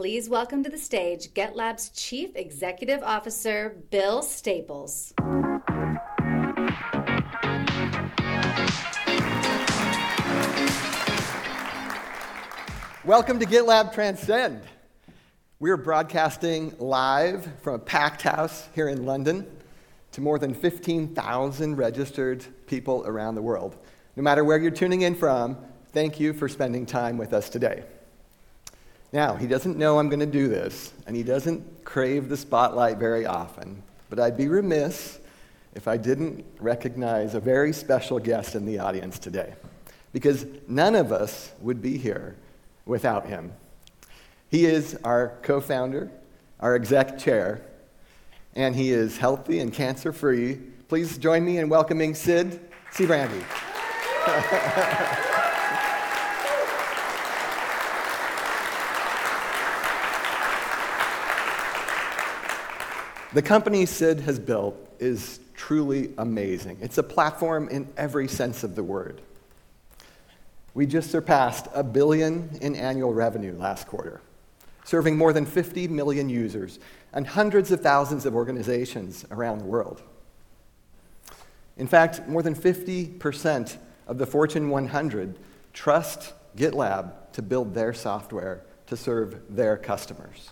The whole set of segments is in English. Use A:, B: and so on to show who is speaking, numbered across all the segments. A: Please welcome to the stage GitLab's Chief Executive Officer, Bill Staples.
B: Welcome to GitLab Transcend. We are broadcasting live from a packed house here in London to more than 15,000 registered people around the world. No matter where you're tuning in from, thank you for spending time with us today. He doesn't know I'm going to do this, and he doesn't crave the spotlight very often, but I'd be remiss if I didn't recognize a very special guest in the audience today, because none of us would be here without him. He is our co-founder, our exec chair, and he is healthy and cancer-free. Please join me in welcoming Sid Sijbrandij. The company Sid has built is truly amazing. It's a platform in every sense of the word. We just surpassed $1 billion in annual revenue last quarter, serving more than 50 million users and hundreds of thousands of organizations around the world. More than 50% of the Fortune 100 trust GitLab to build their software to serve their customers.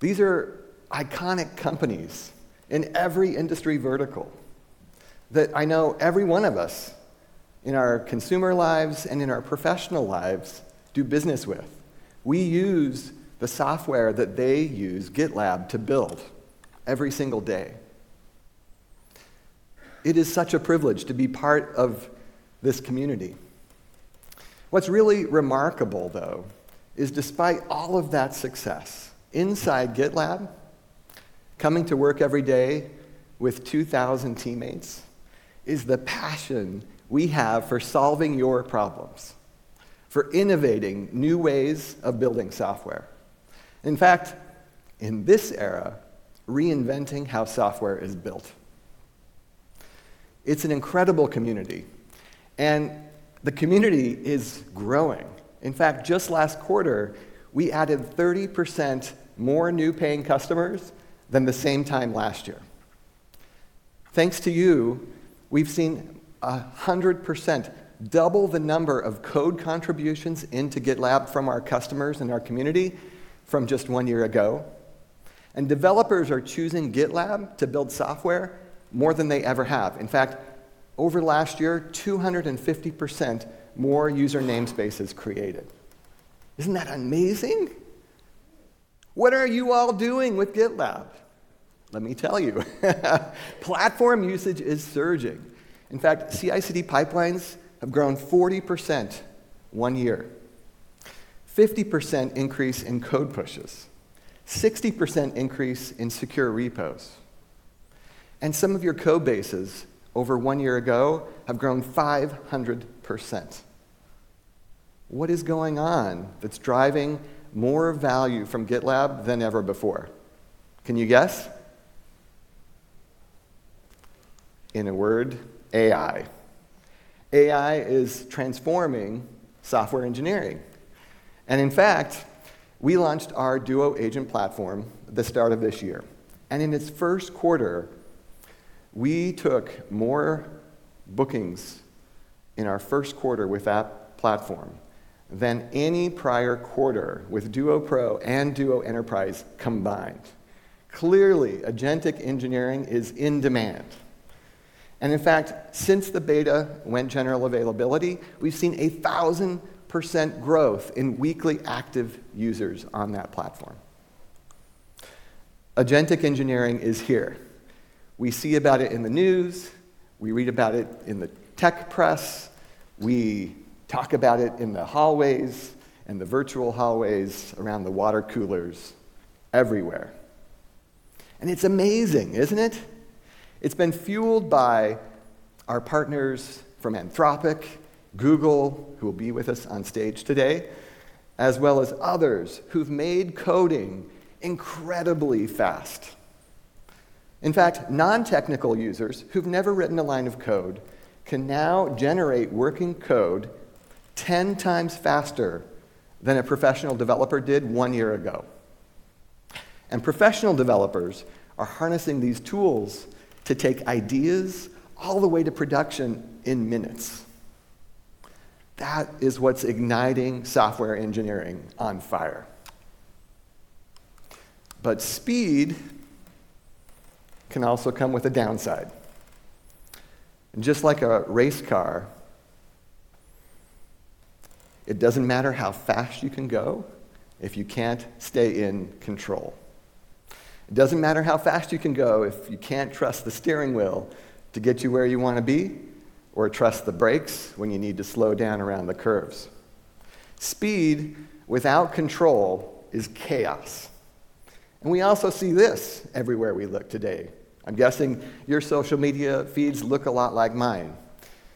B: These are iconic companies in every industry vertical that I know every one of us, in our consumer lives and in our professional lives, do business with. We use the software that they use, GitLab, to build every single day. It is such a privilege to be part of this community. What's really remarkable, though, is despite all of that success, inside GitLab, coming to work every day with 2,000 teammates, is the passion we have for solving your problems, for innovating new ways of building software. In this era, reinventing how software is built. It's an incredible community, and the community is growing. Just last quarter, we added 30% more new paying customers than the same time last year. Thanks to you, we've seen 100% double the number of code contributions into GitLab from our customers and our community from just one year ago. Developers are choosing GitLab to build software more than they ever have. Over last year, 250% more user namespaces created. Isn't that amazing? What are you all doing with GitLab? Let me tell you. Platform usage is surging. CI/CD pipelines have grown 40% one year, 50% increase in code pushes, 60% increase in secure repos. Some of your code bases over one year ago have grown 500%. What is going on that's driving more value from GitLab than ever before? Can you guess? In a word, AI. AI is transforming software engineering. We launched our Duo Agent Platform at the start of this year, and in its first quarter, we took more bookings in our first quarter with that platform than any prior quarter with Duo Pro and Duo Enterprise combined. Clearly, agentic engineering is in demand. In fact, since the beta went general availability, we've seen 1,000% growth in weekly active users on that platform. Agentic engineering is here. We see about it in the news, we read about it in the tech press, we talk about it in the hallways and the virtual hallways, around the water coolers, everywhere. It's amazing, isn't it? It's been fueled by our partners from Anthropic, Google, who will be with us on stage today, as well as others who've made coding incredibly fast. In fact, non-technical users who've never written a line of code can now generate working code 10 times faster than a professional developer did one year ago. Professional developers are harnessing these tools to take ideas all the way to production in minutes. That is what's igniting software engineering on fire. Speed can also come with a downside. Just like a race car, it doesn't matter how fast you can go if you can't stay in control. It doesn't matter how fast you can go if you can't trust the steering wheel to get you where you want to be or trust the brakes when you need to slow down around the curves. Speed without control is chaos. We also see this everywhere we look today. I'm guessing your social media feeds look a lot like mine.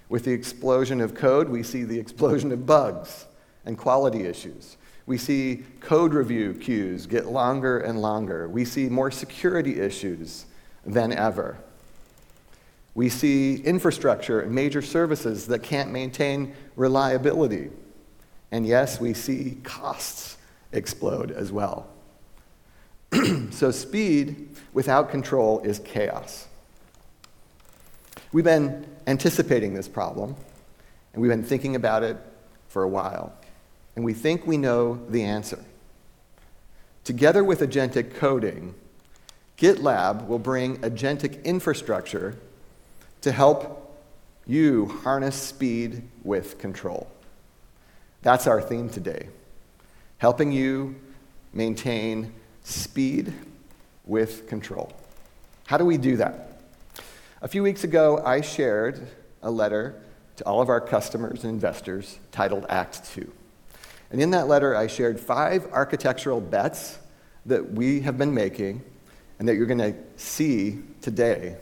B: With the explosion of code, we see the explosion of bugs and quality issues. We see code review queues get longer and longer. We see more security issues than ever. We see infrastructure and major services that can't maintain reliability. Yes, we see costs explode as well. Speed without control is chaos. We've been anticipating this problem, and we've been thinking about it for a while, and we think we know the answer. Together with agentic coding, GitLab will bring agentic infrastructure to help you harness speed with control. That's our theme today, helping you maintain speed with control. How do we do that? A few weeks ago, I shared a letter to all of our customers and investors titled Act Two. In that letter, I shared five architectural bets that we have been making and that you're going to see today,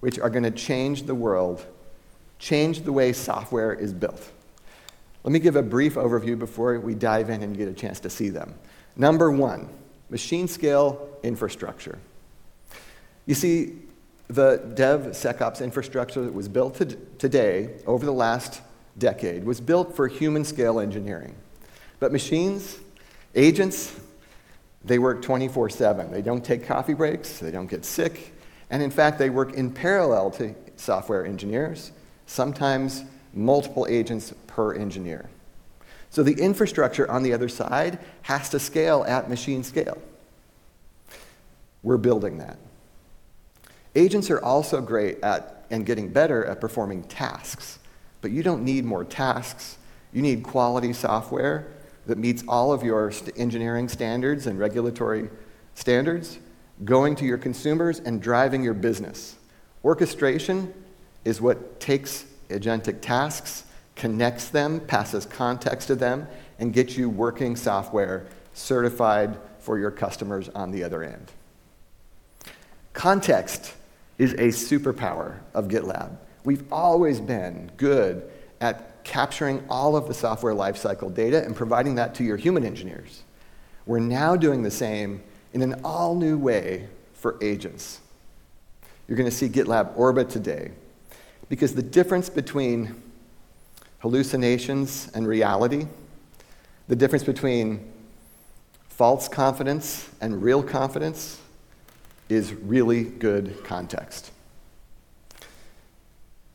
B: which are going to change the world, change the way software is built. Let me give a brief overview before we dive in and get a chance to see them. Number one, machine-scale infrastructure. You see, the DevSecOps infrastructure that was built today, over the last decade, was built for human-scale engineering. Machines, agents, they work 24/7. They don't take coffee breaks, they don't get sick. In fact, they work in parallel to software engineers, sometimes multiple agents per engineer. The infrastructure on the other side has to scale at machine scale. We're building that. Agents are also great at, and getting better at, performing tasks. You don't need more tasks, you need quality software that meets all of your engineering standards and regulatory standards, going to your consumers and driving your business. Orchestration is what takes agentic tasks, connects them, passes context to them, and gets you working software certified for your customers on the other end. Context is a superpower of GitLab. We've always been good at capturing all of the software lifecycle data and providing that to your human engineers. We're now doing the same in an all-new way for agents. You're going to see GitLab Orbit today, because the difference between hallucinations and reality, the difference between false confidence and real confidence, is really good context.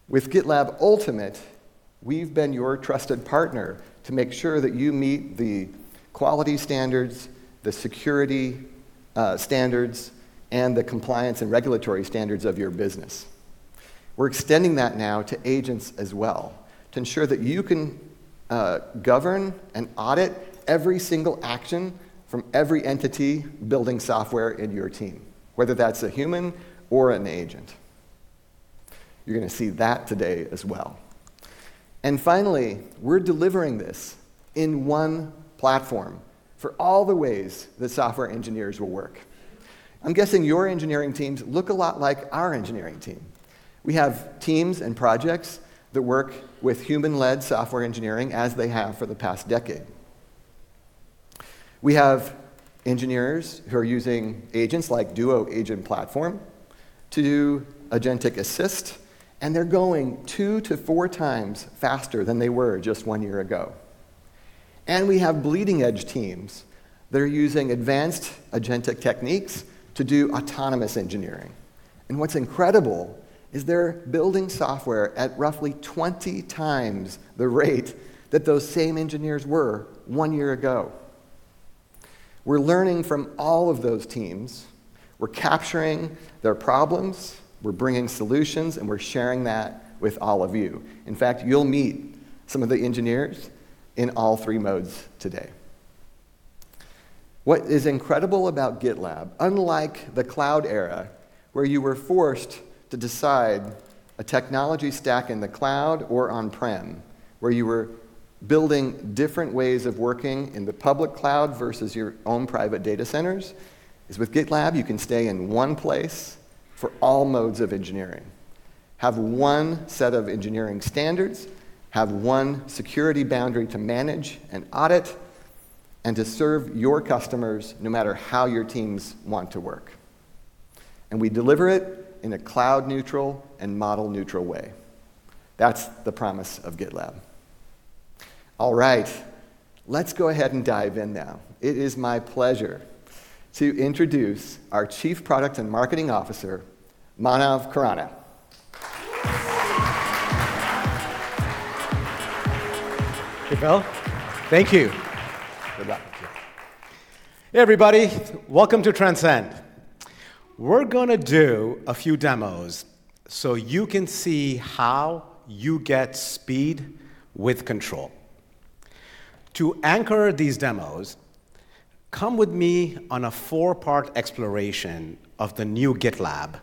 B: With GitLab Ultimate, we've been your trusted partner to make sure that you meet the quality standards, the security standards, and the compliance and regulatory standards of your business. We're extending that now to agents as well to ensure that you can govern and audit every single action from every entity building software in your team, whether that's a human or an agent. You're going to see that today as well. Finally, we're delivering this in one platform for all the ways that software engineers will work. I'm guessing your engineering teams look a lot like our engineering team. We have teams and projects that work with human-led software engineering as they have for the past decade. We have engineers who are using agents like Duo Agent Platform to do agentic assist, and they're going two to four times faster than they were just one year ago. And we have bleeding-edge teams that are using advanced agentic techniques to do autonomous engineering. What's incredible is they're building software at roughly 20 times the rate that those same engineers were one year ago. We're learning from all of those teams. We're capturing their problems, we're bringing solutions, and we're sharing that with all of you. In fact, you'll meet some of the engineers in all three modes today. What is incredible about GitLab, unlike the cloud era where you were forced to decide a technology stack in the cloud or on-prem, where you were building different ways of working in the public cloud versus your own private data centers, is with GitLab, you can stay in one place for all modes of engineering, have one set of engineering standards, have one security boundary to manage and audit, and to serve your customers no matter how your teams want to work. We deliver it in a cloud-neutral and model-neutral way. That's the promise of GitLab. All right. Let's go ahead and dive in now. It is my pleasure to introduce our Chief Product and Marketing Officer, Manav Khurana.
C: Okay, Bill. Thank you.
B: You're welcome.
C: Hey, everybody. Welcome to Transcend. We're going to do a few demos so you can see how you get speed with control. To anchor these demos, come with me on a four-part exploration of the new GitLab,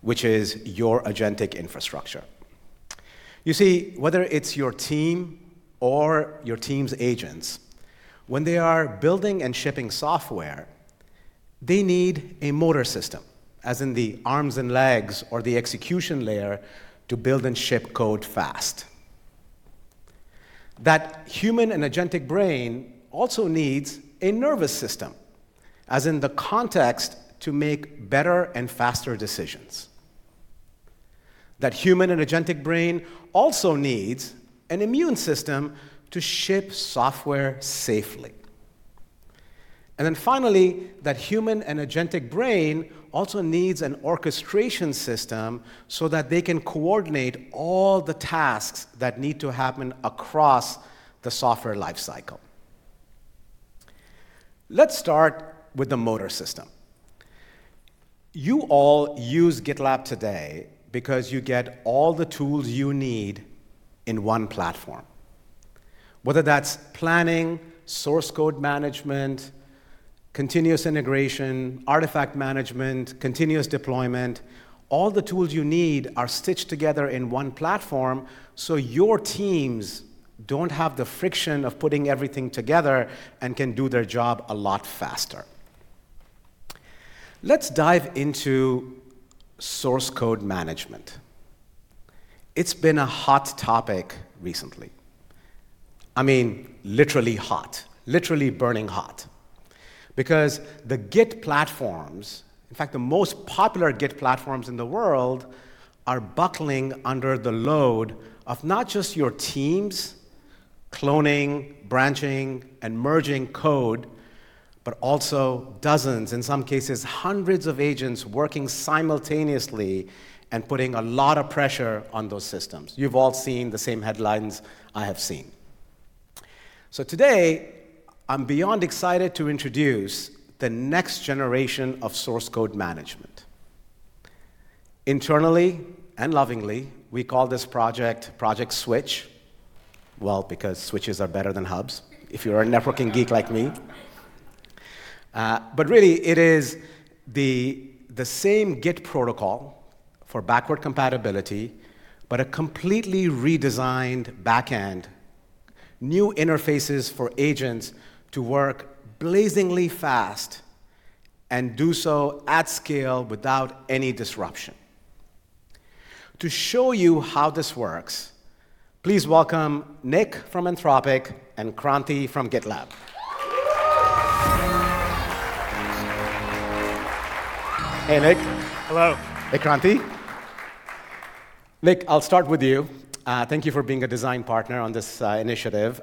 C: which is your agentic infrastructure. You see, whether it's your team or your team's agents, when they are building and shipping software, they need a motor system, as in the arms and legs or the execution layer, to build and ship code fast. That human and agentic brain also needs a nervous system, as in the context to make better and faster decisions. That human and agentic brain also needs an immune system to ship software safely. Finally, that human and agentic brain also needs an orchestration system so that they can coordinate all the tasks that need to happen across the software lifecycle. Let's start with the motor system. You all use GitLab today because you get all the tools you need in one platform, whether that's planning, source code management, continuous integration, artifact management, continuous deployment. All the tools you need are stitched together in one platform so your teams don't have the friction of putting everything together and can do their job a lot faster. Let's dive into source code management. It's been a hot topic recently. Literally hot. Literally burning hot because the Git platforms, in fact, the most popular Git platforms in the world, are buckling under the load of not just your teams cloning, branching, and merging code, but also dozens, in some cases, hundreds of agents working simultaneously and putting a lot of pressure on those systems. You've all seen the same headlines I have seen. Today, I am beyond excited to introduce the next generation of source code management. Internally and lovingly, we call this project Project Switch. Well, because switches are better than hubs, if you're a networking geek like me. Really, it is the same Git protocol for backward compatibility, but a completely redesigned backend, new interfaces for agents to work blazingly fast and do so at scale without any disruption. To show you how this works, please welcome Nick from Anthropic and Kranti from GitLab. Hey, Nick.
D: Hello.
C: Hey, Kranti. Nick, I'll start with you. Thank you for being a design partner on this initiative.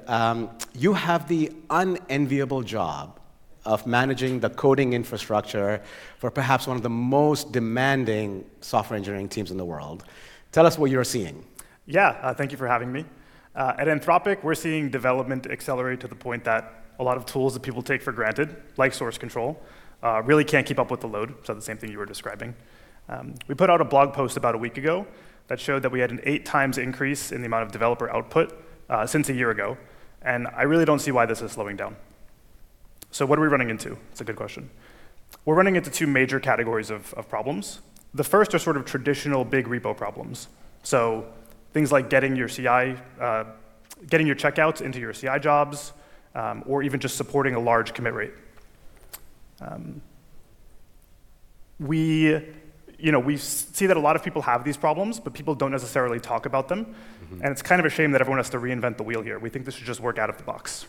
C: You have the unenviable job of managing the coding infrastructure for perhaps one of the most demanding software engineering teams in the world. Tell us what you're seeing.
D: Yeah. Thank you for having me. At Anthropic, we're seeing development accelerate to the point that a lot of tools that people take for granted, like source control, really can't keep up with the load. The same thing you were describing. We put out a blog post about a week ago that showed that we had an eight times increase in the amount of developer output since a year ago, and I really don't see why this is slowing down. What are we running into? It's a good question. We're running into two major categories of problems. The first are sort of traditional big repo problems, so things like getting your checkouts into your CI jobs, or even just supporting a large commit rate. We see that a lot of people have these problems, but people don't necessarily talk about them. It's kind of a shame that everyone has to reinvent the wheel here. We think this should just work out of the box.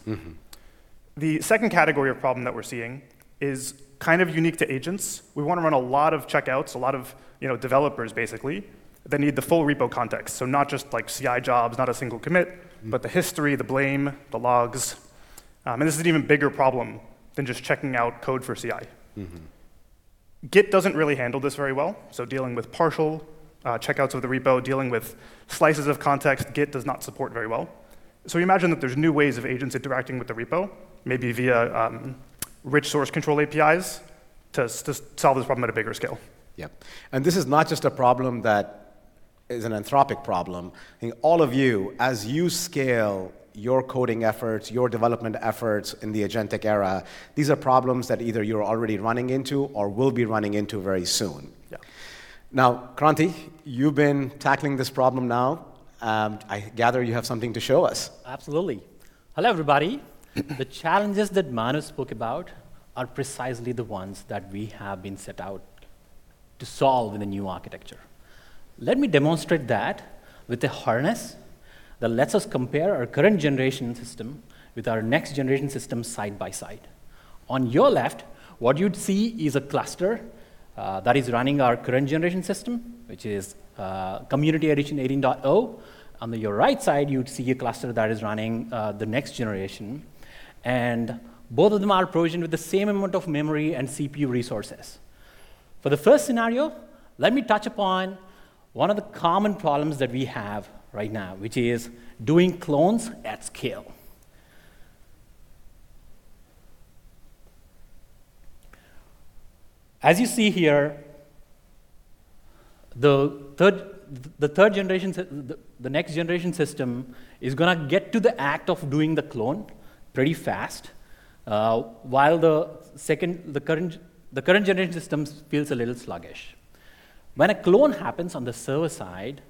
D: The second category of problem that we're seeing is kind of unique to agents. We want to run a lot of checkouts, a lot of developers basically, that need the full repo context, so not just CI jobs, not a single commit, but the history, the blame, the logs. This is an even bigger problem than just checking out code for CI. Git doesn't really handle this very well, dealing with partial checkouts of the repo, dealing with slices of context, Git does not support very well. We imagine that there's new ways of agents interacting with the repo, maybe via rich source control APIs, to solve this problem at a bigger scale.
C: Yeah. This is not just a problem that is an Anthropic problem. All of you, as you scale your coding efforts, your development efforts in the agentic era, these are problems that either you're already running into or will be running into very soon.
D: Yeah.
C: Kranti, you've been tackling this problem now. I gather you have something to show us.
E: Absolutely. Hello, everybody. The challenges that Manav spoke about are precisely the ones that we have been set out to solve in the new architecture. Let me demonstrate that with a harness that lets us compare our current generation system with our next generation system side by side. On your left, what you'd see is a cluster that is running our current generation system, which is Community Edition 18.0. On your right side, you'd see a cluster that is running the next generation, and both of them are provisioned with the same amount of memory and CPU resources. For the first scenario, let me touch upon one of the common problems that we have right now, which is doing clones at scale. As you see here, the next generation system is going to get to the act of doing the clone pretty fast, while the current generation system feels a little sluggish. When a clone happens on the server side,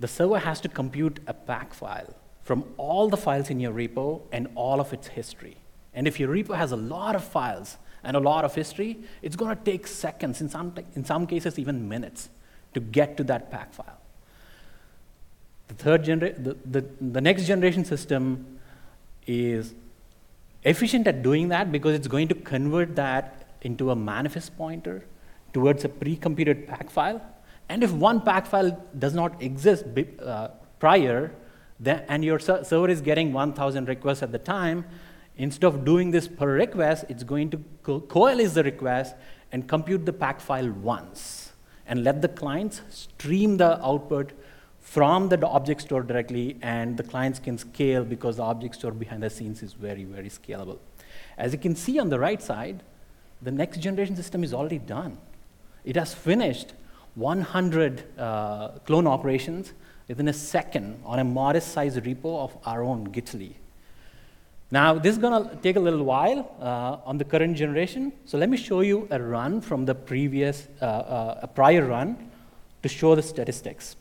E: the server has to compute a packfile from all the files in your repo and all of its history. If your repo has a lot of files and a lot of history, it's going to take seconds, in some cases even minutes, to get to that packfile. The next generation system is efficient at doing that because it's going to convert that into a manifest pointer towards a pre-computed packfile. If one packfile does not exist prior, and your server is getting 1,000 requests at the time, instead of doing this per request, it's going to coalesce the request and compute the packfile once, and let the clients stream the output from the object store directly, and the clients can scale because the object store behind the scenes is very, very scalable. As you can see on the right side, the next generation system is already done. It has finished 100 clone operations within a second on a modest-sized repo of our own, Gitaly. This is going to take a little while on the current generation, so let me show you a run from the prior run to show the statistics.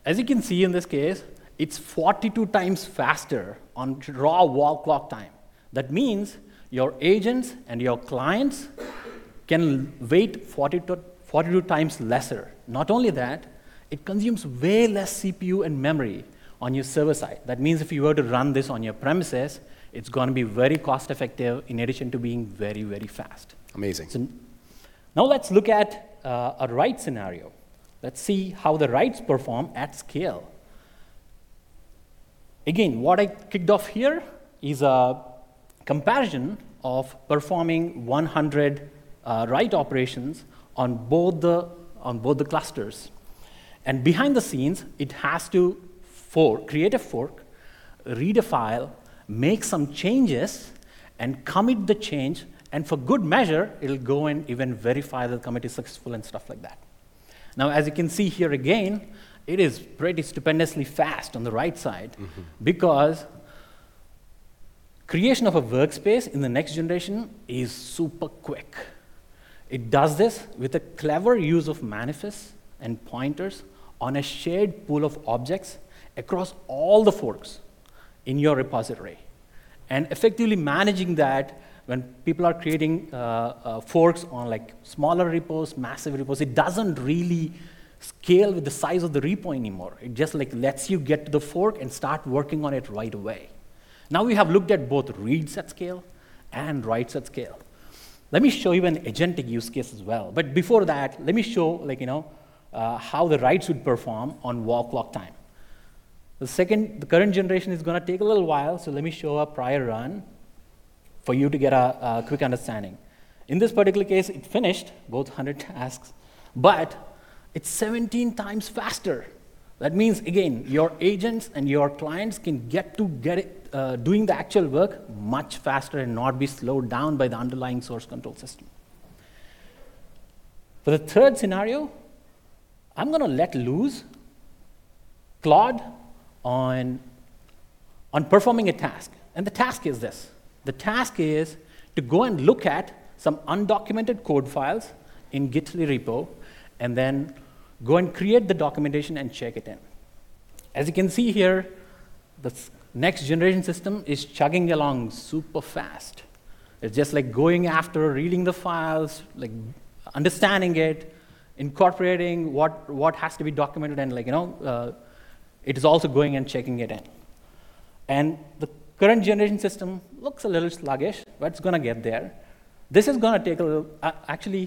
E: All right. As you can see in this case, it's 42 times faster on raw wall clock time. That means your agents and your clients can wait 42 times lesser. Not only that, it consumes way less CPU and memory on your server side. That means if you were to run this on your premises, it's going to be very cost-effective in addition to being very, very fast.
C: Amazing.
E: Now let's look at a write scenario. Let's see how the writes perform at scale. Again, what I kicked off here is a comparison of performing 100 write operations on both the clusters. Behind the scenes, it has to create a fork, read a file, make some changes, commit the change, and for good measure, it'll go and even verify the commit is successful and stuff like that. Now, as you can see here again, it is pretty stupendously fast on the right side. Because creation of a workspace in the next generation is super quick. It does this with a clever use of manifests and pointers on a shared pool of objects across all the forks in your repository. Effectively managing that when people are creating forks on smaller repos, massive repos, it doesn't really scale with the size of the repo anymore. It just lets you get to the fork and start working on it right away. Now we have looked at both reads at scale and writes at scale. Let me show you an agentic use case as well. Before that, let me show how the writes would perform on wall clock time. The current generation is going to take a little while, let me show a prior run for you to get a quick understanding. In this particular case, it finished both 100 tasks. It's 17 times faster. That means again, your agents and your clients can get to doing the actual work much faster and not be slowed down by the underlying source control system. For the third scenario, I'm going to let loose Claude on performing a task. The task is this. The task is to go and look at some undocumented code files in Gitaly repo, then go and create the documentation and check it in. As you can see here, the next generation system is chugging along super fast. It's just going after, reading the files, understanding it, incorporating what has to be documented, and it is also going and checking it in. The current generation system looks a little sluggish, but it's going to get there. Actually,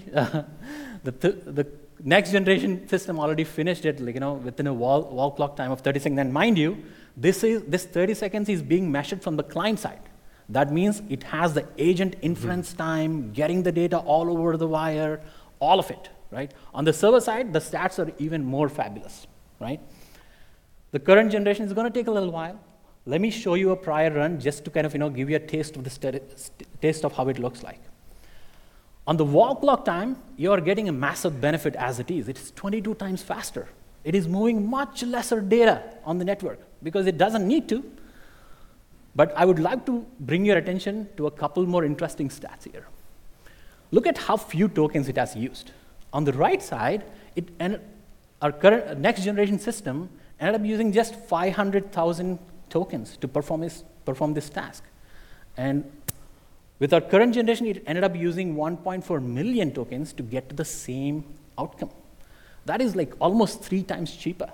E: the next generation system already finished it within a wall clock time of 30 seconds. Mind you, this 30 seconds is being measured from the client side. That means it has the agent inference time. getting the data all over the wire, all of it. On the server side, the stats are even more fabulous. The current generation is going to take a little while. Let me show you a prior run just to kind of give you a taste of how it looks like. On the wall clock time, you are getting a massive benefit as it is. It is 22 times faster. It is moving much lesser data on the network because it doesn't need to. I would like to bring your attention to a couple more interesting stats here. Look at how few tokens it has used. On the right side, our next generation system ended up using just 500,000 tokens to perform this task. With our current generation, it ended up using 1.4 million tokens to get to the same outcome. That is almost three times cheaper,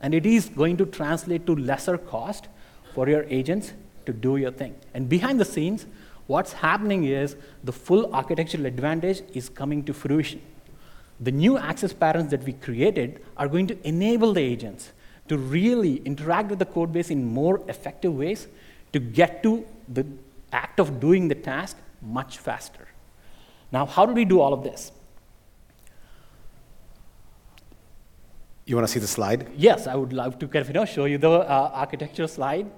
E: and it is going to translate to lesser cost for your agents to do your thing. Behind the scenes, what's happening is the full architectural advantage is coming to fruition. The new access patterns that we created are going to enable the agents to really interact with the code base in more effective ways to get to the act of doing the task much faster. How do we do all of this?
C: You want to see the slide?
E: Yes, I would love to kind of show you the architecture slide.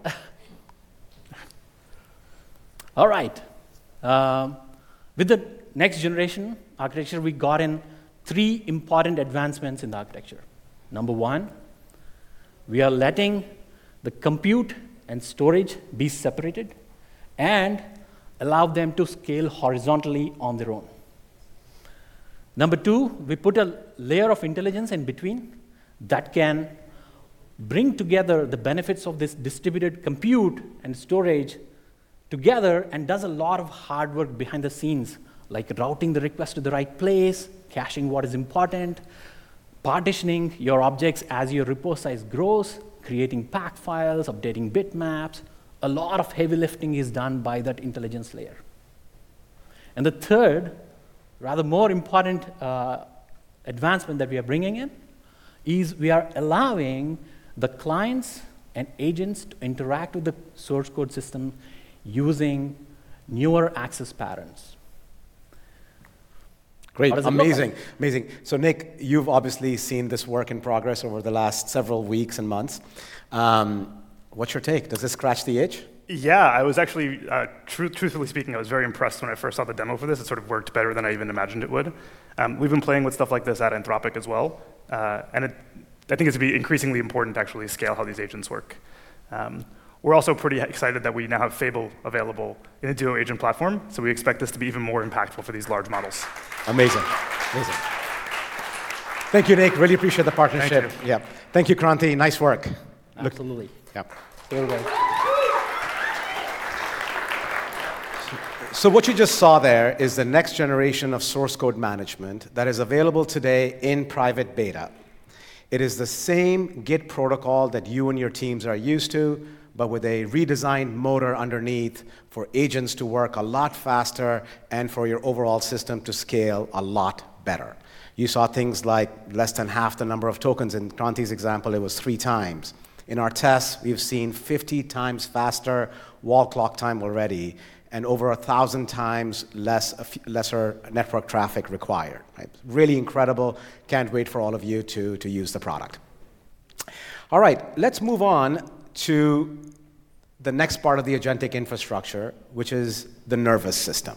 E: All right. With the next generation architecture, we got in three important advancements in the architecture. Number 1. We are letting the compute and storage be separated and allow them to scale horizontally on their own. Number 2, we put a layer of intelligence in between that can bring together the benefits of this distributed compute and storage together, and does a lot of hard work behind the scenes, like routing the request to the right place, caching what is important, partitioning your objects as your repo size grows, creating PAC files, updating bitmaps. A lot of heavy lifting is done by that intelligence layer. The third, rather more important advancement that we are bringing in, is we are allowing the clients and agents to interact with the source code system using newer access patterns.
C: Nick, you've obviously seen this work in progress over the last several weeks and months. What's your take? Does this scratch the itch?
D: Truthfully speaking, I was very impressed when I first saw the demo for this. It sort of worked better than I even imagined it would. We've been playing with stuff like this at Anthropic as well. I think it's going to be increasingly important to actually scale how these agents work. We're also pretty excited that we now have Fable available in a duo agent platform, we expect this to be even more impactful for these large models.
C: Amazing. Thank you, Nick. Really appreciate the partnership.
D: Thank you.
C: Yeah. Thank you, Kranti. Nice work.
E: Absolutely.
C: Yeah.
E: Very good.
C: What you just saw there is the next generation of source code management that is available today in private beta. It is the same Git protocol that you and your teams are used to, but with a redesigned motor underneath for agents to work a lot faster and for your overall system to scale a lot better. You saw things like less than half the number of tokens. In Kranti's example, it was three times. In our tests, we've seen 50 times faster wall clock time already and over 1,000 times lesser network traffic required. Really incredible. Can't wait for all of you to use the product. All right. Let's move on to the next part of the agentic infrastructure, which is the nervous system.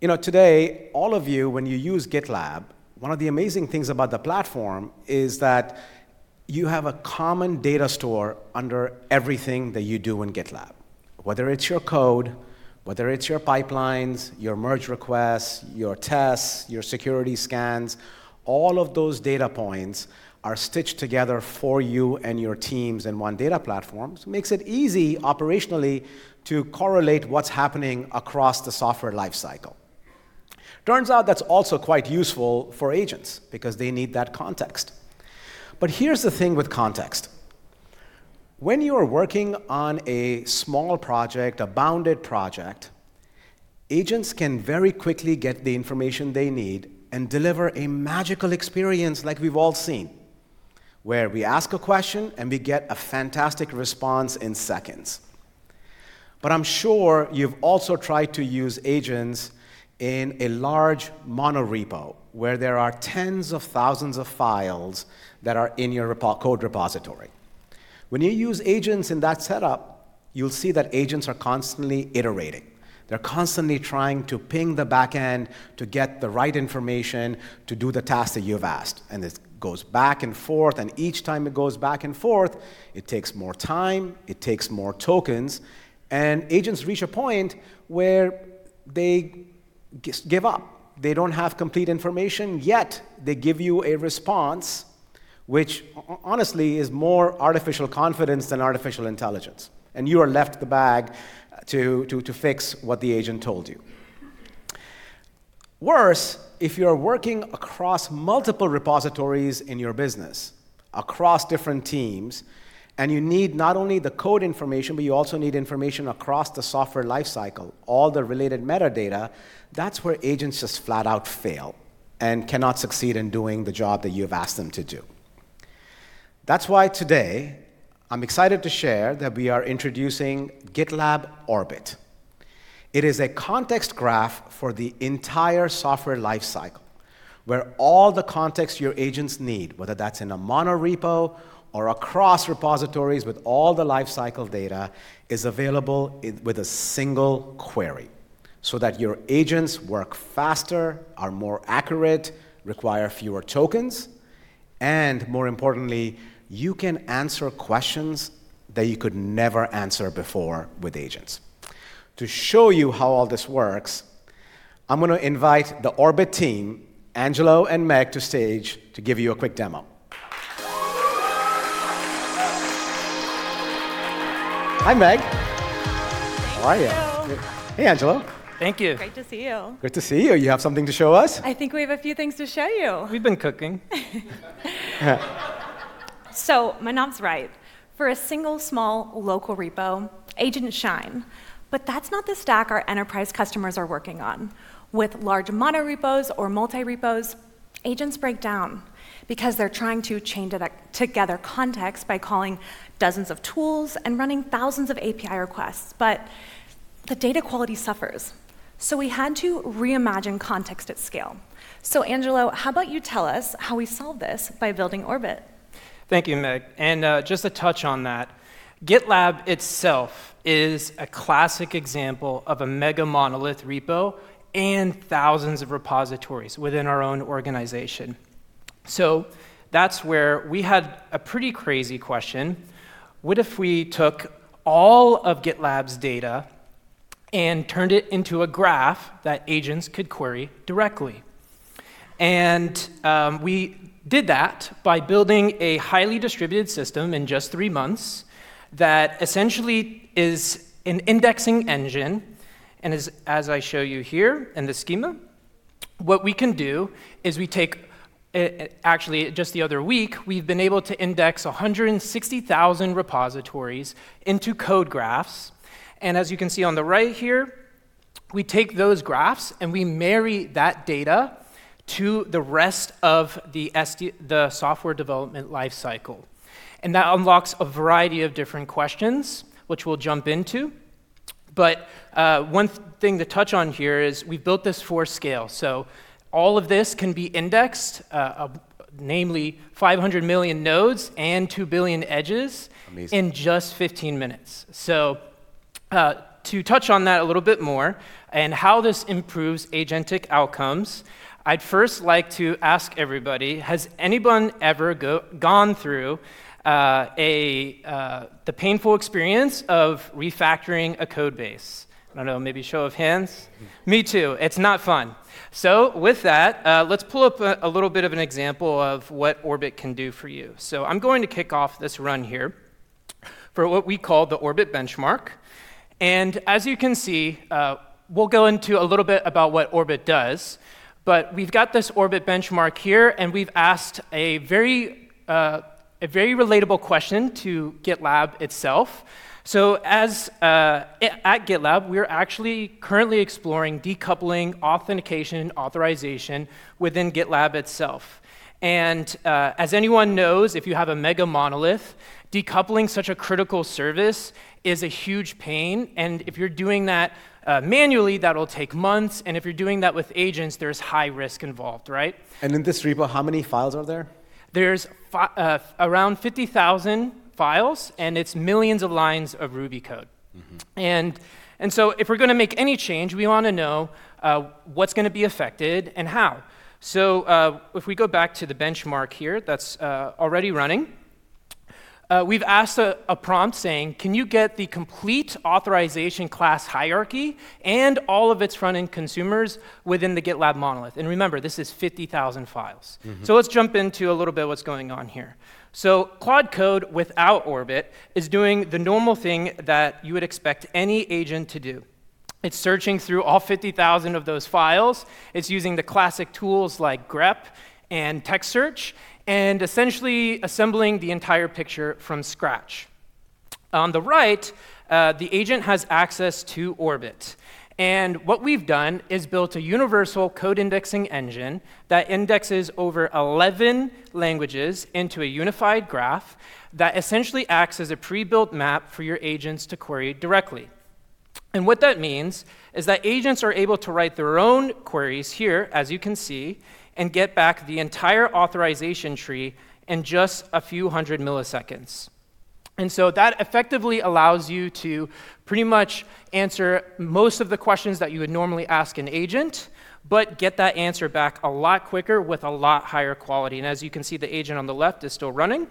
C: Today, all of you, when you use GitLab, one of the amazing things about the platform is that you have a common data store under everything that you do in GitLab. Whether it's your code, whether it's your pipelines, your merge requests, your tests, your security scans, all of those data points are stitched together for you and your teams in one data platform, so it makes it easy operationally to correlate what's happening across the software lifecycle. Turns out that's also quite useful for agents because they need that context. Here's the thing with context. When you are working on a small project, a bounded project, agents can very quickly get the information they need and deliver a magical experience like we've all seen, where we ask a question and we get a fantastic response in seconds. I'm sure you've also tried to use agents in a large monorepo, where there are tens of thousands of files that are in your code repository. When you use agents in that setup, you'll see that agents are constantly iterating. They're constantly trying to ping the backend to get the right information to do the task that you have asked, and this goes back and forth. Each time it goes back and forth, it takes more time, it takes more tokens, and agents reach a point where they give up. They don't have complete information, yet they give you a response which honestly is more artificial confidence than artificial intelligence, and you are left the bag to fix what the agent told you. Worse, if you're working across multiple repositories in your business, across different teams, and you need not only the code information, but you also need information across the software lifecycle, all the related metadata, that's where agents just flat out fail and cannot succeed in doing the job that you have asked them to do. That's why today I'm excited to share that we are introducing GitLab Orbit. It is a context graph for the entire software lifecycle, where all the context your agents need, whether that's in a monorepo or across repositories with all the lifecycle data, is available with a single query so that your agents work faster, are more accurate, require fewer tokens, and more importantly, you can answer questions that you could never answer before with agents. To show you how all this works, I'm going to invite the Orbit team, Angelo and Meg, to stage to give you a quick demo. Hi, Meg.
F: Thank you.
C: How are you? Hey, Angelo.
G: Thank you.
F: Great to see you.
C: Great to see you. You have something to show us?
F: I think we have a few things to show you.
G: We've been cooking.
F: Manav's right. For a single small local repo, agents shine, but that's not the stack our enterprise customers are working on. With large monorepos or multirepos, agents break down because they're trying to chain together context by calling dozens of tools and running thousands of API requests, but the data quality suffers. We had to reimagine context at scale. Angelo, how about you tell us how we solved this by building Orbit?
G: Thank you, Meg. Just to touch on that, GitLab itself is a classic example of a mega monolith repo and thousands of repositories within our own organization. That's where we had a pretty crazy question. What if we took all of GitLab's data and turned it into a graph that agents could query directly? We did that by building a highly distributed system in just three months that essentially is an indexing engine, and as I show you here in the schema, what we can do is. Actually, just the other week, we've been able to index 160,000 repositories into code graphs, as you can see on the right here, we take those graphs, and we marry that data to the rest of the software development life cycle. That unlocks a variety of different questions, which we'll jump into. One thing to touch on here is we built this for scale. All of this can be indexed, namely 500 million nodes and 2 billion edges-
C: Amazing
G: in just 15 minutes. To touch on that a little bit more and how this improves agentic outcomes, I'd first like to ask everybody, has anyone ever gone through the painful experience of refactoring a code base? I don't know, maybe show of hands. Me too. It's not fun. With that, let's pull up a little bit of an example of what Orbit can do for you. I'm going to kick off this run here for what we call the Orbit benchmark. As you can see, we'll go into a little bit about what Orbit does, but we've got this Orbit benchmark here, and we've asked a very relatable question to GitLab itself. At GitLab, we're actually currently exploring decoupling authentication authorization within GitLab itself. As anyone knows, if you have a mega monolith, decoupling such a critical service is a huge pain, and if you're doing that manually, that'll take months, and if you're doing that with agents, there's high risk involved, right?
C: In this repo, how many files are there?
G: There's around 50,000 files, it's millions of lines of Ruby code. If we're going to make any change, we want to know what's going to be affected and how. If we go back to the benchmark here that's already running, we've asked a prompt saying, "Can you get the complete authorization class hierarchy and all of its front-end consumers within the GitLab monolith?" Remember, this is 50,000 files. Let's jump into a little bit what's going on here. Claude Code without Orbit is doing the normal thing that you would expect any agent to do. It's searching through all 50,000 of those files. It's using the classic tools like grep and text search and essentially assembling the entire picture from scratch. On the right, the agent has access to Orbit. What we've done is built a universal code indexing engine that indexes over 11 languages into a unified graph that essentially acts as a pre-built map for your agents to query directly. What that means is that agents are able to write their own queries here, as you can see, and get back the entire authorization tree in just a few hundred milliseconds. That effectively allows you to pretty much answer most of the questions that you would normally ask an agent, but get that answer back a lot quicker with a lot higher quality. As you can see, the agent on the left is still running.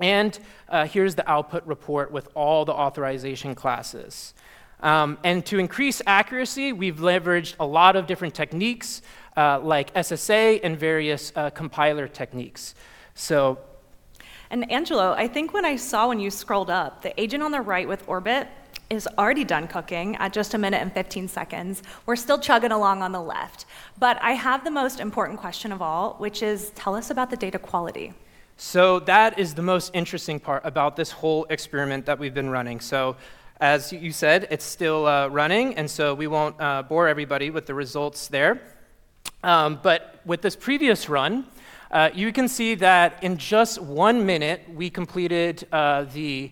G: Here's the output report with all the authorization classes. To increase accuracy, we've leveraged a lot of different techniques, like SSA and various compiler techniques.
F: Angelo, I think what I saw when you scrolled up, the agent on the right with GitLab Orbit is already done cooking at just one minute and 15 seconds. We're still chugging along on the left. I have the most important question of all, which is tell us about the data quality.
G: That is the most interesting part about this whole experiment that we've been running. As you said, it's still running, we won't bore everybody with the results there. With this previous run, you can see that in just one minute, we completed the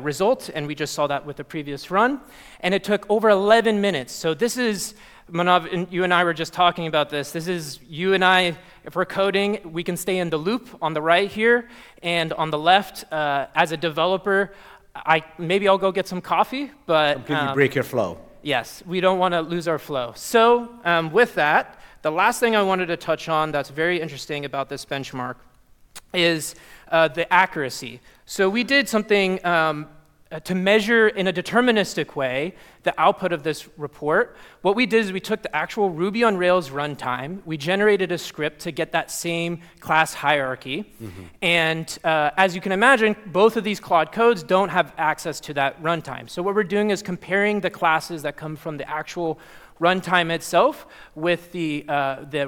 G: results, and we just saw that with the previous run. It took over 11 minutes. This is, Manav, you and I were just talking about this. This is you and I, if we're coding, we can stay in the loop on the right here, and on the left, as a developer, maybe I'll go get some coffee.
C: It could break your flow.
G: Yes. We don't want to lose our flow. With that, the last thing I wanted to touch on that's very interesting about this benchmark is the accuracy. We did something to measure, in a deterministic way, the output of this report. What we did is we took the actual Ruby on Rails runtime. We generated a script to get that same class hierarchy. As you can imagine, both of these Claude Codes don't have access to that runtime. What we're doing is comparing the classes that come from the actual runtime itself with the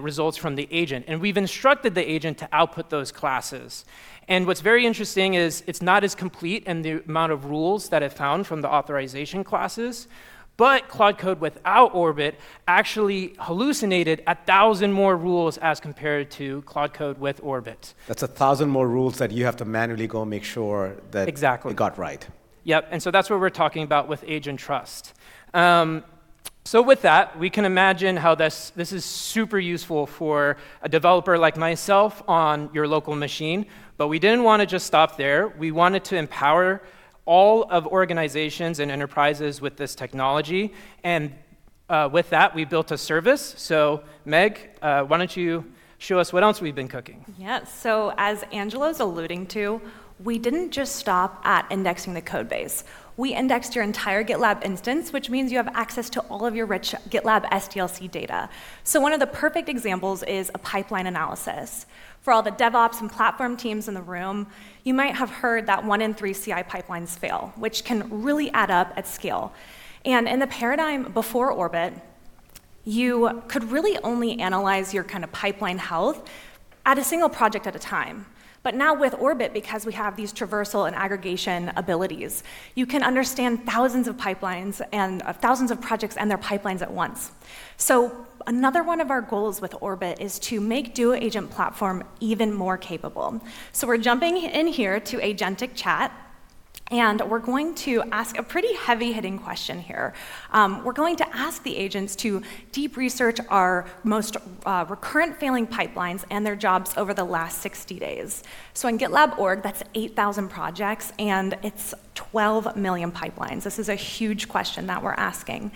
G: results from the agent. We've instructed the agent to output those classes. What's very interesting is it's not as complete in the amount of rules that it found from the authorization classes. Claude Code without Orbit actually hallucinated 1,000 more rules as compared to Claude Code with Orbit.
C: That's 1,000 more rules that you have to manually go make sure that
G: Exactly
C: you got right.
G: Yep. That's what we're talking about with agent trust. With that, we can imagine how this is super useful for a developer like myself on your local machine. We didn't want to just stop there. We wanted to empower all of organizations and enterprises with this technology. With that, we built a service. Meg, why don't you show us what else we've been cooking?
F: Yes. As Angelo's alluding to, we didn't just stop at indexing the code base. We indexed your entire GitLab instance, which means you have access to all of your rich GitLab SDLC data. One of the perfect examples is a pipeline analysis. For all the DevOps and platform teams in the room, you might have heard that one in three CI pipelines fail, which can really add up at scale. In the paradigm before Orbit, you could really only analyze your kind of pipeline health at a single project at a time. Now with Orbit, because we have these traversal and aggregation abilities, you can understand thousands of projects and their pipelines at once. Another one of our goals with Orbit is to make Duo Agent Platform even more capable. We're jumping in here to agentic chat, and we're going to ask a pretty heavy-hitting question here. We're going to ask the agents to deep research our most recurrent failing pipelines and their jobs over the last 60 days. In GitLab org, that's 8,000 projects and it's 12 million pipelines. This is a huge question that we're asking.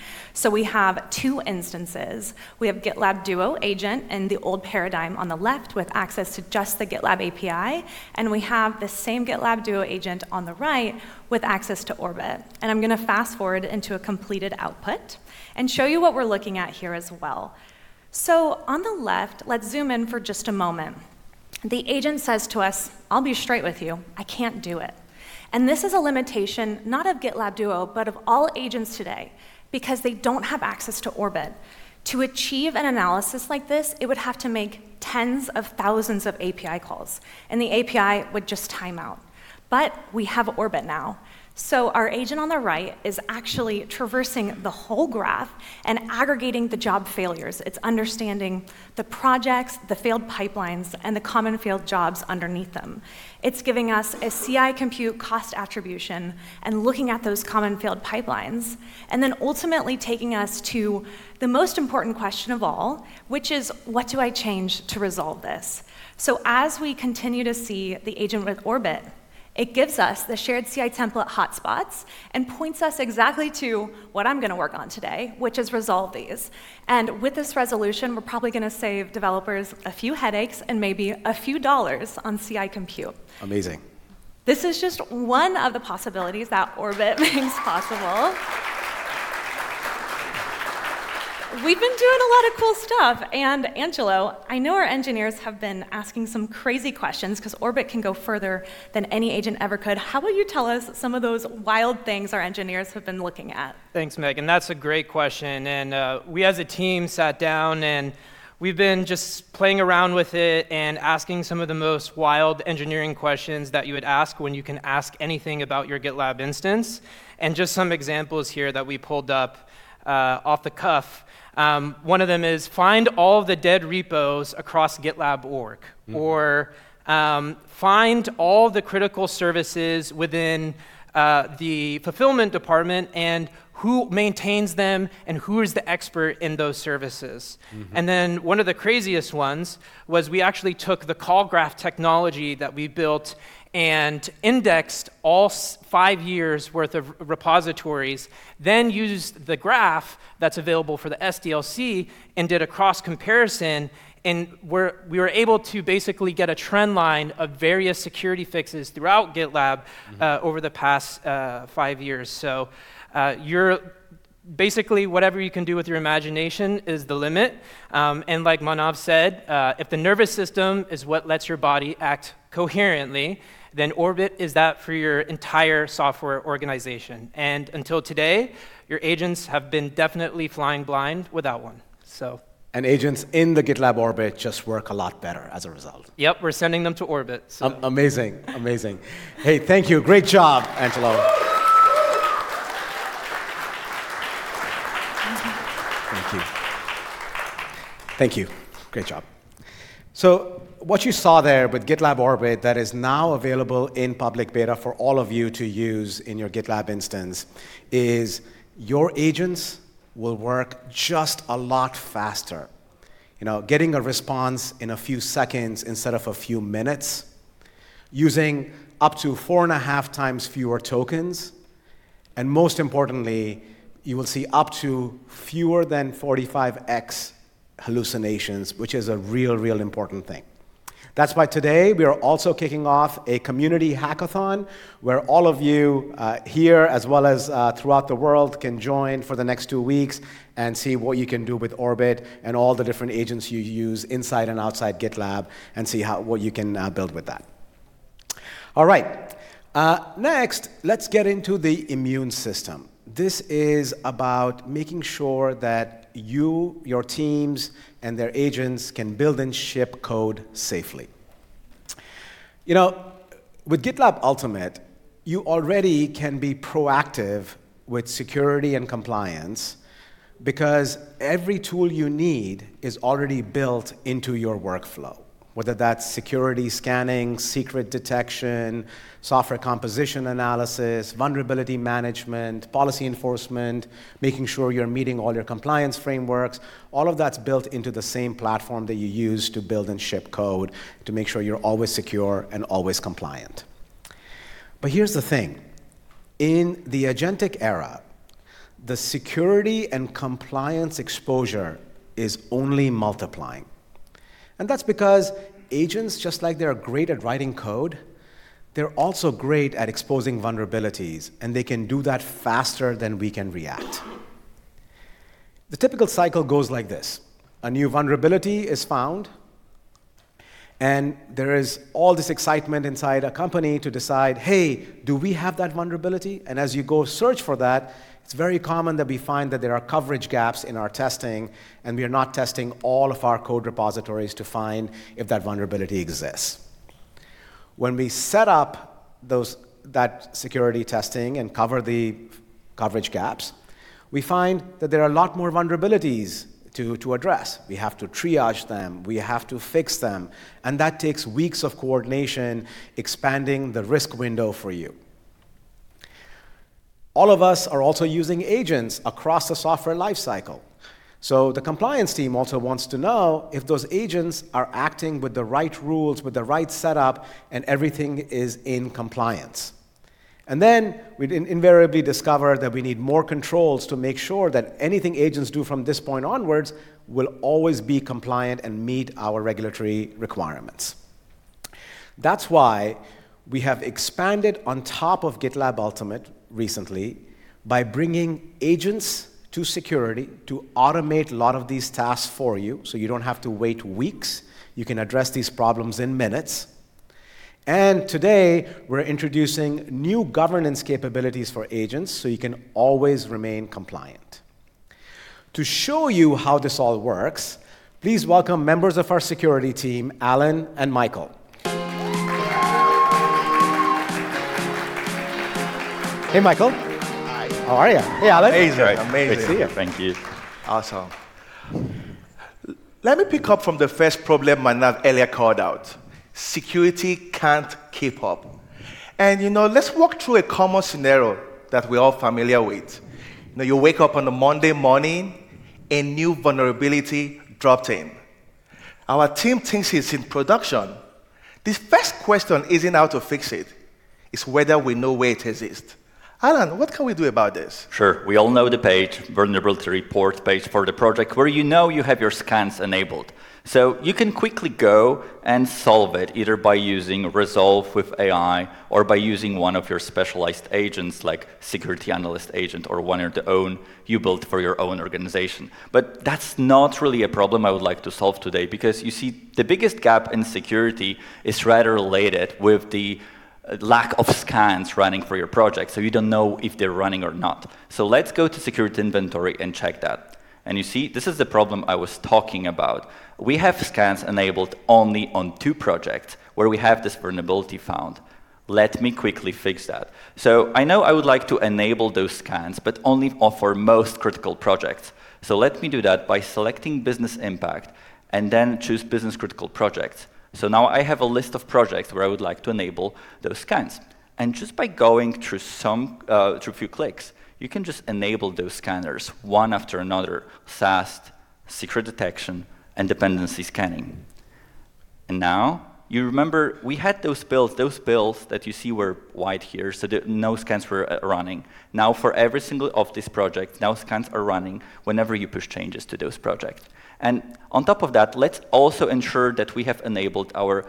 F: We have two instances. We have GitLab Duo Agent in the old paradigm on the left with access to just the GitLab API, and we have the same GitLab Duo Agent on the right with access to Orbit. I'm going to fast-forward into a completed output and show you what we're looking at here as well. On the left, let's zoom in for just a moment. The agent says to us, "I'll be straight with you, I can't do it." This is a limitation not of GitLab Duo, but of all agents today because they don't have access to Orbit. To achieve an analysis like this, it would have to make tens of thousands of API calls, and the API would just time out. We have Orbit now. Our agent on the right is actually traversing the whole graph and aggregating the job failures. It's understanding the projects, the failed pipelines, and the common failed jobs underneath them. It's giving us a CI compute cost attribution and looking at those common failed pipelines, and then ultimately taking us to the most important question of all, which is, what do I change to resolve this? As we continue to see the agent with Orbit, it gives us the shared CI template hotspots and points us exactly to what I'm going to work on today, which is resolve these. With this resolution, we're probably going to save developers a few headaches and maybe a few dollars on CI compute.
C: Amazing.
F: This is just one of the possibilities that Orbit makes possible. We've been doing a lot of cool stuff, Angelo, I know our engineers have been asking some crazy questions because Orbit can go further than any agent ever could. How about you tell us some of those wild things our engineers have been looking at?
G: Thanks, Meg, that's a great question. We as a team sat down, and we've been just playing around with it and asking some of the most wild engineering questions that you would ask when you can ask anything about your GitLab instance. Just some examples here that we pulled up off the cuff, one of them is find all the dead repos across GitLab org. Find all the critical services within the fulfillment department and who maintains them and who is the expert in those services. Then one of the craziest ones was we actually took the call graph technology that we built and indexed all five years' worth of repositories, then used the graph that's available for the SDLC and did a cross comparison, and we were able to basically get a trend line of various security fixes throughout GitLab. over the past five years. Basically, whatever you can do with your imagination is the limit. Like Manav said, if the nervous system is what lets your body act coherently, then Orbit is that for your entire software organization. Until today, your agents have been definitely flying blind without one, so
C: Agents in the GitLab Orbit just work a lot better as a result.
G: Yep. We're sending them to Orbit, so.
C: Amazing. Amazing. Hey, thank you. Great job, Angelo. Thank you. Thank you. Great job. What you saw there with GitLab Orbit that is now available in public beta for all of you to use in your GitLab instance is your agents will work just a lot faster. Getting a response in a few seconds instead of a few minutes, using up to four and a half times fewer tokens, and most importantly, you will see up to fewer than 45x hallucinations, which is a real important thing. That's why today we are also kicking off a community hackathon where all of you here, as well as throughout the world, can join for the next two weeks and see what you can do with Orbit and all the different agents you use inside and outside GitLab and see what you can build with that. All right. Let's get into the immune system. This is about making sure that you, your teams, and their agents can build and ship code safely. With GitLab Ultimate, you already can be proactive with security and compliance because every tool you need is already built into your workflow, whether that's Security Scanning, Secret Detection, Software Composition Analysis, Vulnerability Management, policy enforcement, making sure you're meeting all your compliance frameworks. All of that's built into the same platform that you use to build and ship code to make sure you're always secure and always compliant. Here's the thing, in the agentic era, the security and compliance exposure is only multiplying. That's because agents, just like they are great at writing code, they're also great at exposing vulnerabilities, and they can do that faster than we can react. The typical cycle goes like this: A new vulnerability is found, there is all this excitement inside a company to decide, "Hey, do we have that vulnerability?" As you go search for that, it's very common that we find that there are coverage gaps in our testing, and we are not testing all of our code repositories to find if that vulnerability exists. When we set up that security testing and cover the coverage gaps, we find that there are a lot more vulnerabilities to address. We have to triage them, we have to fix them, that takes weeks of coordination, expanding the risk window for you. All of us are also using agents across the software lifecycle. The compliance team also wants to know if those agents are acting with the right rules, with the right setup, and everything is in compliance. We invariably discover that we need more controls to make sure that anything agents do from this point onwards will always be compliant and meet our regulatory requirements. That's why we have expanded on top of GitLab Ultimate recently by bringing agents to security to automate a lot of these tasks for you so you don't have to wait weeks, you can address these problems in minutes. Today, we're introducing new governance capabilities for agents so you can always remain compliant. To show you how this all works, please welcome members of our security team, Alan and Michael. Hey, Michael. Hi. How are you? Hey, Alan.
H: Amazing.
C: Great.
H: Amazing.
C: Good to see you.
H: Thank you.
I: Awesome. Let me pick up from the first problem Manav earlier called out. Security can't keep up. Let's walk through a common scenario that we're all familiar with. You wake up on a Monday morning, a new vulnerability dropped in. Our team thinks it's in production. This first question isn't how to fix it's whether we know where it exists. Alan, what can we do about this?
H: Sure. We all know the page, vulnerability report page for the project where you know you have your scans enabled. You can quickly go and solve it, either by using resolve with AI or by using one of your specialized agents like Security Analyst Agent or one of your own you built for your own organization. That's not really a problem I would like to solve today because you see, the biggest gap in security is rather related with the lack of scans running for your project. You don't know if they're running or not. Let's go to Security Inventory and check that. You see, this is the problem I was talking about. We have scans enabled only on two projects where we have this vulnerability found. Let me quickly fix that. I know I would like to enable those scans, but only for most critical projects. Let me do that by selecting Business Impact and then choose Business Critical projects. Now I have a list of projects where I would like to enable those scans. Just by going through a few clicks, you can just enable those scanners one after another, fast Secret Detection and Dependency Scanning. Now, you remember we had those builds. Those builds that you see were wide here, so no scans were running. Now for every single of this project, now scans are running whenever you push changes to those projects. On top of that, let's also ensure that we have enabled our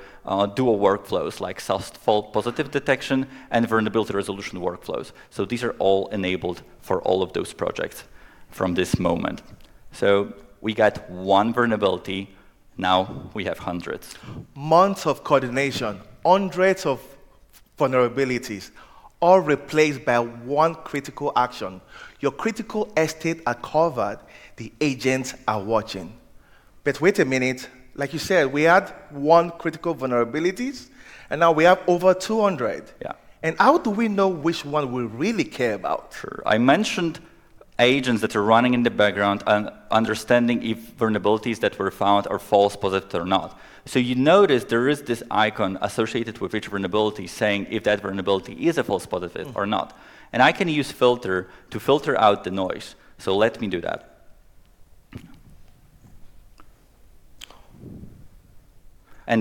H: Duo workflows like fast false positive detection, and vulnerability resolution workflows. These are all enabled for all of those projects from this moment. We got one vulnerability, now we have hundreds.
I: Months of coordination, hundreds of vulnerabilities, all replaced by one critical action. Your critical estate are covered. The agents are watching. Wait a minute, like you said, we had one critical vulnerability, and now we have over 200.
H: Yeah.
I: How do we know which one we really care about?
H: Sure. I mentioned agents that are running in the background and understanding if vulnerabilities that were found are false positive or not. You notice there is this icon associated with each vulnerability saying if that vulnerability is a false positive or not. I can use filter to filter out the noise. Let me do that.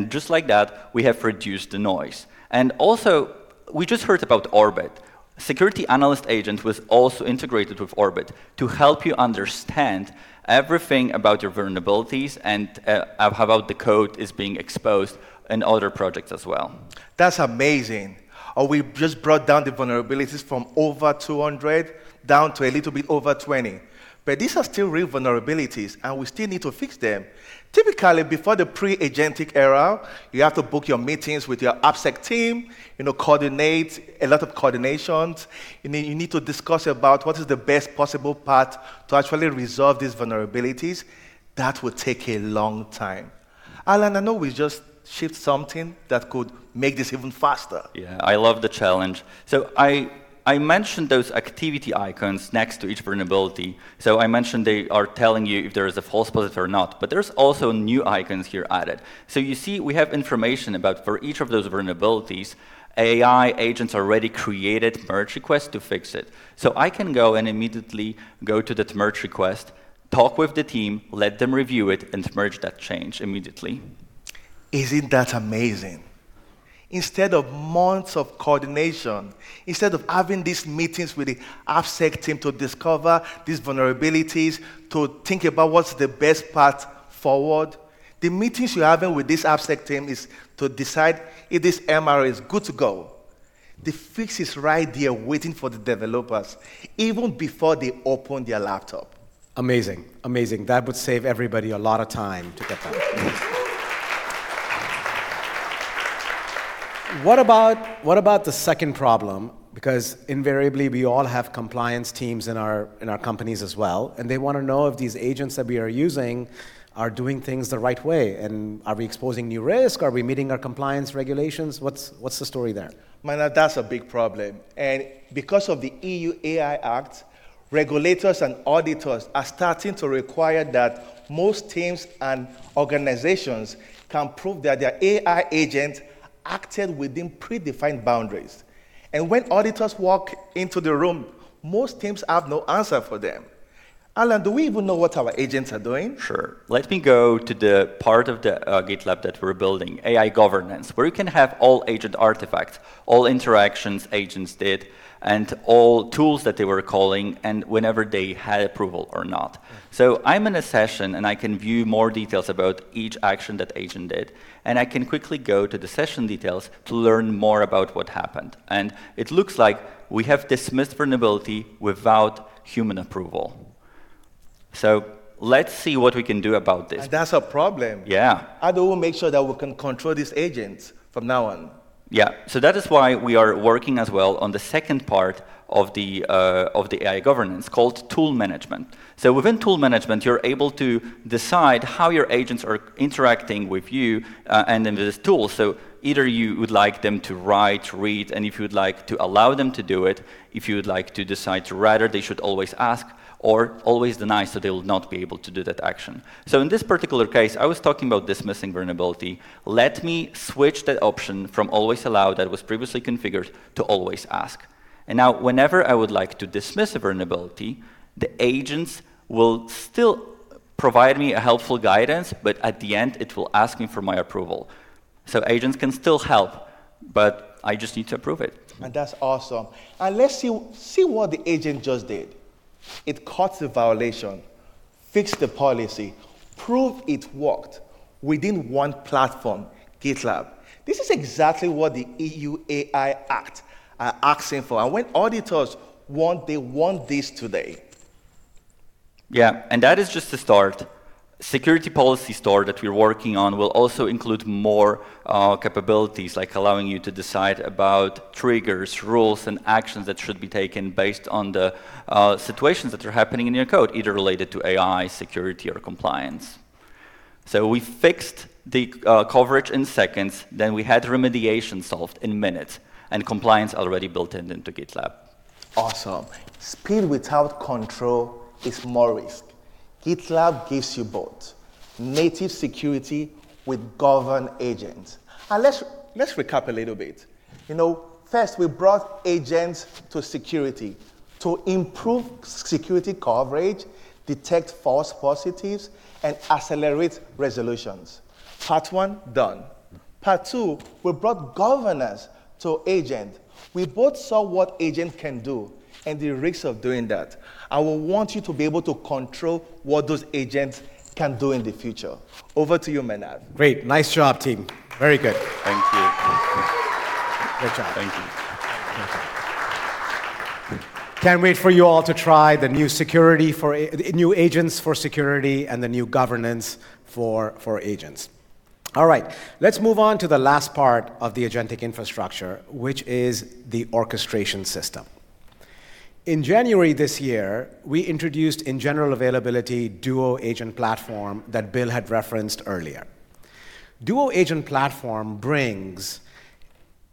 H: Just like that, we have reduced the noise. Also, we just heard about Orbit. Security Analyst Agent was also integrated with Orbit to help you understand everything about your vulnerabilities and how about the code is being exposed in other projects as well.
I: That's amazing. We just brought down the vulnerabilities from over 200 down to a little bit over 20. These are still real vulnerabilities, and we still need to fix them. Typically, before the pre-agentic era, you have to book your meetings with your OPSEC team, a lot of coordinations. You need to discuss about what is the best possible path to actually resolve these vulnerabilities. That would take a long time. Alan, I know we just shipped something that could make this even faster.
H: Yeah, I love the challenge. I mentioned those activity icons next to each vulnerability. I mentioned they are telling you if there is a false positive or not. There's also new icons here added. You see, we have information about for each of those vulnerabilities, AI agents already created merge request to fix it. I can go and immediately go to that merge request, talk with the team, let them review it, and merge that change immediately.
I: Isn't that amazing? Instead of months of coordination, instead of having these meetings with the AppSec team to discover these vulnerabilities, to think about what's the best path forward, the meetings you're having with this AppSec team is to decide if this MR is good to go. The fix is right there waiting for the developers even before they open their laptop.
C: Amazing. That would save everybody a lot of time to get that. What about the second problem? Invariably we all have compliance teams in our companies as well, and they want to know if these agents that we are using are doing things the right way, and are we exposing new risk? Are we meeting our compliance regulations? What's the story there?
I: Manav, that's a big problem. Because of the EU AI Act, regulators and auditors are starting to require that most teams and organizations can prove that their AI agent acted within predefined boundaries. When auditors walk into the room, most teams have no answer for them. Alan, do we even know what our agents are doing?
H: Sure. Let me go to the part of the GitLab that we're building, AI governance, where you can have all agent artifacts, all interactions agents did, and all tools that they were calling, and whenever they had approval or not. I'm in a session, and I can view more details about each action that agent did, and I can quickly go to the session details to learn more about what happened. It looks like we have dismissed vulnerability without human approval. Let's see what we can do about this.
I: That's a problem.
H: Yeah.
I: How do we make sure that we can control these agents from now on?
H: Yeah. That is why we are working as well on the second part of the AI governance called tool management. Within tool management, you're able to decide how your agents are interacting with you, and then there's tools. Either you would like them to write, read, and if you'd like to allow them to do it, if you would like to decide to rather they should always ask or always deny, they will not be able to do that action. In this particular case, I was talking about dismissing vulnerability. Let me switch that option from always allow that was previously configured to always ask. Now whenever I would like to dismiss a vulnerability, the agents will still provide me a helpful guidance, but at the end, it will ask me for my approval. Agents can still help, but I just need to approve it.
I: That's awesome. Let's see what the agent just did. It caught the violation, fixed the policy, proved it worked within one platform, GitLab. This is exactly what the EU AI Act are asking for. When auditors want, they want this today.
H: Yeah. That is just a start. Security policy store that we're working on will also include more capabilities, like allowing you to decide about triggers, rules, and actions that should be taken based on the situations that are happening in your code, either related to AI, security, or compliance. We fixed the coverage in seconds, then we had remediation solved in minutes, and compliance already built into GitLab.
I: Awesome. Speed without control is more risk. GitLab gives you both, native security with governed agents. Let's recap a little bit. First, we brought agents to security to improve security coverage, detect false positives, and accelerate resolutions. Part one, done. Part two, we brought governance to agent. We both saw what agent can do and the risks of doing that. I would want you to be able to control what those agents can do in the future. Over to you, Manav.
C: Great. Nice job, team. Very good.
H: Thank you.
C: Great job.
H: Thank you.
I: Thank you.
C: Can't wait for you all to try the new agents for security and the new governance for agents. All right. Let's move on to the last part of the agentic infrastructure, which is the orchestration system. In January this year, we introduced in general availability GitLab Duo Agent Platform that Bill had referenced earlier. GitLab Duo Agent Platform brings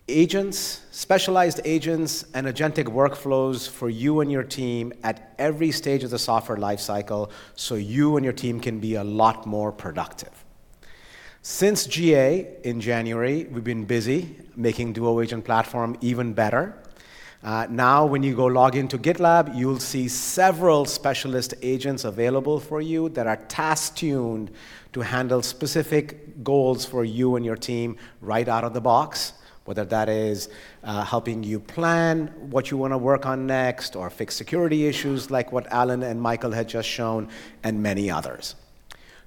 C: agents, specialized agents, and agentic workflows for you and your team at every stage of the software life cycle, so you and your team can be a lot more productive. Since GA in January, we've been busy making GitLab Duo Agent Platform even better. Now, when you go log into GitLab, you'll see several specialist agents available for you that are task-tuned to handle specific goals for you and your team right out of the box, whether that is helping you plan what you want to work on next or fix security issues like what Alan and Michael had just shown, and many others.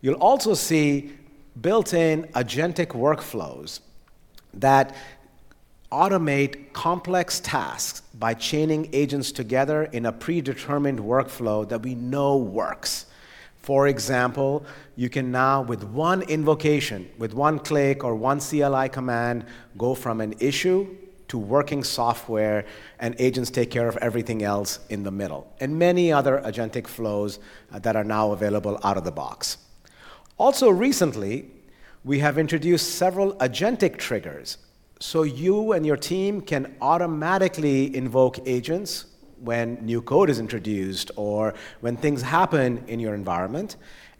C: You'll also see built-in agentic workflows that automate complex tasks by chaining agents together in a predetermined workflow that we know works. For example, you can now, with one invocation, with one click, or one CLI command, go from an issue to working software, and agents take care of everything else in the middle, and many other agentic flows that are now available out of the box. Recently, we have introduced several agentic triggers, you and your team can automatically invoke agents when new code is introduced or when things happen in your environment.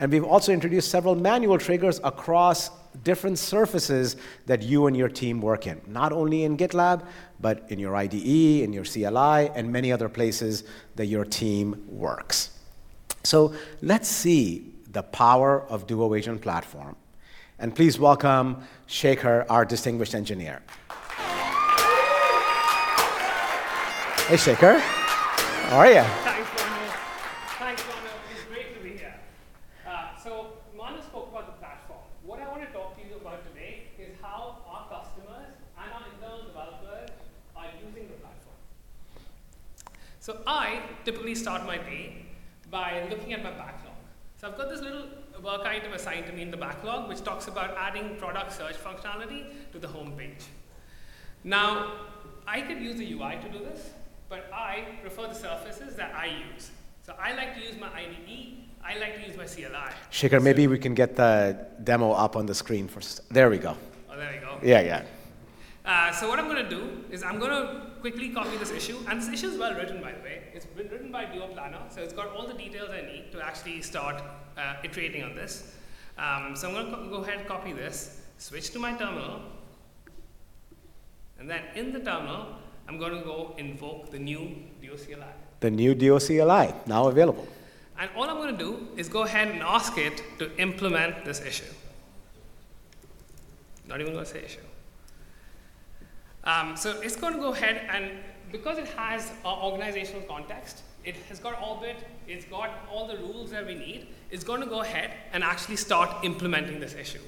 C: We've also introduced several manual triggers across different surfaces that you and your team work in, not only in GitLab, but in your IDE, in your CLI, and many other places that your team works. Let's see the power of Duo Agent Platform. Please welcome Shekhar, our distinguished engineer. Hey, Shekhar. How are you?
J: Thanks, Manav. It's great to be here. Manav spoke about the platform. What I want to talk to you about today is how our customers and our internal developers are using the platform. I typically start my day by looking at my backlog. I've got this little work item assigned to me in the backlog, which talks about adding product search functionality to the homepage. Now, I could use the UI to do this, I prefer the surfaces that I use. I like to use my IDE, I like to use my CLI.
C: Shekhar, maybe we can get the demo up on the screen first. There we go.
J: There we go.
C: Yeah.
J: What I'm going to do is I'm going to quickly copy this issue. This issue's well-written, by the way. It's been written by Duo Planner, it's got all the details I need to actually start iterating on this. I'm going to go ahead and copy this, switch to my terminal. In the terminal, I'm going to go invoke the new Duo CLI.
C: The new Duo CLI, now available.
J: All I'm going to do is go ahead and ask it to implement this issue. Not even going to say issue. It's going to go ahead and because it has our organizational context, it's got all the rules that we need, it's going to go ahead and actually start implementing this issue.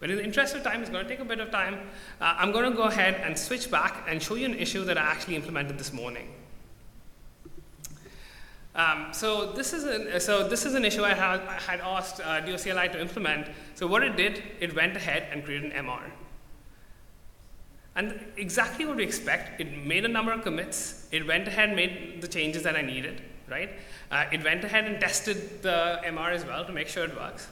J: In the interest of time, it's going to take a bit of time. I'm going to go ahead and switch back and show you an issue that I actually implemented this morning. This is an issue I had asked Duo CLI to implement. What it did, it went ahead and created an MR. Exactly what we expect, it made a number of commits, it went ahead and made the changes that I needed. It went ahead and tested the MR as well to make sure it works.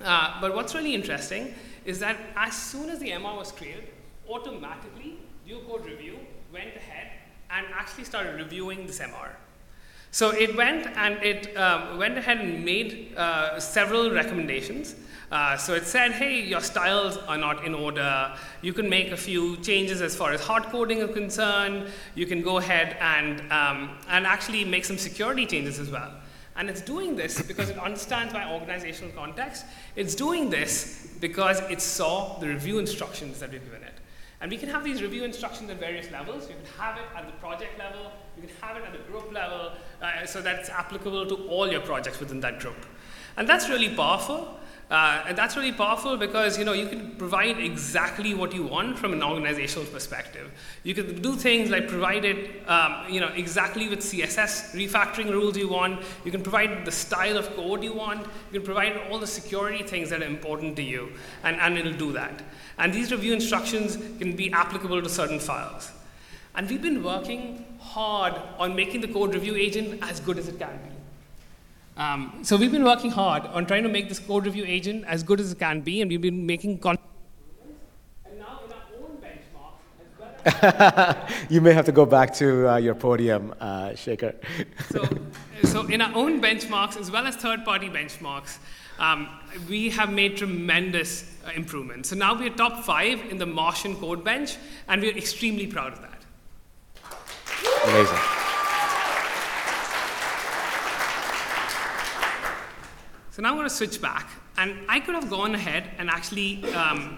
J: What's really interesting is that as soon as the MR was cleared, automatically, Duo Code Review went ahead and actually started reviewing this MR. It went ahead and made several recommendations. It said, "Hey, your styles are not in order. You can make a few changes as far as hard coding are concerned. You can go ahead and actually make some security changes as well." It's doing this because it understands my organizational context. It's doing this because it saw the review instructions that we've given it. We can have these review instructions at various levels. We can have it at the project level. We can have it at the group level, so that it's applicable to all your projects within that group. That's really powerful. That's really powerful because you can provide exactly what you want from an organizational perspective. You can do things like provide it exactly with CSS refactoring rules you want. You can provide the style of code you want. You can provide all the security things that are important to you, it'll do that. These review instructions can be applicable to certain files. We've been working hard on making the code review agent as good as it can be. We've been working hard on trying to make this code review agent as good as it can be, and we've been making constant improvements. In our own benchmark.
C: You may have to go back to your podium, Shekhar.
J: In our own benchmarks, as well as third-party benchmarks, we have made tremendous improvements. Now we are top five in the BigCodeBench, and we are extremely proud of that.
C: Amazing.
J: Now I'm going to switch back, I could have gone ahead and actually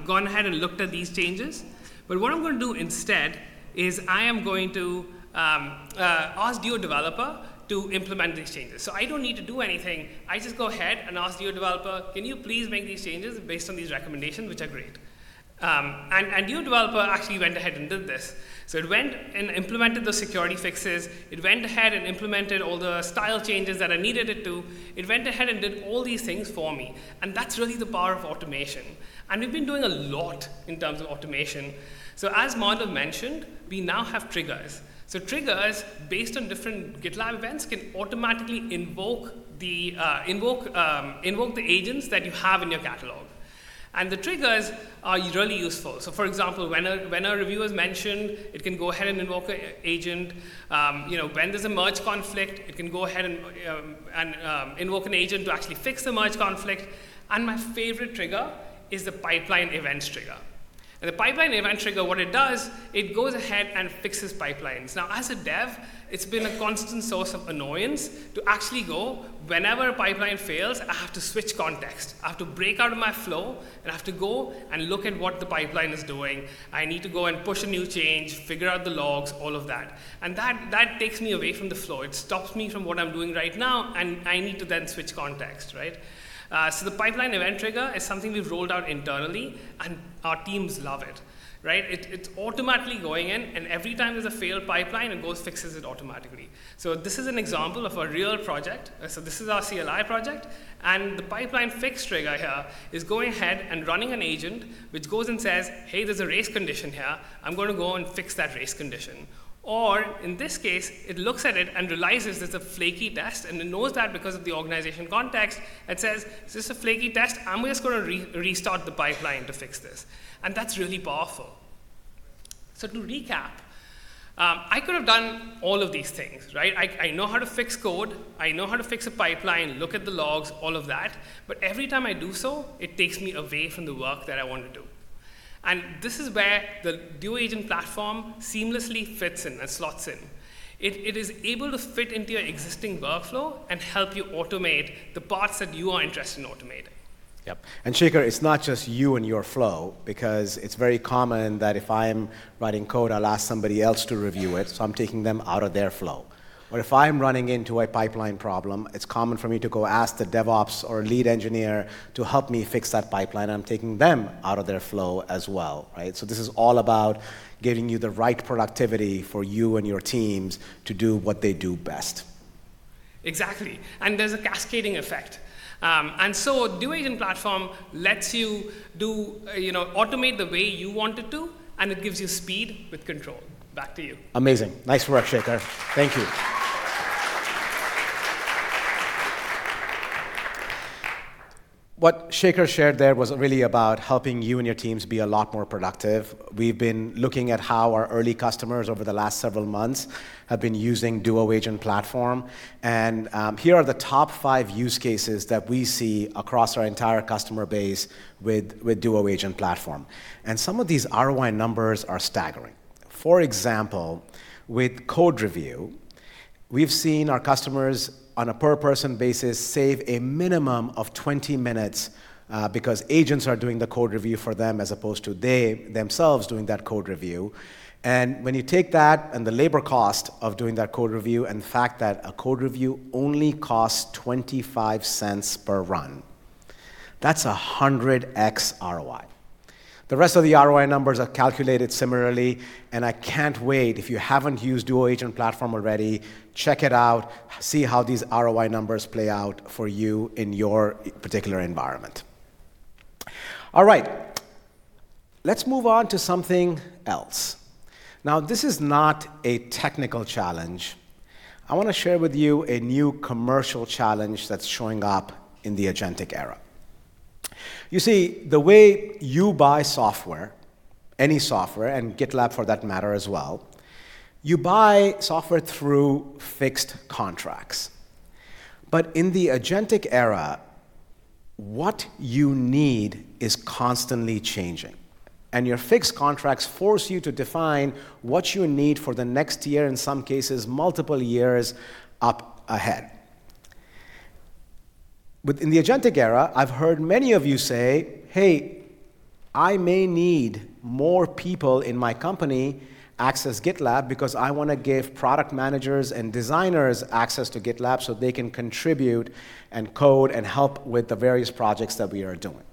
J: gone ahead and looked at these changes. What I'm going to do instead is I am going to ask Duo Developer to implement these changes. I don't need to do anything. I just go ahead and ask Duo Developer, "Can you please make these changes based on these recommendations, which are great?" Duo Developer actually went ahead and did this. It went and implemented the security fixes. It went ahead and implemented all the style changes that I needed it to. It went ahead and did all these things for me. That's really the power of automation. We've been doing a lot in terms of automation. As Manav mentioned, we now have triggers. Triggers, based on different GitLab events, can automatically invoke the agents that you have in your catalog. The triggers are really useful. For example, when a review is mentioned, it can go ahead and invoke an agent. When there's a merge conflict, it can go ahead and invoke an agent to actually fix the merge conflict. My favorite trigger is the pipeline events trigger. The pipeline event trigger, what it does, it goes ahead and fixes pipelines. As a dev, it's been a constant source of annoyance to actually go, whenever a pipeline fails, I have to switch context. I have to break out of my flow, and I have to go and look at what the pipeline is doing. I need to go and push a new change, figure out the logs, all of that. That takes me away from the flow. It stops me from what I'm doing right now, and I need to then switch context. The pipeline event trigger is something we've rolled out internally, and our teams love it. It's automatically going in, and every time there's a failed pipeline, it goes fixes it automatically. This is an example of a real project. This is our CLI project, and the pipeline fix trigger here is going ahead and running an agent which goes and says, "Hey, there's a race condition here. I'm going to go and fix that race condition." Or in this case, it looks at it and realizes it's a flaky test, and it knows that because of the organization context. It says, "Is this a flaky test? I'm just going to restart the pipeline to fix this." That's really powerful. To recap, I could have done all of these things. I know how to fix code. I know how to fix a pipeline, look at the logs, all of that, but every time I do so, it takes me away from the work that I want to do. This is where the Duo Agent Platform seamlessly fits in and slots in. It is able to fit into your existing workflow and help you automate the parts that you are interested in automating.
C: Shekhar, it's not just you and your flow, because it's very common that if I'm writing code, I'll ask somebody else to review it, so I'm taking them out of their flow. Or if I'm running into a pipeline problem, it's common for me to go ask the DevOps or lead engineer to help me fix that pipeline, and I'm taking them out of their flow as well. This is all about giving you the right productivity for you and your teams to do what they do best.
J: Exactly. There's a cascading effect. Duo Agent Platform lets you automate the way you want it to, and it gives you speed with control. Back to you.
C: Amazing. Nice work, Shekhar. Thank you. What Shekhar shared there was really about helping you and your teams be a lot more productive. We've been looking at how our early customers over the last several months have been using Duo Agent Platform, and here are the top five use cases that we see across our entire customer base with Duo Agent Platform. Some of these ROI numbers are staggering. For example, with code review, we've seen our customers, on a per person basis, save a minimum of 20 minutes because agents are doing the code review for them as opposed to they themselves doing that code review. When you take that and the labor cost of doing that code review and the fact that a code review only costs $0.25 per run, that's 100x ROI. The rest of the ROI numbers are calculated similarly, and I can't wait. If you haven't used Duo Agent Platform already, check it out, see how these ROI numbers play out for you in your particular environment. All right. Let's move on to something else. This is not a technical challenge. I want to share with you a new commercial challenge that's showing up in the agentic era. You see, the way you buy software, any software, and GitLab for that matter as well, you buy software through fixed contracts. In the agentic era, what you need is constantly changing, and your fixed contracts force you to define what you need for the next year, in some cases multiple years, up ahead. In the agentic era, I've heard many of you say, "Hey, I may need more people in my company access GitLab because I want to give product managers and designers access to GitLab so they can contribute and code and help with the various projects that we are doing."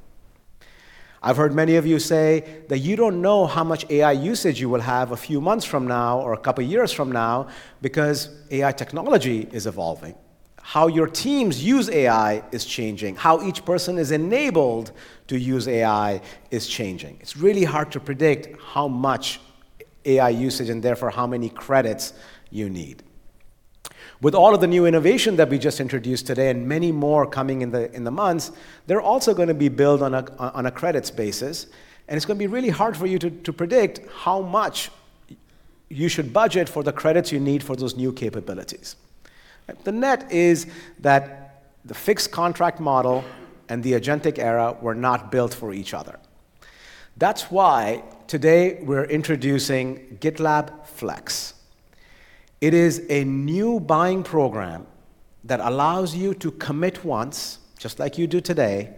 C: I've heard many of you say that you don't know how much AI usage you will have a few months from now or a couple of years from now because AI technology is evolving. How your teams use AI is changing. How each person is enabled to use AI is changing. It's really hard to predict how much AI usage, and therefore, how many credits you need. With all of the new innovation that we just introduced today, and many more coming in the months, they're also going to be billed on a credits basis, and it is going to be really hard for you to predict how much you should budget for the credits you need for those new capabilities. The net is that the fixed contract model and the agentic era were not built for each other. That is why today we are introducing GitLab Flex. It is a new buying program that allows you to commit once, just like you do today,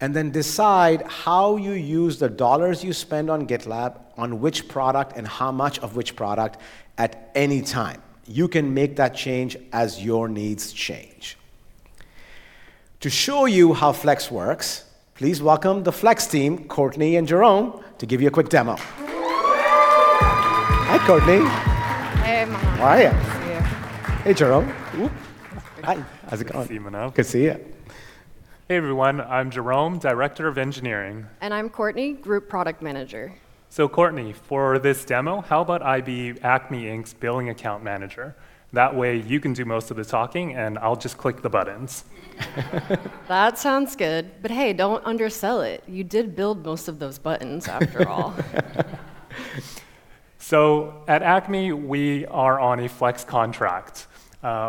C: and then decide how you use the dollars you spend on GitLab, on which product and how much of which product, at any time. You can make that change as your needs change. To show you how Flex works, please welcome the Flex team, Courtney and Jerome, to give you a quick demo. Hi, Courtney.
K: Hey, Manav.
C: How are you?
K: Good.
C: Hey, Jerome. Hi. How is it going?
L: Good to see you, Manav.
C: Good to see you.
L: Hey, everyone. I'm Jerome, Director of Engineering.
K: I'm Courtney, Group Product Manager.
L: Courtney, for this demo, how about I be Acme Inc.'s billing account manager? That way you can do most of the talking, and I'll just click the buttons.
K: That sounds good. Hey, don't undersell it. You did build most of those buttons, after all.
L: At Acme, we are on a Flex contract.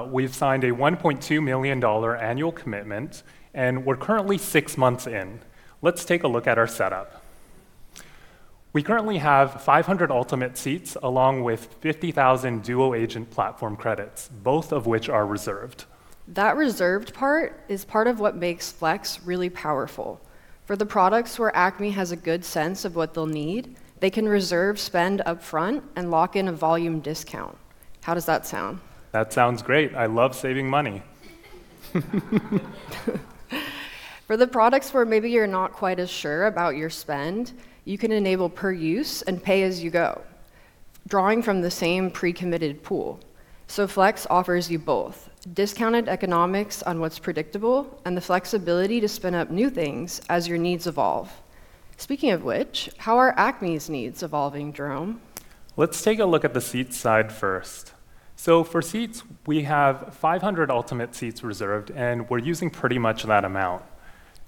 L: We've signed a $1.2 million annual commitment, and we're currently six months in. Let's take a look at our setup. We currently have 500 Ultimate seats along with 50,000 Duo Agent Platform credits, both of which are reserved.
K: That reserved part is part of what makes Flex really powerful. For the products where Acme has a good sense of what they'll need, they can reserve spend upfront and lock in a volume discount. How does that sound?
L: That sounds great. I love saving money.
K: For the products where maybe you're not quite as sure about your spend, you can enable per use and pay as you go, drawing from the same pre-committed pool. Flex offers you both discounted economics on what's predictable and the flexibility to spin up new things as your needs evolve. Speaking of which, how are Acme's needs evolving, Jerome?
L: Let's take a look at the seats side first. For seats, we have 500 Ultimate seats reserved, and we're using pretty much that amount.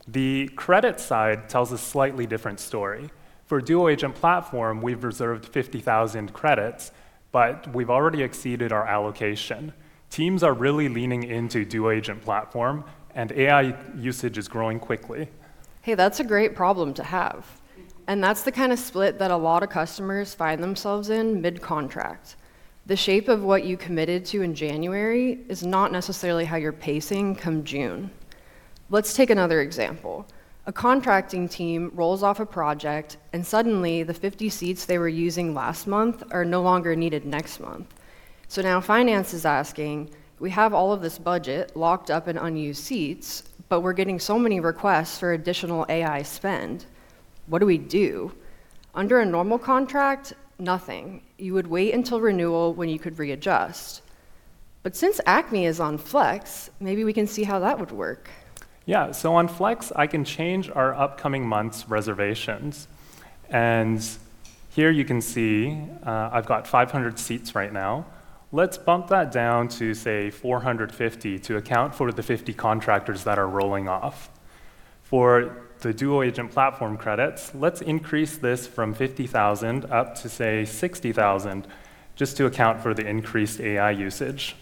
L: The credit side tells a slightly different story. For Duo Agent Platform, we've reserved 50,000 credits, but we've already exceeded our allocation. Teams are really leaning into Duo Agent Platform, and AI usage is growing quickly.
K: Hey, that's a great problem to have. That's the kind of split that a lot of customers find themselves in mid-contract. The shape of what you committed to in January is not necessarily how you're pacing come June. Let's take another example. A contracting team rolls off a project, and suddenly the 50 seats they were using last month are no longer needed next month. Now finance is asking, "We have all of this budget locked up in unused seats, but we're getting so many requests for additional AI spend. What do we do?" Under a normal contract, nothing. You would wait until renewal when you could readjust. Since Acme is on Flex, maybe we can see how that would work.
L: On GitLab Flex, I can change our upcoming month's reservations. Here you can see I've got 500 seats right now. Let's bump that down to, say, 450 to account for the 50 contractors that are rolling off. For the GitLab Duo Agent Platform credits, let's increase this from 50,000 up to, say, 60,000, just to account for the increased AI usage.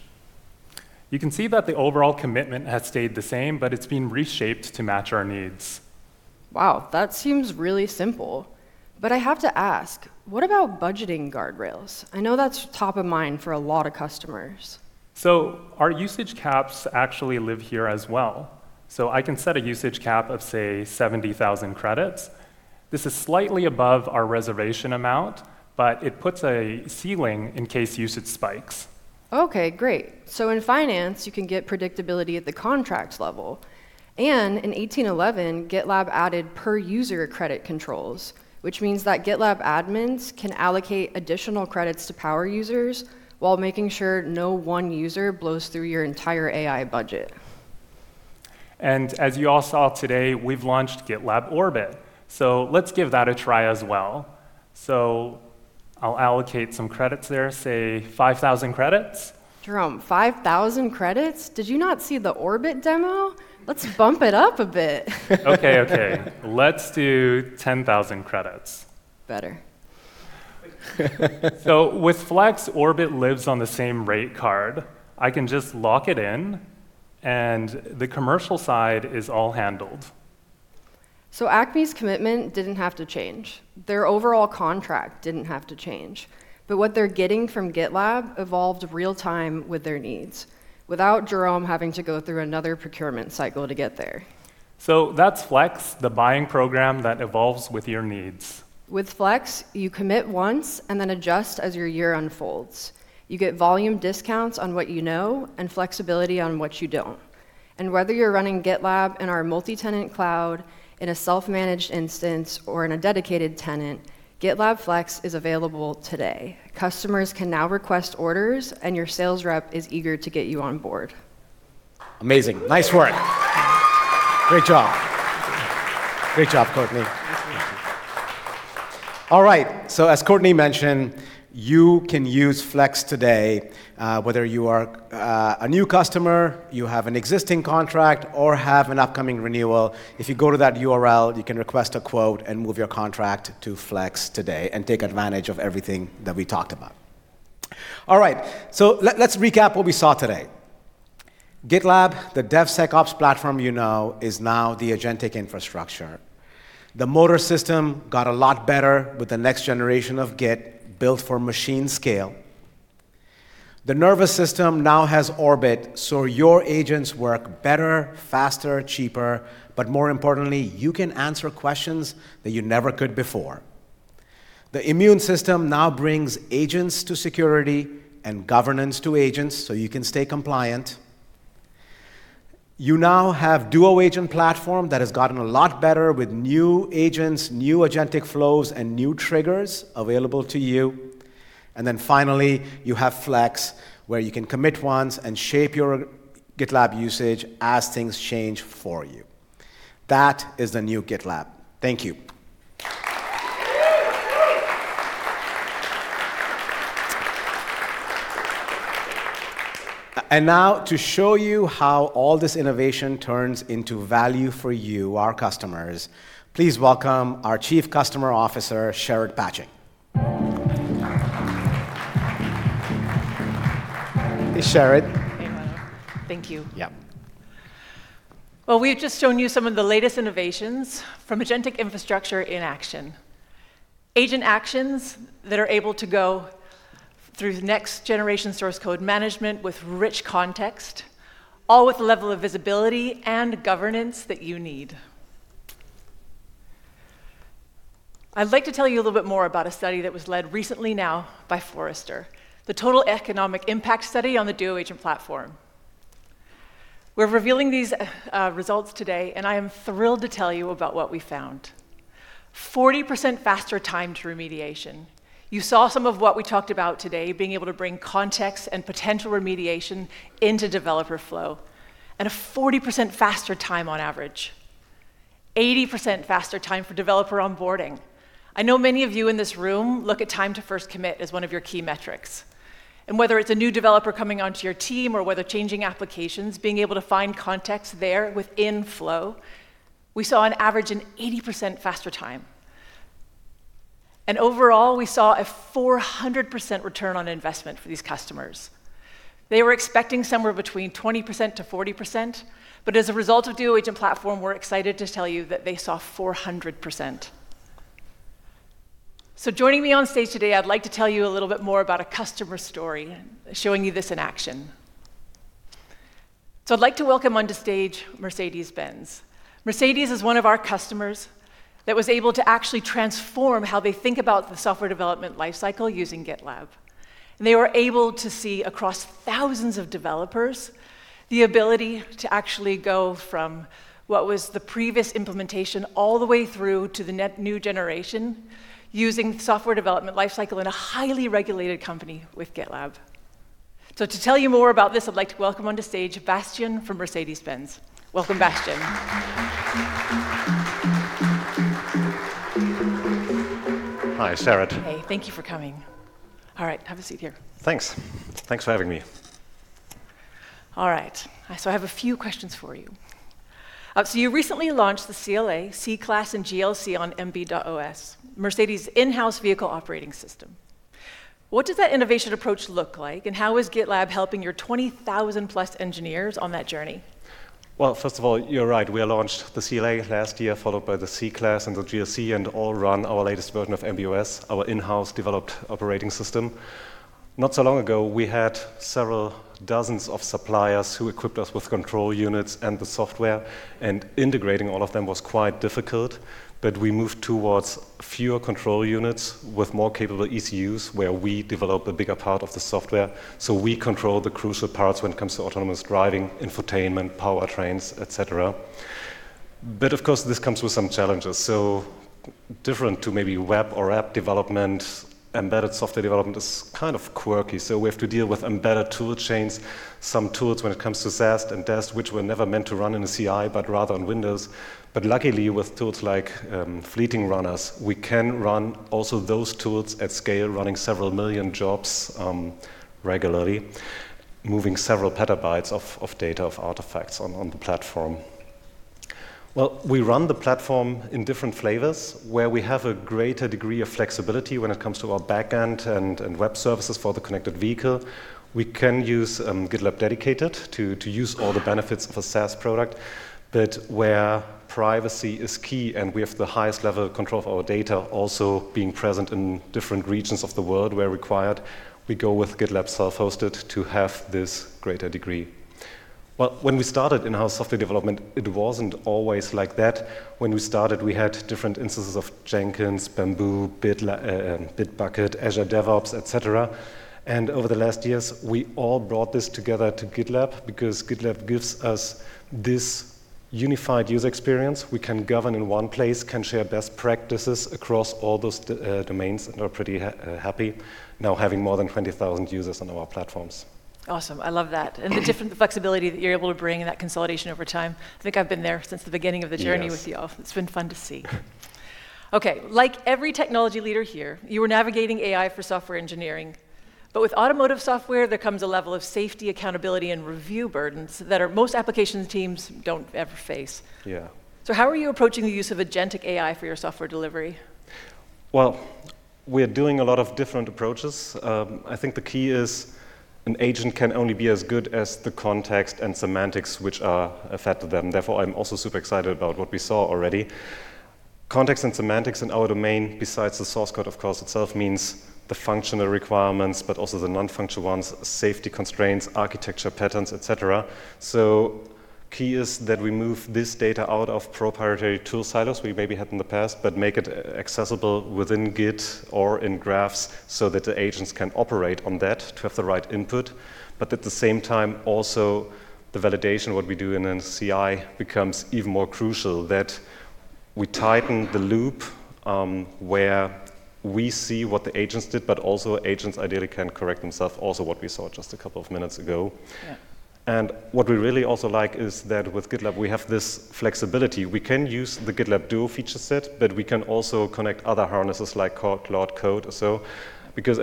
L: You can see that the overall commitment has stayed the same, it's been reshaped to match our needs.
K: Wow, that seems really simple. I have to ask, what about budgeting guardrails? I know that's top of mind for a lot of customers.
L: Our usage caps actually live here as well. I can set a usage cap of, say, 70,000 credits. This is slightly above our reservation amount, it puts a ceiling in case usage spikes.
K: Okay, great. In finance, you can get predictability at the contract level. In 1811, GitLab added per user credit controls, which means that GitLab admins can allocate additional credits to power users while making sure no one user blows through your entire AI budget.
L: As you all saw today, we've launched GitLab Orbit. Let's give that a try as well. I'll allocate some credits there, say 5,000 credits.
K: Jerome, 5,000 credits? Did you not see the Orbit demo? Let's bump it up a bit.
L: Okay. Let's do 10,000 credits.
K: Better.
L: With Flex, Orbit lives on the same rate card. I can just lock it in, and the commercial side is all handled.
K: Acme's commitment didn't have to change. Their overall contract didn't have to change. What they're getting from GitLab evolved real time with their needs, without Jerome having to go through another procurement cycle to get there.
L: That's Flex, the buying program that evolves with your needs.
K: With Flex, you commit once and then adjust as your year unfolds. You get volume discounts on what you know and flexibility on what you don't. Whether you're running GitLab in our multi-tenant cloud, in a self-managed instance, or in a dedicated tenant, GitLab Flex is available today. Customers can now request orders, and your sales rep is eager to get you on board.
C: Amazing. Nice work. Great job. Great job, Courtney.
L: Thank you.
C: As Courtney mentioned, you can use GitLab Flex today, whether you are a new customer, you have an existing contract, or have an upcoming renewal. If you go to that URL, you can request a quote and move your contract to GitLab Flex today and take advantage of everything that we talked about. All right. Let's recap what we saw today. GitLab, the DevSecOps platform you know, is now the agentic infrastructure. The motor system got a lot better with the next generation of Git, built for machine scale. The nervous system now has GitLab Orbit, so your agents work better, faster, cheaper, but more importantly, you can answer questions that you never could before. The immune system now brings agents to security and governance to agents, so you can stay compliant. You now have GitLab Duo Agent Platform that has gotten a lot better with new agents, new agentic flows, and new triggers available to you. Finally, you have GitLab Flex, where you can commit once and shape your GitLab usage as things change for you. That is the new GitLab. Thank you. Now to show you how all this innovation turns into value for you, our customers, please welcome our Chief Customer Officer, Sherrod Patching. Hey, Sherrod.
M: Hey, Manav. Thank you.
C: Yeah.
M: Well, we've just shown you some of the latest innovations from agentic infrastructure in action. Agent actions that are able to go through next-generation source code management with rich context, all with the level of visibility and governance that you need. I'd like to tell you a little bit more about a study that was led recently by Forrester, the total economic impact study on the Duo Agent Platform. We're revealing these results today, and I am thrilled to tell you about what we found. 40% faster time to remediation. You saw some of what we talked about today, being able to bring context and potential remediation into developer flow, and a 40% faster time on average. 80% faster time for developer onboarding. I know many of you in this room look at time to first commit as one of your key metrics. Whether it's a new developer coming onto your team or whether changing applications, being able to find context there within flow, we saw on average an 80% faster time. And overall, we saw a 400% return on investment for these customers. They were expecting somewhere between 20%-40%, but as a result of Duo Agent Platform, we're excited to tell you that they saw 400%. Joining me on stage today, I'd like to tell you a little bit more about a customer story, showing you this in action. I'd like to welcome onto stage Mercedes-Benz. Mercedes is one of our customers that was able to actually transform how they think about the software development life cycle using GitLab. They were able to see across thousands of developers, the ability to actually go from what was the previous implementation, all the way through to the net new generation using software development life cycle in a highly regulated company with GitLab. To tell you more about this, I'd like to welcome onto stage Bastian from Mercedes-Benz. Welcome, Bastian.
N: Hi, Sherrod.
M: Hey, thank you for coming. All right. Have a seat here.
N: Thanks. Thanks for having me.
M: All right. I have a few questions for you. You recently launched the CLA, C-Class, and GLC on MB.os, Mercedes' in-house vehicle operating system. What does that innovation approach look like, and how is GitLab helping your 20,000 plus engineers on that journey?
N: Well, first of all, you're right. We launched the CLA last year, followed by the C-Class and the GLC, and all run our latest version of MB.os, our in-house developed operating system. Not so long ago, we had several dozens of suppliers who equipped us with control units and the software, and integrating all of them was quite difficult. We moved towards fewer control units with more capable ECUs, where we developed a bigger part of the software. We control the crucial parts when it comes to autonomous driving, infotainment, powertrains, et cetera. Of course, this comes with some challenges. Different to maybe web or app development, embedded software development is kind of quirky, so we have to deal with embedded tool chains, some tools when it comes to SAST and test, which were never meant to run in a CI, but rather on Windows. Luckily, with tools like Fleeting runners, we can run also those tools at scale, running several million jobs regularly, moving several petabytes of data, of artifacts on the platform. We run the platform in different flavors where we have a greater degree of flexibility when it comes to our back end and web services for the connected vehicle. We can use GitLab Dedicated to use all the benefits of a SaaS product, but where privacy is key and we have the highest level of control of our data also being present in different regions of the world where required, we go with GitLab self-hosted to have this greater degree. When we started in-house software development, it wasn't always like that. When we started, we had different instances of Jenkins, Bamboo, Bitbucket, Azure DevOps, et cetera. Over the last years, we all brought this together to GitLab because GitLab gives us this unified user experience. We can govern in one place, can share best practices across all those domains, and are pretty happy now having more than 20,000 users on our platforms.
M: Awesome. I love that. The different flexibility that you're able to bring and that consolidation over time. I think I've been there since the beginning of the journey-
N: Yes
M: With you all. It's been fun to see. Okay. Like every technology leader here, you are navigating AI for software engineering. With automotive software, there comes a level of safety, accountability, and review burdens that most applications teams don't ever face.
N: Yeah.
M: How are you approaching the use of agentic AI for your software delivery?
N: We are doing a lot of different approaches. I think the key is an agent can only be as good as the context and semantics which are fed to them. Therefore, I'm also super excited about what we saw already. Context and semantics in our domain, besides the source code, of course, itself means the functional requirements, but also the non-functional ones, safety constraints, architecture patterns, et cetera. Key is that we move this data out of proprietary tool silos we maybe had in the past, but make it accessible within Git or in graphs so that the agents can operate on that to have the right input. At the same time, also the validation, what we do in CI becomes even more crucial, that we tighten the loop, where we see what the agents did, but also agents ideally can correct themselves, also what we saw just a couple of minutes ago.
M: Yeah.
N: What we really also like is that with GitLab, we have this flexibility. We can use the GitLab Duo feature set, but we can also connect other harnesses like Claude Code or so, because,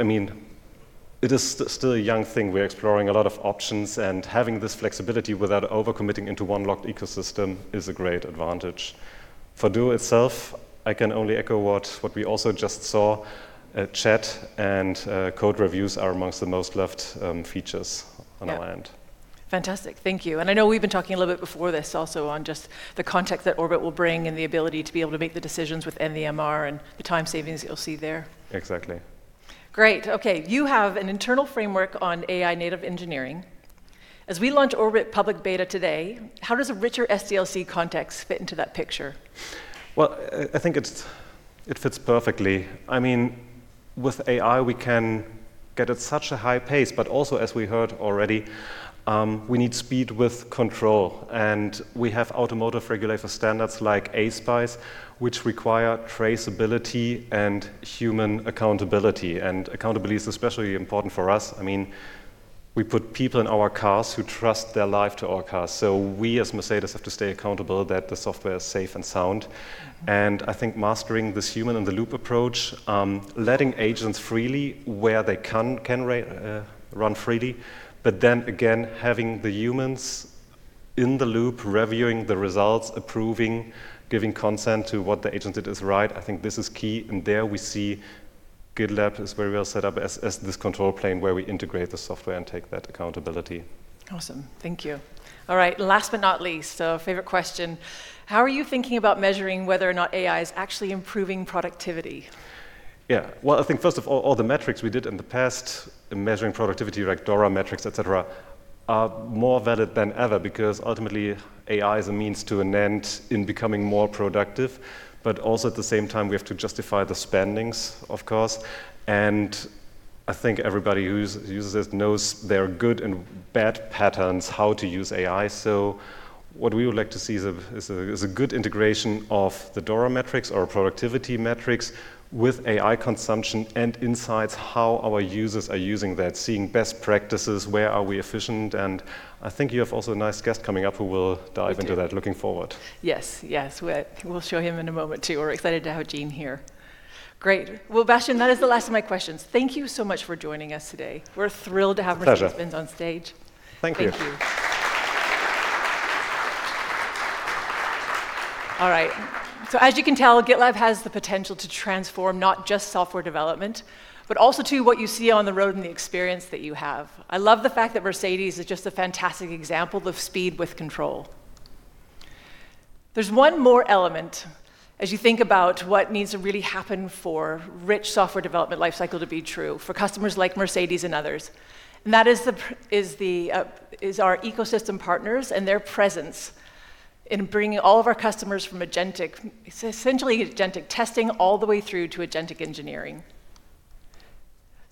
N: it is still a young thing. We're exploring a lot of options, and having this flexibility without over-committing into one locked ecosystem is a great advantage. For Duo itself, I can only echo what we also just saw, chat and code reviews are amongst the most loved features on our end.
M: Yeah. Fantastic. Thank you. I know we've been talking a little bit before this also on just the context that GitLab Orbit will bring and the ability to be able to make the decisions within the MR and the time savings that you'll see there.
N: Exactly.
M: Great. Okay. You have an internal framework on AI native engineering. As we launch GitLab Orbit public beta today, how does a richer SDLC context fit into that picture?
N: Well, I think it fits perfectly. With AI, we can get at such a high pace, but also, as we heard already, we need speed with control, and we have automotive regulator standards like ASPICE, which require traceability and human accountability. Accountability is especially important for us. We put people in our cars who trust their life to our cars. We, as Mercedes, have to stay accountable that the software is safe and sound. I think mastering this human in the loop approach, letting agents freely where they can run freely, but then again, having the humans in the loop, reviewing the results, approving, giving consent to what the agent did is right. I think this is key, and there we see GitLab is very well set up as this control plane where we integrate the software and take that accountability.
M: Awesome. Thank you. All right. Last but not least, a favorite question. How are you thinking about measuring whether or not AI is actually improving productivity?
N: Yeah. Well, I think first of all the DORA metrics we did in the past in measuring productivity like DORA metrics, et cetera, are more valid than ever because ultimately, AI is a means to an end in becoming more productive. Also at the same time, we have to justify the spendings, of course. I think everybody who uses this knows there are good and bad patterns how to use AI. What we would like to see is a good integration of the DORA metrics or productivity metrics with AI consumption and insights, how our users are using that, seeing best practices, where are we efficient, and I think you have also a nice guest coming up. We dive into that. Looking forward.
M: Yes. We'll show him in a moment, too. We're excited to have Gene here. Great. Well, Bastian, that is the last of my questions. Thank you so much for joining us today.
N: My pleasure
M: Mercedes-Benz on stage.
N: Thank you.
M: Thank you. All right. As you can tell, GitLab has the potential to transform not just software development, but also, too, what you see on the road and the experience that you have. I love the fact that Mercedes is just a fantastic example of speed with control. There's one more element as you think about what needs to really happen for rich software development life cycle to be true for customers like Mercedes and others, and that is our ecosystem partners and their presence in bringing all of our customers from agentic, essentially agentic testing all the way through to agentic engineering.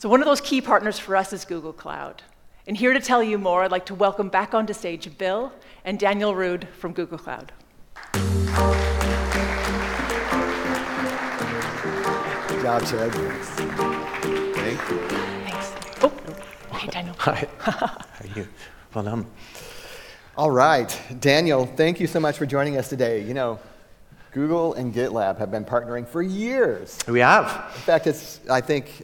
M: One of those key partners for us is Google Cloud. Here to tell you more, I'd like to welcome back onto stage Bill and Daniël Rood from Google Cloud.
B: Good job, Sherrod.
O: Thanks.
B: Thank you.
M: Thanks. Oh, hi, Daniël.
O: Hi. How are you? Well done.
B: All right. Daniël, thank you so much for joining us today. Google and GitLab have been partnering for years.
O: We have.
B: In fact, it's, I think,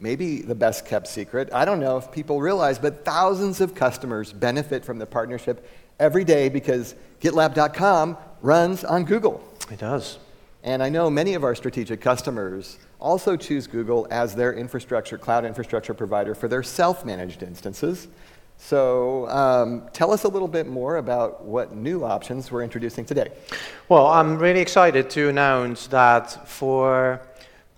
B: maybe the best-kept secret. I don't know if people realize, but thousands of customers benefit from the partnership every day because gitlab.com runs on Google.
O: It does.
B: I know many of our strategic customers also choose Google as their cloud infrastructure provider for their self-managed instances. Tell us a little bit more about what new options we're introducing today.
O: I'm really excited to announce that for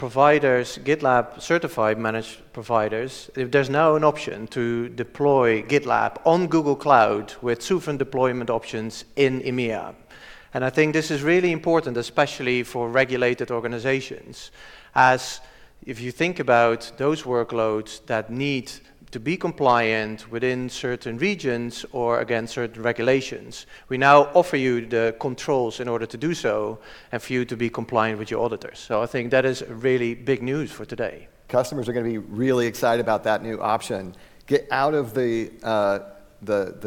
O: providers, GitLab certified managed providers, there's now an option to deploy GitLab on Google Cloud with sovereign deployment options in EMEA. I think this is really important, especially for regulated organizations, as if you think about those workloads that need to be compliant within certain regions or against certain regulations, we now offer you the controls in order to do so and for you to be compliant with your auditors. I think that is really big news for today.
B: Customers are going to be really excited about that new option. Get out of the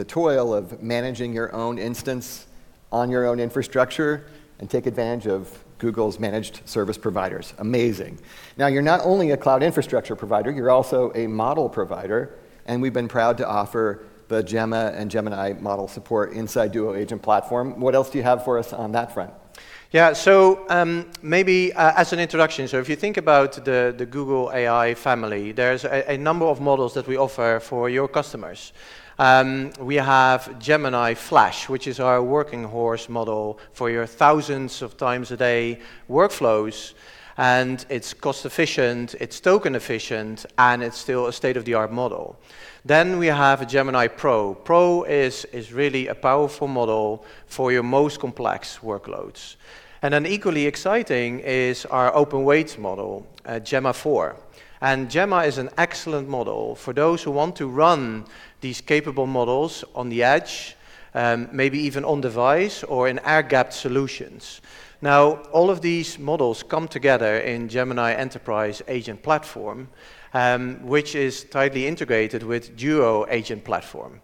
B: toil of managing your own instance on your own infrastructure and take advantage of Google's managed service providers. Amazing. You're not only a cloud infrastructure provider, you're also a model provider, and we've been proud to offer the Gemma and Gemini model support inside Duo Agent Platform. What else do you have for us on that front?
O: Maybe as an introduction, if you think about the Google AI family, there's a number of models that we offer for your customers. We have Gemini Flash, which is our working horse model for your thousands of times a day workflows, and it's cost-efficient, it's token efficient, and it's still a state-of-the-art model. We have Gemini Pro. Pro is really a powerful model for your most complex workloads. Equally exciting is our open weights model, Gemma 4. Gemma is an excellent model for those who want to run these capable models on the edge, maybe even on device or in air-gapped solutions. All of these models come together in Gemini Enterprise Agent Platform, which is tightly integrated with Duo Agent Platform.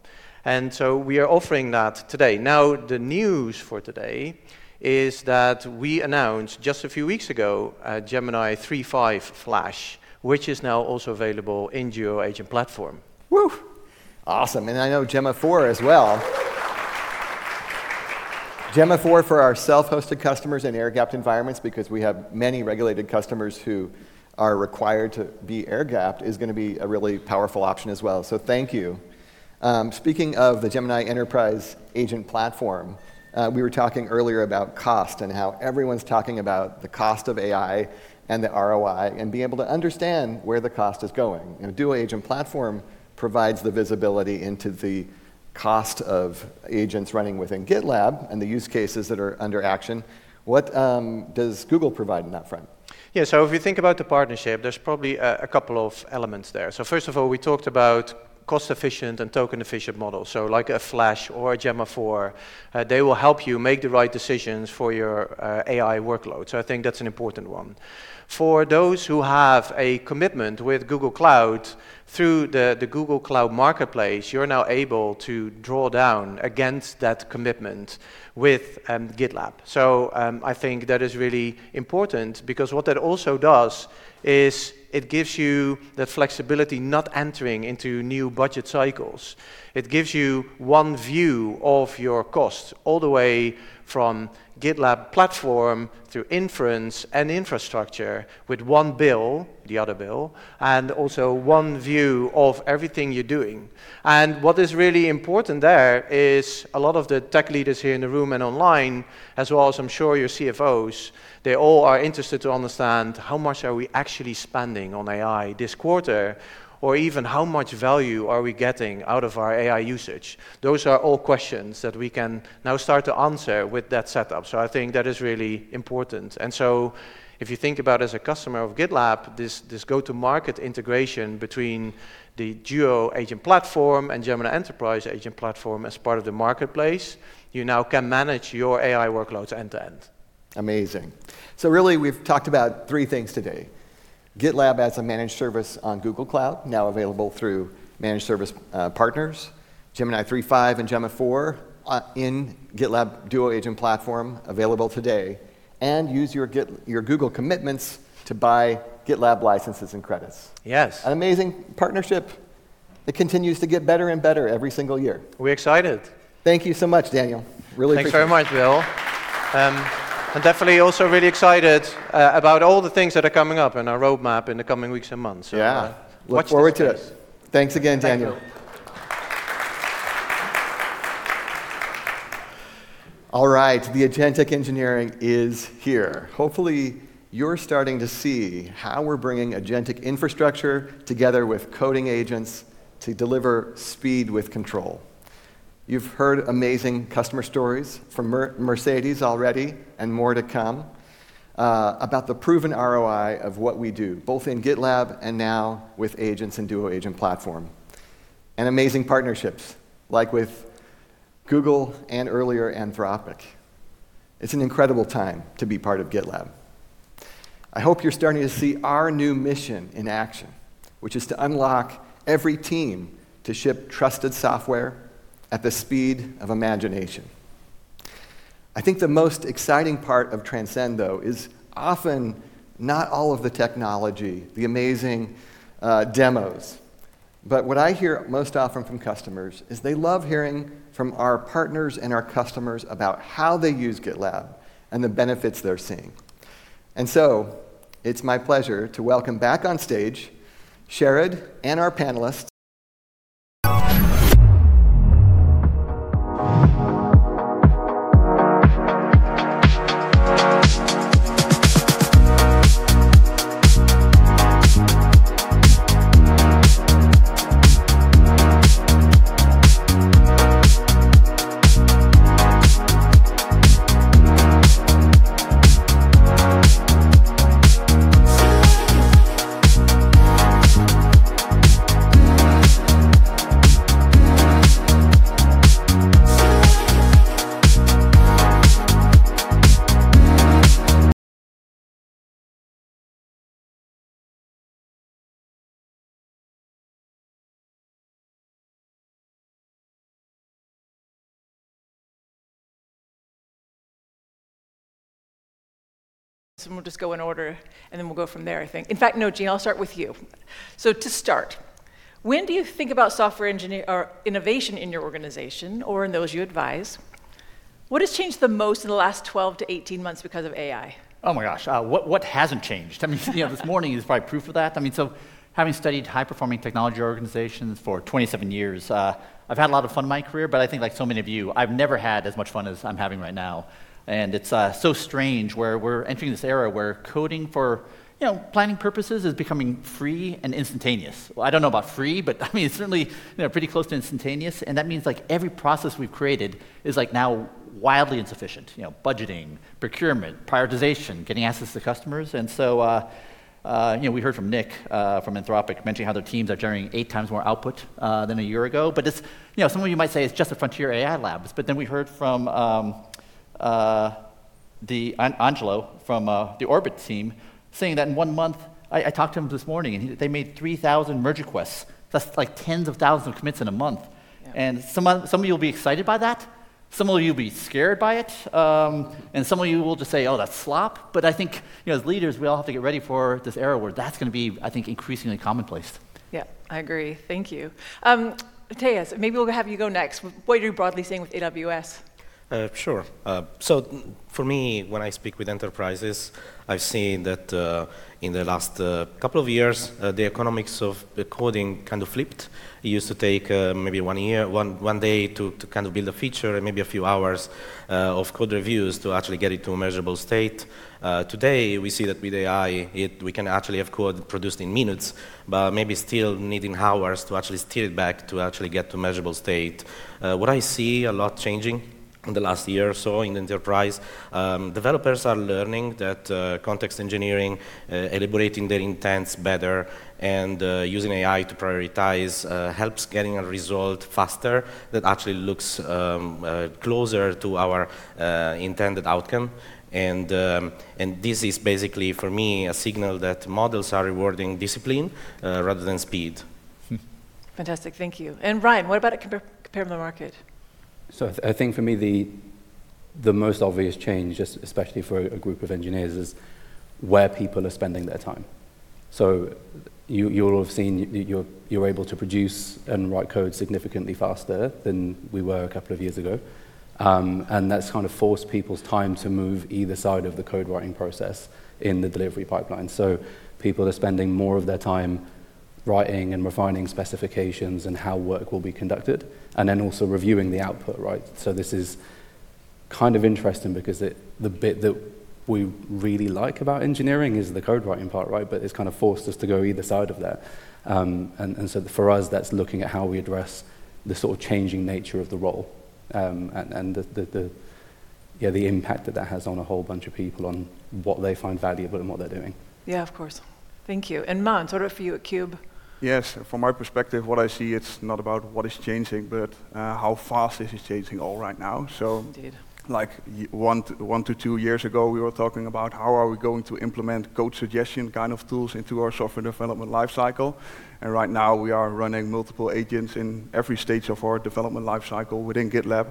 O: We are offering that today. The news for today is that we announced just a few weeks ago, Gemini 3.5 Flash, which is now also available in Duo Agent Platform.
B: Woo. Awesome. I know Gemma 4 as well. Gemma 4 for our self-hosted customers in air-gapped environments, because we have many regulated customers who are required to be air-gapped, is going to be a really powerful option as well. Thank you. Speaking of the Gemini Enterprise Agent Platform, we were talking earlier about cost and how everyone's talking about the cost of AI and the ROI and being able to understand where the cost is going. Duo Agent Platform provides the visibility into the cost of agents running within GitLab and the use cases that are under action, what does Google provide in that front?
O: Yeah. If you think about the partnership, there's probably a couple of elements there. First of all, we talked about cost-efficient and token-efficient models. Like a Flash or a Gemma 4, they will help you make the right decisions for your AI workload. I think that's an important one. For those who have a commitment with Google Cloud through the Google Cloud Marketplace, you're now able to draw down against that commitment with GitLab. I think that is really important because what that also does is it gives you the flexibility not entering into new budget cycles. It gives you one view of your costs all the way from GitLab platform through inference and infrastructure with one bill, the other Bill, and also one view of everything you're doing. What is really important there is a lot of the tech leaders here in the room and online as well as I'm sure your CFOs, they all are interested to understand how much are we actually spending on AI this quarter, or even how much value are we getting out of our AI usage. Those are all questions that we can now start to answer with that setup. I think that is really important. If you think about as a customer of GitLab, this go-to-market integration between the Duo Agent Platform and Gemini Enterprise Agent Platform as part of the marketplace, you now can manage your AI workloads end to end.
B: Amazing. Really we've talked about three things today. GitLab as a managed service on Google Cloud, now available through managed service partners. Gemini 3.5 and Gemma 4 in GitLab Duo Agent Platform available today. Use your Google commitments to buy GitLab licenses and credits.
O: Yes.
B: An amazing partnership that continues to get better and better every single year.
O: We're excited.
B: Thank you so much, Daniël. Really appreciate it.
O: Thanks very much, Bill. I'm definitely also really excited about all the things that are coming up in our roadmap in the coming weeks and months.
B: Yeah. Look forward to that. Thanks again, Daniël.
O: Thank you.
B: All right. The agentic engineering is here. Hopefully, you're starting to see how we're bringing agentic infrastructure together with coding agents to deliver speed with control. You've heard amazing customer stories from Mercedes already, and more to come, about the proven ROI of what we do, both in GitLab and now with agents and Duo Agent Platform, and amazing partnerships like with Google and earlier Anthropic. It's an incredible time to be part of GitLab. I hope you're starting to see our new mission in action, which is to unlock every team to ship trusted software at the speed of imagination. I think the most exciting part of Transcend though is often not all of the technology, the amazing demos, but what I hear most often from customers is they love hearing from our partners and our customers about how they use GitLab and the benefits they're seeing. It's my pleasure to welcome back on stage Sherrod and our panelists.
M: We'll just go in order and then we'll go from there, I think. In fact, no, Gene, I'll start with you. To start, when do you think about software engineer or innovation in your organization or in those you advise, what has changed the most in the last 12-18 months because of AI?
P: Oh my gosh. What hasn't changed? This morning is probably proof of that. Having studied high-performing technology organizations for 27 years, I've had a lot of fun in my career, but I think like so many of you, I've never had as much fun as I'm having right now. It's so strange where we're entering this era where coding for planning purposes is becoming free and instantaneous. Well, I don't know about free, but it's certainly pretty close to instantaneous, and that means like every process we've created is now wildly insufficient. Budgeting, procurement, prioritization, getting access to customers. We heard from Nick, from Anthropic mentioning how their teams are generating eight times more output than a year ago. Some of you might say it's just the frontier AI labs, we heard from Angelo from the GitLab Orbit team saying that in one month, I talked to him this morning and they made 3,000 merge requests. That's tens of thousands of commits in a month.
M: Yeah.
P: Some of you will be excited by that, some of you will be scared by it, and some of you will just say, "Oh, that's slop." I think as leaders, we all have to get ready for this era where that's going to be, I think, increasingly commonplace.
M: Yeah, I agree. Thank you. Matteo, maybe we'll have you go next. What are you broadly seeing with AWS?
Q: Sure. For me, when I speak with enterprises, I've seen that in the last couple of years the economics of the coding kind of flipped. It used to take maybe one day to build a feature and maybe a few hours of code reviews to actually get it to a measurable state. Today we see that with AI, we can actually have code produced in minutes, but maybe still needing hours to actually steer it back to actually get to measurable state. What I see a lot changing In the last year or so in enterprise, developers are learning that context engineering, elaborating their intents better, and using AI to prioritize helps getting a result faster that actually looks closer to our intended outcome. This is basically, for me, a signal that models are rewarding discipline rather than speed.
M: Fantastic. Thank you. Ryan, what about at Compare the Market?
R: I think for me, the most obvious change, especially for a group of engineers, is where people are spending their time. You'll have seen you're able to produce and write code significantly faster than we were a couple of years ago. That's forced people's time to move either side of the code writing process in the delivery pipeline. People are spending more of their time writing and refining specifications and how work will be conducted, and then also reviewing the output, right? This is kind of interesting because the bit that we really like about engineering is the code writing part, but it's forced us to go either side of that. For us, that's looking at how we address the changing nature of the role, and the impact that that has on a whole bunch of people on what they find valuable and what they're doing.
M: Yeah, of course. Thank you. Mans, what about for you at Cube?
S: Yes. From my perspective, what I see, it's not about what is changing, but how fast it is changing all right now.
M: Indeed.
S: One to two years ago, we were talking about how are we going to implement code suggestion kind of tools into our software development lifecycle, right now we are running multiple agents in every stage of our development lifecycle within GitLab,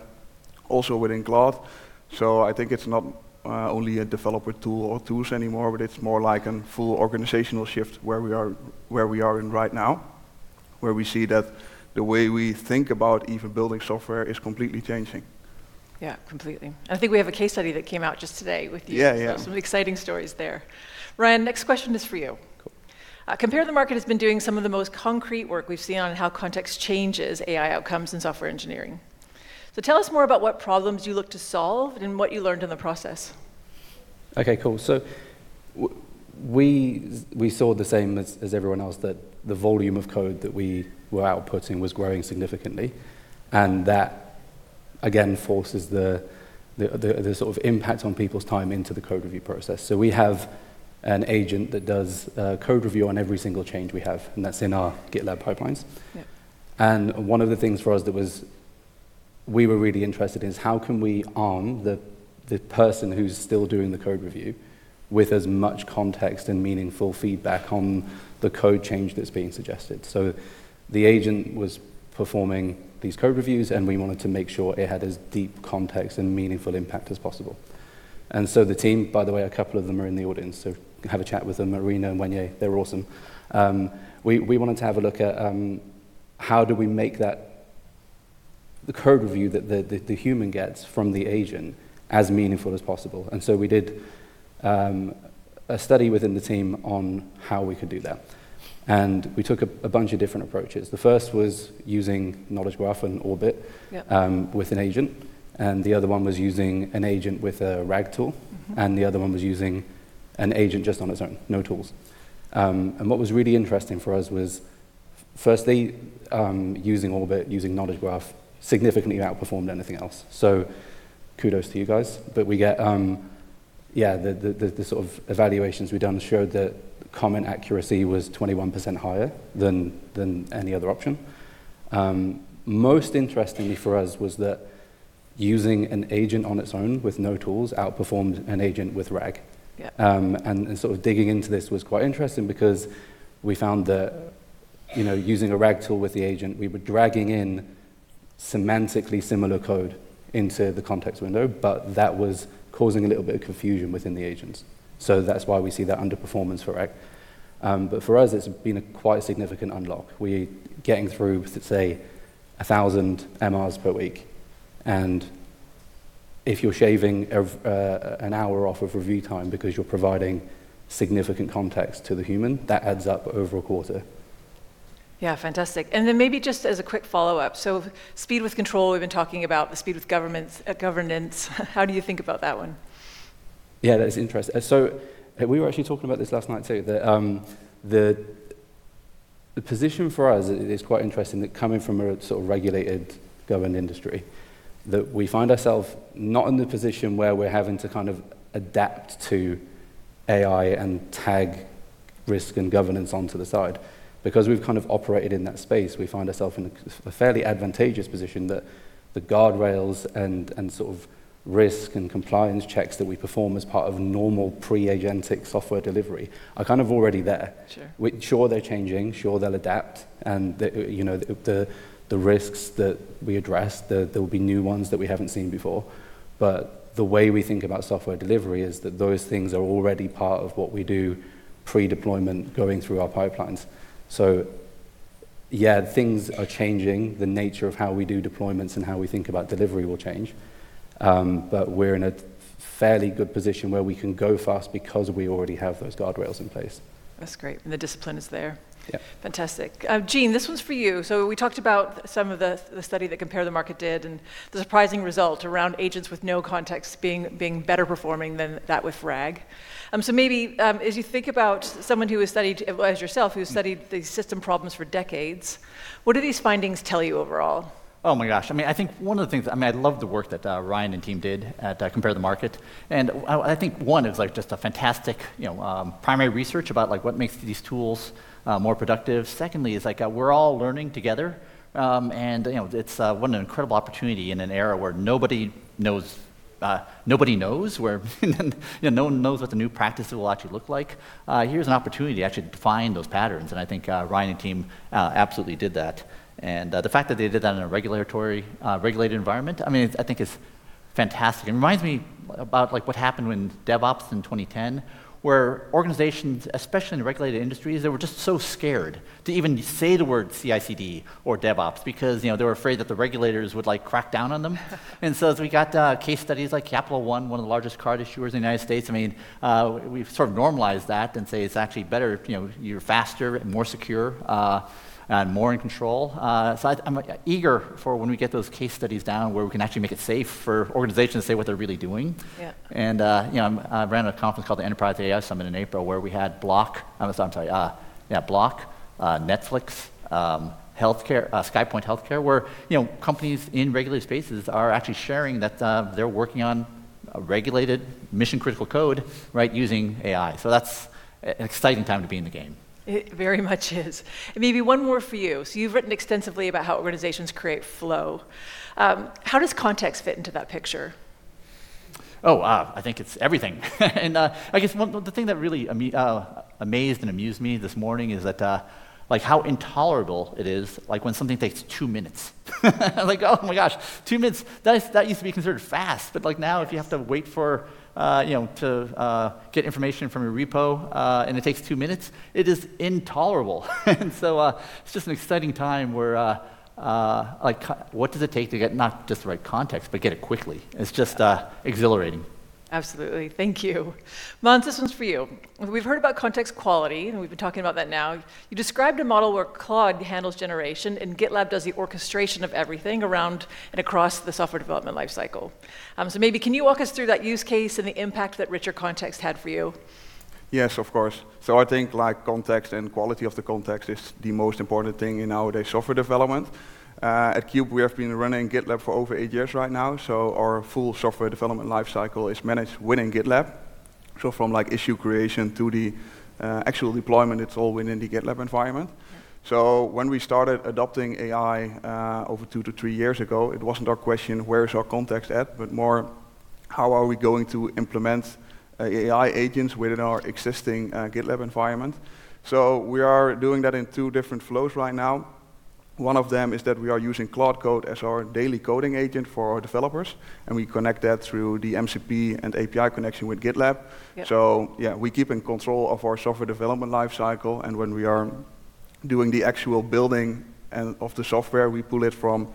S: also within Cloud. I think it's not only a developer tool or tools anymore, but it's more like a full organizational shift where we are in right now, where we see that the way we think about even building software is completely changing.
M: Yeah, completely. I think we have a case study that came out just today with you.
S: Yeah.
M: Some exciting stories there. Ryan, next question is for you.
R: Cool.
M: Compare the Market has been doing some of the most concrete work we've seen on how context changes AI outcomes in software engineering. Tell us more about what problems you look to solve and what you learned in the process.
R: Okay, cool. We saw the same as everyone else, that the volume of code that we were outputting was growing significantly, that again forces the impact on people's time into the code review process. We have an agent that does code review on every single change we have, that's in our GitLab pipelines.
M: Yeah.
R: One of the things for us that we were really interested in is how can we arm the person who's still doing the code review with as much context and meaningful feedback on the code change that's being suggested. The agent was performing these code reviews, we wanted to make sure it had as deep context and meaningful impact as possible. The team, by the way, a couple of them are in the audience, have a chat with them, Marina and Wenye. They're awesome. We wanted to have a look at how do we make the code review that the human gets from the agent as meaningful as possible. We did a study within the team on how we could do that, we took a bunch of different approaches. The first was using Knowledge Graph and Orbit.
M: Yeah
R: With an agent, the other one was using an agent with a RAG tool, the other one was using an agent just on its own, no tools. What was really interesting for us was firstly, using Orbit, using Knowledge Graph significantly outperformed anything else. Kudos to you guys. The sort of evaluations we've done showed that comment accuracy was 21% higher than any other option. Most interestingly for us was that using an agent on its own with no tools outperformed an agent with RAG.
M: Yeah.
R: Sort of digging into this was quite interesting because we found that using a RAG tool with the agent, we were dragging in semantically similar code into the context window, but that was causing a little bit of confusion within the agents. That's why we see that underperformance for RAG. For us, it's been a quite significant unlock. We're getting through, let's say 1,000 MRs per week, and if you're shaving an hour off of review time because you're providing significant context to the human, that adds up over a quarter.
M: Yeah. Fantastic. Maybe just as a quick follow-up, speed with control, we've been talking about the speed with governance. How do you think about that one?
R: Yeah, that is interesting. We were actually talking about this last night too, that the position for us is quite interesting that coming from a sort of regulated, governed industry, that we find ourselves not in the position where we're having to adapt to AI and tag risk and governance onto the side. Because we've operated in that space, we find ourselves in a fairly advantageous position that the guardrails and risk and compliance checks that we perform as part of normal pre-agentic software delivery are kind of already there.
M: Sure.
R: Sure, they're changing. Sure, they'll adapt and the risks that we address, there'll be new ones that we haven't seen before. The way we think about software delivery is that those things are already part of what we do pre-deployment going through our pipelines. Yeah, things are changing. The nature of how we do deployments and how we think about delivery will change. We're in a fairly good position where we can go fast because we already have those guardrails in place.
M: That's great, and the discipline is there.
R: Yeah.
M: Fantastic. Gene, this one's for you. We talked about some of the study that Compare the Market did, and the surprising result around agents with no context being better performing than that with RAG. Maybe, as you think about someone who has studied, as yourself, who studied these system problems for decades, what do these findings tell you overall?
P: Oh my gosh. I think one of the things, I love the work that Ryan and team did at Compare the Market. I think one, it's just fantastic primary research about what makes these tools more productive. Secondly is, we're all learning together. It's what an incredible opportunity in an era where nobody knows what the new practice will actually look like. Here's an opportunity to actually define those patterns, and I think Ryan and team absolutely did that. The fact that they did that in a regulated environment, I think is fantastic. It reminds me about what happened when DevOps in 2010, where organizations, especially in regulated industries, they were just so scared to even say the word CI/CD or DevOps because they were afraid that the regulators would crack down on them. As we got case studies like Capital One, one of the largest card issuers in the U.S., we've sort of normalized that and say it's actually better, you're faster and more secure, and more in control. I'm eager for when we get those case studies down where we can actually make it safe for organizations to say what they're really doing.
M: Yeah.
P: I ran a conference called the Enterprise AI Summit in April, where we had Block, Netflix, Skypoint Healthcare, where companies in regulated spaces are actually sharing that they're working on regulated mission-critical code using AI. That's an exciting time to be in the game.
M: It very much is. Maybe one more for you. You've written extensively about how organizations create flow. How does context fit into that picture?
P: I think it's everything. I guess the thing that really amazed and amused me this morning is how intolerable it is when something takes two minutes. Like, oh my gosh, two minutes. That used to be considered fast, but now if you have to wait to get information from your repo, and it takes two minutes, it is intolerable. It's just an exciting time where, what does it take to get not just the right context, but get it quickly? It's just exhilarating.
M: Absolutely. Thank you. Mans, this one's for you. We've heard about context quality, and we've been talking about that now. You described a model where Claude handles generation and GitLab does the orchestration of everything around and across the software development life cycle. Maybe can you walk us through that use case and the impact that richer context had for you?
S: Yes, of course. I think context and quality of the context is the most important thing in nowadays software development. At Cube, we have been running GitLab for over eight years right now. Our full software development life cycle is managed within GitLab. From issue creation to the actual deployment, it's all within the GitLab environment.
M: Yeah.
S: When we started adopting AI over two to three years ago, it wasn't a question of where is our context at, but more how are we going to implement AI agents within our existing GitLab environment. We are doing that in two different flows right now. One of them is that we are using Claude Code as our daily coding agent for our developers, and we connect that through the MCP and API connection with GitLab.
M: Yeah.
S: Yeah, we keep in control of our software development life cycle, and when we are doing the actual building of the software, we pull it from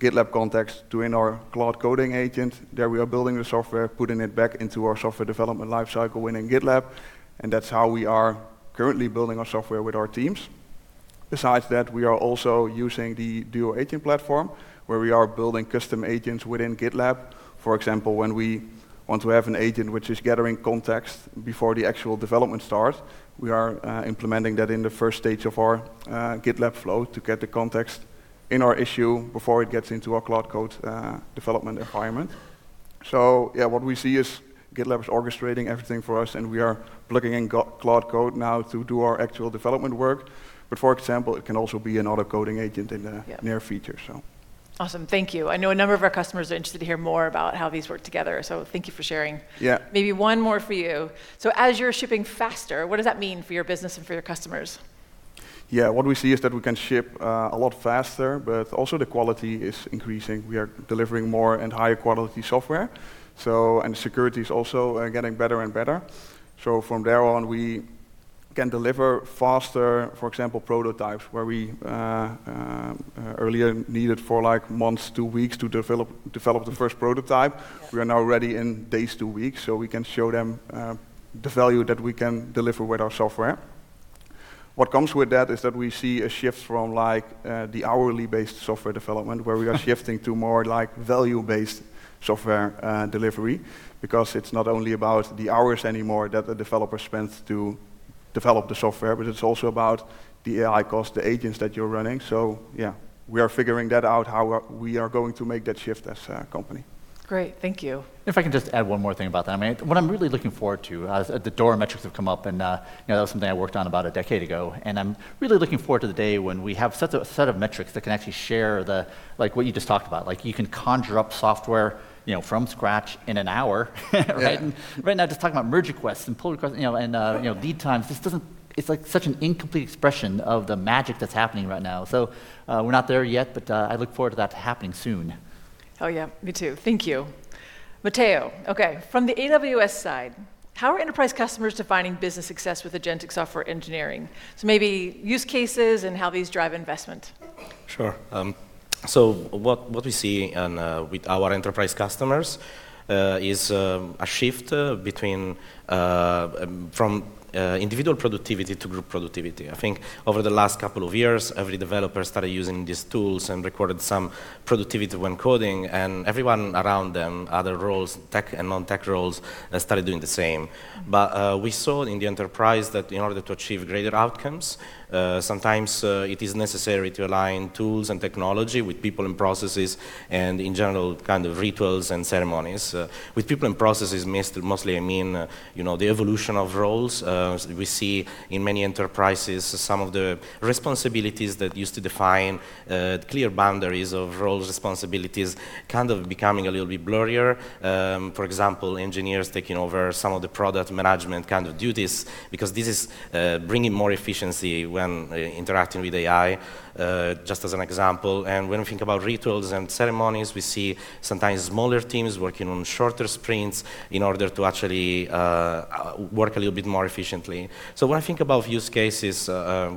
S: GitLab context to in our Claude coding agent. There we are building the software, putting it back into our software development life cycle within GitLab, and that's how we are currently building our software with our teams. Besides that, we are also using the Duo Agent Platform, where we are building custom agents within GitLab. For example, when we want to have an agent which is gathering context before the actual development starts, we are implementing that in the first stage of our GitLab flow to get the context in our issue before it gets into our Claude Code development environment. Yeah, what we see is GitLab is orchestrating everything for us, and we are plugging in Claude Code now to do our actual development work. For example, it can also be an auto coding agent.
M: Yeah
S: Near future.
M: Awesome. Thank you. I know a number of our customers are interested to hear more about how these work together. Thank you for sharing.
S: Yeah.
M: Maybe one more for you. As you're shipping faster, what does that mean for your business and for your customers?
S: Yeah. What we see is that we can ship a lot faster, but also the quality is increasing. We are delivering more and higher quality software. Security is also getting better and better. From there on, we can deliver faster, for example, prototypes, where we, earlier needed for months to weeks to develop the first prototype.
M: Yeah.
S: We are now ready in days to weeks, we can show them the value that we can deliver with our software. What comes with that is that we see a shift from the hourly-based software development, where we are shifting to more value-based software delivery. It's not only about the hours anymore that the developer spends to develop the software, but it's also about the AI cost, the agents that you're running. Yeah, we are figuring that out, how we are going to make that shift as a company.
M: Great. Thank you.
P: If I can just add one more thing about that. What I'm really looking forward to, the DORA metrics have come up and that was something I worked on about a decade ago, and I'm really looking forward to the day when we have a set of metrics that can actually share what you just talked about. You can conjure up software from scratch in an hour, right?
S: Yeah.
P: Right now, just talking about merge requests and pull requests, and lead times. It's such an incomplete expression of the magic that's happening right now. We're not there yet, but I look forward to that happening soon.
M: Me too. Thank you, Matteo. From the AWS side, how are enterprise customers defining business success with agentic software engineering? Maybe use cases and how these drive investment.
Q: What we see with our enterprise customers is a shift from individual productivity to group productivity. Over the last couple of years, every developer started using these tools and recorded some productivity when coding, and everyone around them, other roles, tech and non-tech roles, started doing the same. We saw in the enterprise that in order to achieve greater outcomes, sometimes it is necessary to align tools and technology with people and processes, and in general, rituals and ceremonies. With people and processes mostly I mean the evolution of roles. We see in many enterprises some of the responsibilities that used to define clear boundaries of roles responsibilities becoming a little bit blurrier. For example, engineers taking over some of the product management duties because this is bringing more efficiency when interacting with AI, just as an example. When we think about rituals and ceremonies, we see sometimes smaller teams working on shorter sprints in order to actually work a little bit more efficiently. When I think about use cases,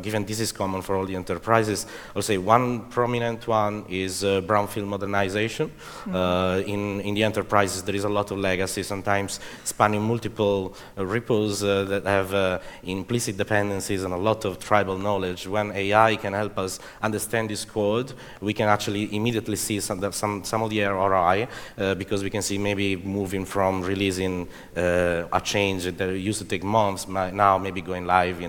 Q: given this is common for all the enterprises, I would say one prominent one is brownfield modernization. In the enterprises, there is a lot of legacy, sometimes spanning multiple repos that have implicit dependencies and a lot of tribal knowledge. When AI can help us understand this code, we can actually immediately see some of the ROI because we can see maybe moving from releasing a change that used to take months now maybe going live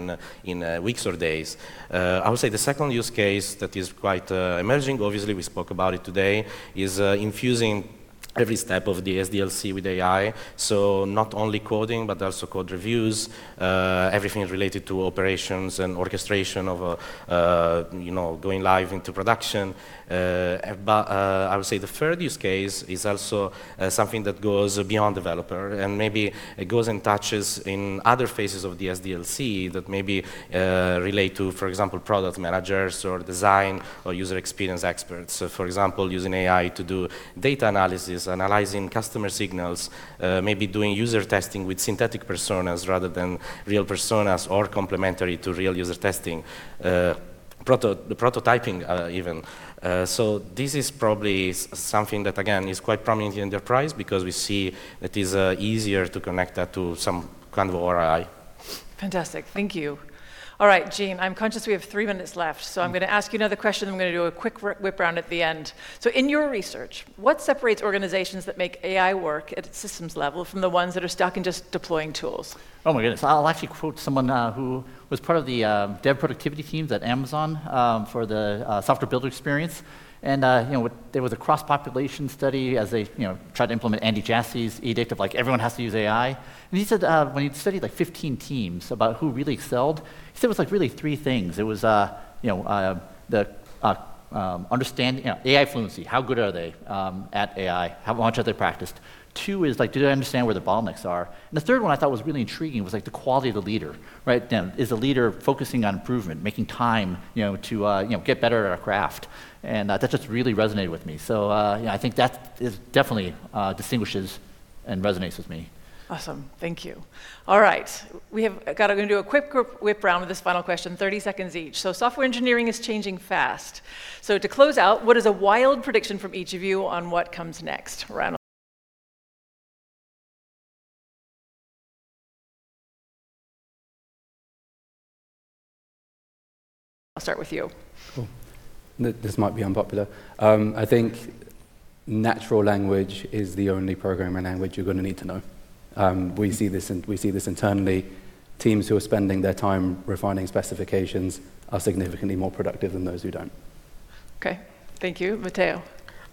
Q: in weeks or days. I would say the second use case that is quite emerging, we spoke about it today, is infusing every step of the SDLC with AI. Not only coding, but also code reviews. Everything related to operations and orchestration of going live into production. I would say the third use case is also something that goes beyond developer and maybe it goes and touches in other phases of the SDLC that maybe relate to, for example, product managers or design or user experience experts. For example, using AI to do data analysis, analyzing customer signals, maybe doing user testing with synthetic personas rather than real personas, or complementary to real user testing. Prototyping, even. This is probably something that, again, is quite prominent in the enterprise because we see it is easier to connect that to some kind of ROI.
M: Fantastic. Thank you. All right, Gene, I'm conscious we have three minutes left, I'm going to ask you another question, then I'm going to do a quick whip-around at the end. In your research, what separates organizations that make AI work at a systems level from the ones that are stuck in just deploying tools?
P: Oh, my goodness. I'll actually quote someone who was part of the dev productivity teams at Amazon for the software builder experience. There was a cross-population study as they tried to implement Andy Jassy's edict of "Everyone has to use AI." He said when he studied 15 teams about who really excelled, he said it was really three things. It was AI fluency, how good are they at AI? How much have they practiced? Two is, do they understand where the bottlenecks are? The third one I thought was really intriguing was the quality of the leader. Is the leader focusing on improvement, making time to get better at our craft? That just really resonated with me. I think that definitely distinguishes and resonates with me.
M: Awesome. Thank you. All right. We're going to do a quick whip-around with this final question, 30 seconds each. Software engineering is changing fast. To close out, what is a wild prediction from each of you on what comes next? Ryan, I'll start with you.
R: This might be unpopular. I think natural language is the only programming language you're going to need to know. We see this internally. Teams who are spending their time refining specifications are significantly more productive than those who don't.
M: Okay. Thank you, Matteo.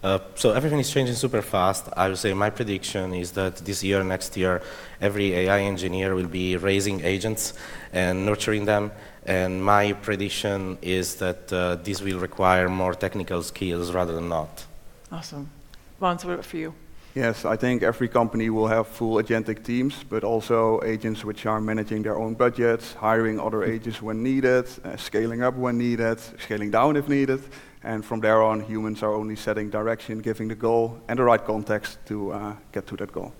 Q: Everything is changing super fast. I would say my prediction is that this year, next year, every AI engineer will be raising agents and nurturing them. My prediction is that this will require more technical skills rather than not.
M: Awesome. Mans, what about for you?
S: Yes, I think every company will have full agentic teams, but also agents which are managing their own budgets, hiring other agents when needed, scaling up when needed, scaling down if needed. From there on, humans are only setting direction, giving the goal and the right context to get to that goal.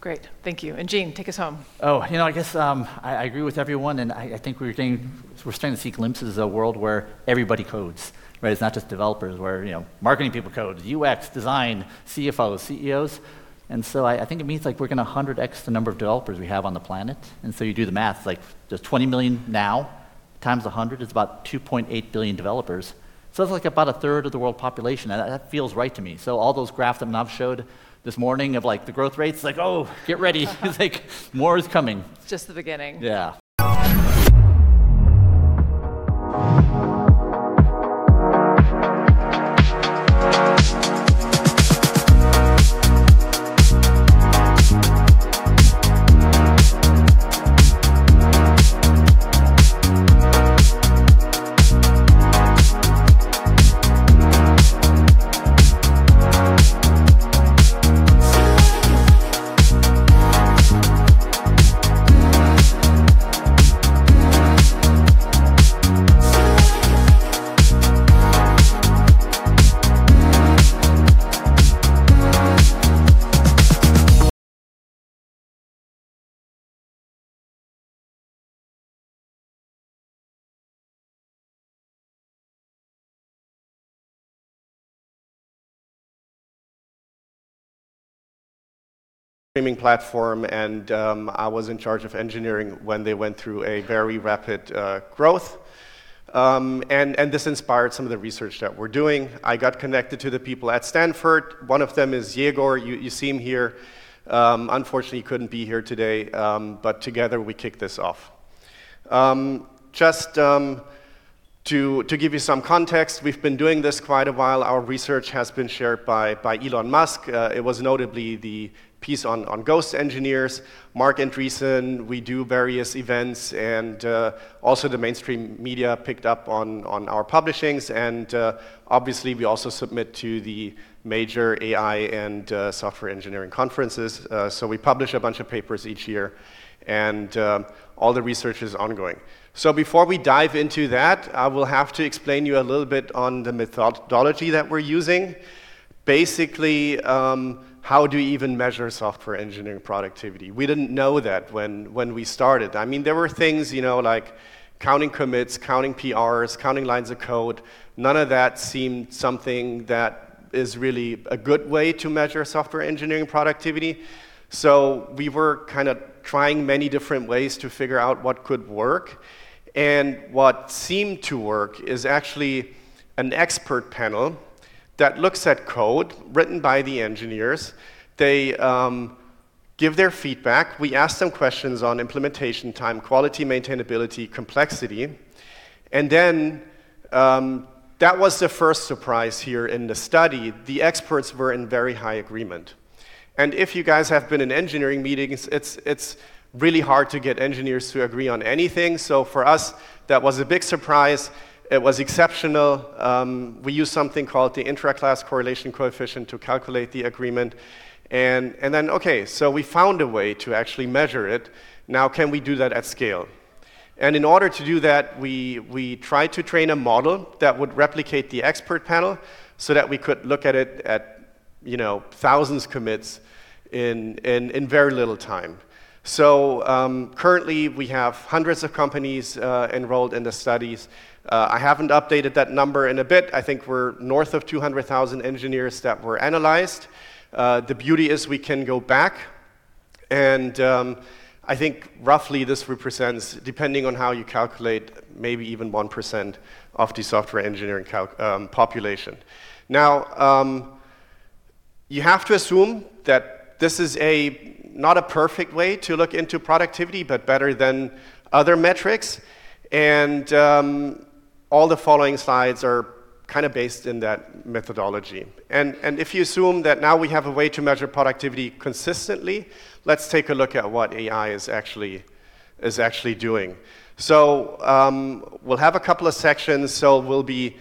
M: Great. Thank you. Gene, take us home.
P: I guess I agree with everyone. I think we're starting to see glimpses of a world where everybody codes. It's not just developers. Where marketing people code, UX, design, CFOs, CEOs. I think it means we're going to 100X the number of developers we have on the planet. You do the math, there's $20 million now, times 100 is about $2.8 billion developers. That's about a third of the world population, and that feels right to me. All those graphs Manav showed this morning of the growth rates, like, "Get ready. More is coming.
M: It's just the beginning.
P: Yeah.
T: Streaming platform and I was in charge of engineering when they went through a very rapid growth. This inspired some of the research that we're doing. I got connected to the people at Stanford University. One of them is Yegor. You see him here. Unfortunately, he couldn't be here today, but together we kicked this off. Just to give you some context, we've been doing this quite a while. Our research has been shared by Elon Musk. It was notably the piece on ghost engineers. Marc Andreessen, we do various events, and also the mainstream media picked up on our publishings. Obviously, we also submit to the major AI and software engineering conferences. We publish a bunch of papers each year and all the research is ongoing. Before we dive into that, I will have to explain you a little bit on the methodology that we're using. How do you even measure software engineering productivity? We didn't know that when we started. There were things like counting commits, counting PRs, counting lines of code. None of that seemed something that is really a good way to measure software engineering productivity. We were kind of trying many different ways to figure out what could work. What seemed to work is actually an expert panel that looks at code written by the engineers. They give their feedback. We ask them questions on implementation time, quality, maintainability, complexity. Then, that was the first surprise here in the study. The experts were in very high agreement. If you guys have been in engineering meetings, it's really hard to get engineers to agree on anything. For us, that was a big surprise. It was exceptional. We used something called the intraclass correlation coefficient to calculate the agreement. Okay, we found a way to actually measure it. Can we do that at scale? In order to do that, we tried to train a model that would replicate the expert panel so that we could look at it at thousands commits in very little time. Currently we have hundreds of companies enrolled in the studies. I haven't updated that number in a bit. I think we're north of 200,000 engineers that were analyzed. The beauty is we can go back and, I think roughly this represents, depending on how you calculate, maybe even 1% of the software engineering population. You have to assume that this is not a perfect way to look into productivity, but better than other metrics. All the following slides are based in that methodology. If you assume that now we have a way to measure productivity consistently, let's take a look at what AI is actually doing. We'll have a couple of sections. We'll be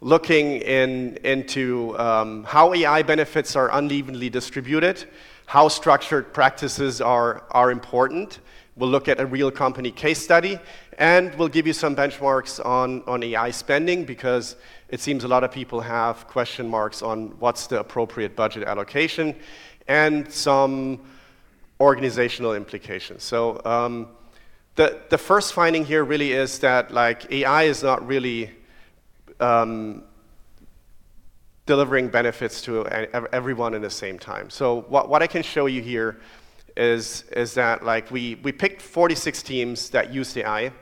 T: looking into how AI benefits are unevenly distributed, how structured practices are important. We'll look at a real company case study, and we'll give you some benchmarks on AI spending because it seems a lot of people have question marks on what's the appropriate budget allocation and some organizational implications. The first finding here really is that AI is not really delivering benefits to everyone at the same time. What I can show you here is that we picked 46 teams that used AI,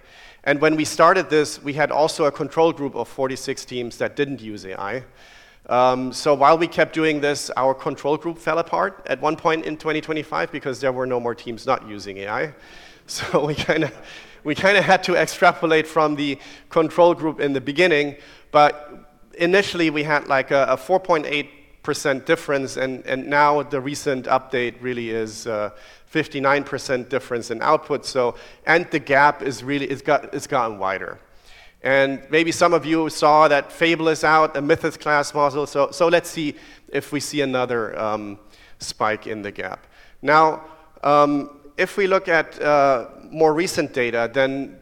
T: and when we started this, we had also a control group of 46 teams that didn't use AI. While we kept doing this, our control group fell apart at one point in 2025 because there were no more teams not using AI. We kind of had to extrapolate from the control group in the beginning. Initially, we had a 4.8% difference and now the recent update really is a 59% difference in output. The gap it's gotten wider. Maybe some of you saw that Fable is out, the Mythos-class model. Let's see if we see another spike in the gap. If we look at more recent data,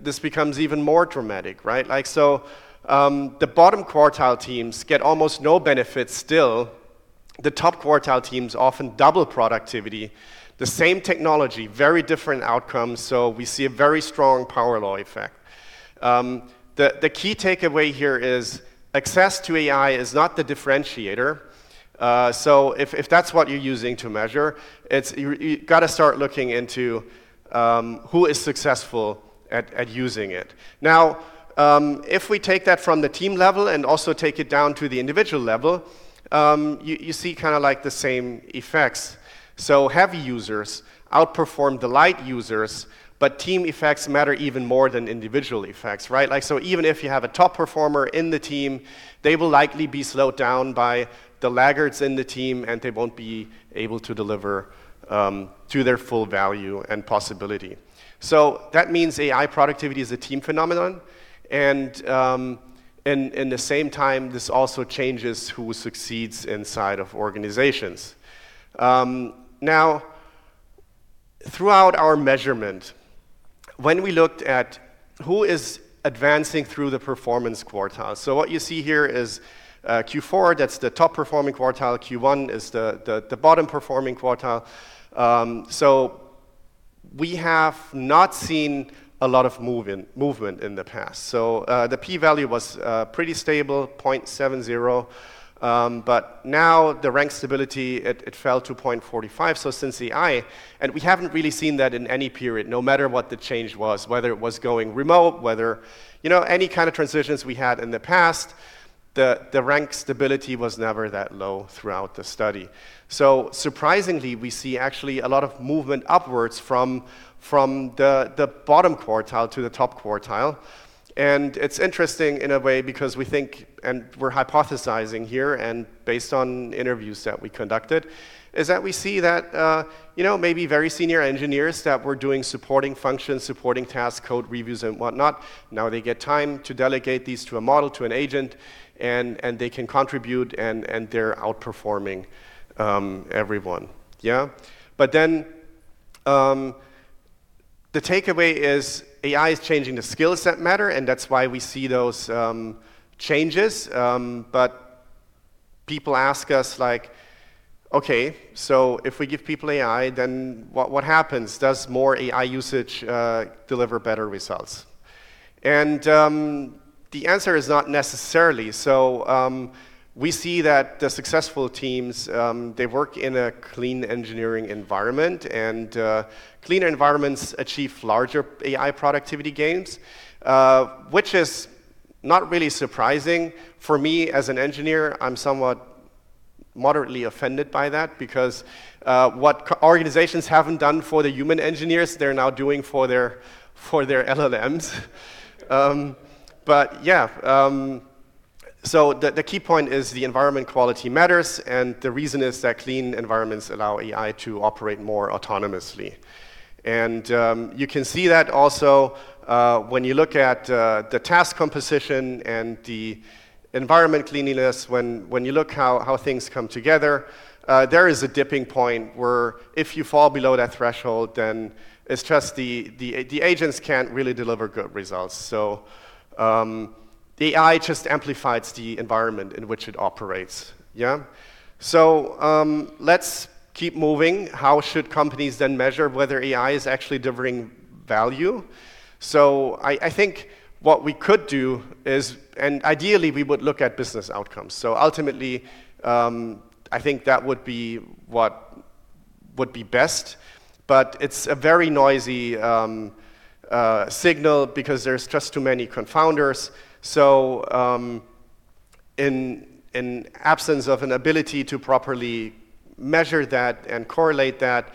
T: this becomes even more dramatic, right? The bottom quartile teams get almost no benefit still. The top quartile teams often double productivity. The same technology, very different outcomes. We see a very strong power law effect. The key takeaway here is access to AI is not the differentiator. If that's what you're using to measure, you've got to start looking into who is successful at using it. If we take that from the team level and also take it down to the individual level, you see the same effects. Heavy users outperform the light users, but team effects matter even more than individual effects, right? Even if you have a top performer in the team, they will likely be slowed down by the laggards in the team, and they won't be able to deliver to their full value and possibility. That means AI productivity is a team phenomenon and, in the same time, this also changes who succeeds inside of organizations. Throughout our measurement, when we looked at who is advancing through the performance quartile. What you see here is Q4, that's the top-performing quartile. Q1 is the bottom-performing quartile. We have not seen a lot of movement in the past. The P value was pretty stable, 0.70. Now the rank stability, it fell to 0.45. Since AI, and we haven't really seen that in any period, no matter what the change was, whether it was going remote, any kind of transitions we had in the past, the rank stability was never that low throughout the study. Surprisingly, we see actually a lot of movement upwards from the bottom quartile to the top quartile. It's interesting in a way because we think, and we're hypothesizing here, and based on interviews that we conducted, is that we see that maybe very senior engineers that were doing supporting functions, supporting tasks, code reviews and whatnot, now they get time to delegate these to a model, to an agent, and they can contribute, and they're outperforming everyone. Yeah. The takeaway is AI is changing the skill set matter, and that's why we see those changes. People ask us, "Okay, if we give people AI, then what happens? Does more AI usage deliver better results?" The answer is not necessarily. We see that the successful teams, they work in a clean engineering environment, and clean environments achieve larger AI productivity gains, which is not really surprising. For me, as an engineer, I'm somewhat moderately offended by that because what organizations haven't done for the human engineers, they're now doing for their LLMs. Yeah. The key point is the environment quality matters, and the reason is that clean environments allow AI to operate more autonomously. You can see that also when you look at the task composition and the environment cleanliness. When you look how things come together, there is a dipping point where if you fall below that threshold, then it's just the agents can't really deliver good results. AI just amplifies the environment in which it operates. Yeah. Let's keep moving. How should companies then measure whether AI is actually delivering value? I think what we could do is, and ideally we would look at business outcomes. Ultimately, I think that would be what would be best. It's a very noisy signal because there's just too many confounders. In absence of an ability to properly measure that and correlate that,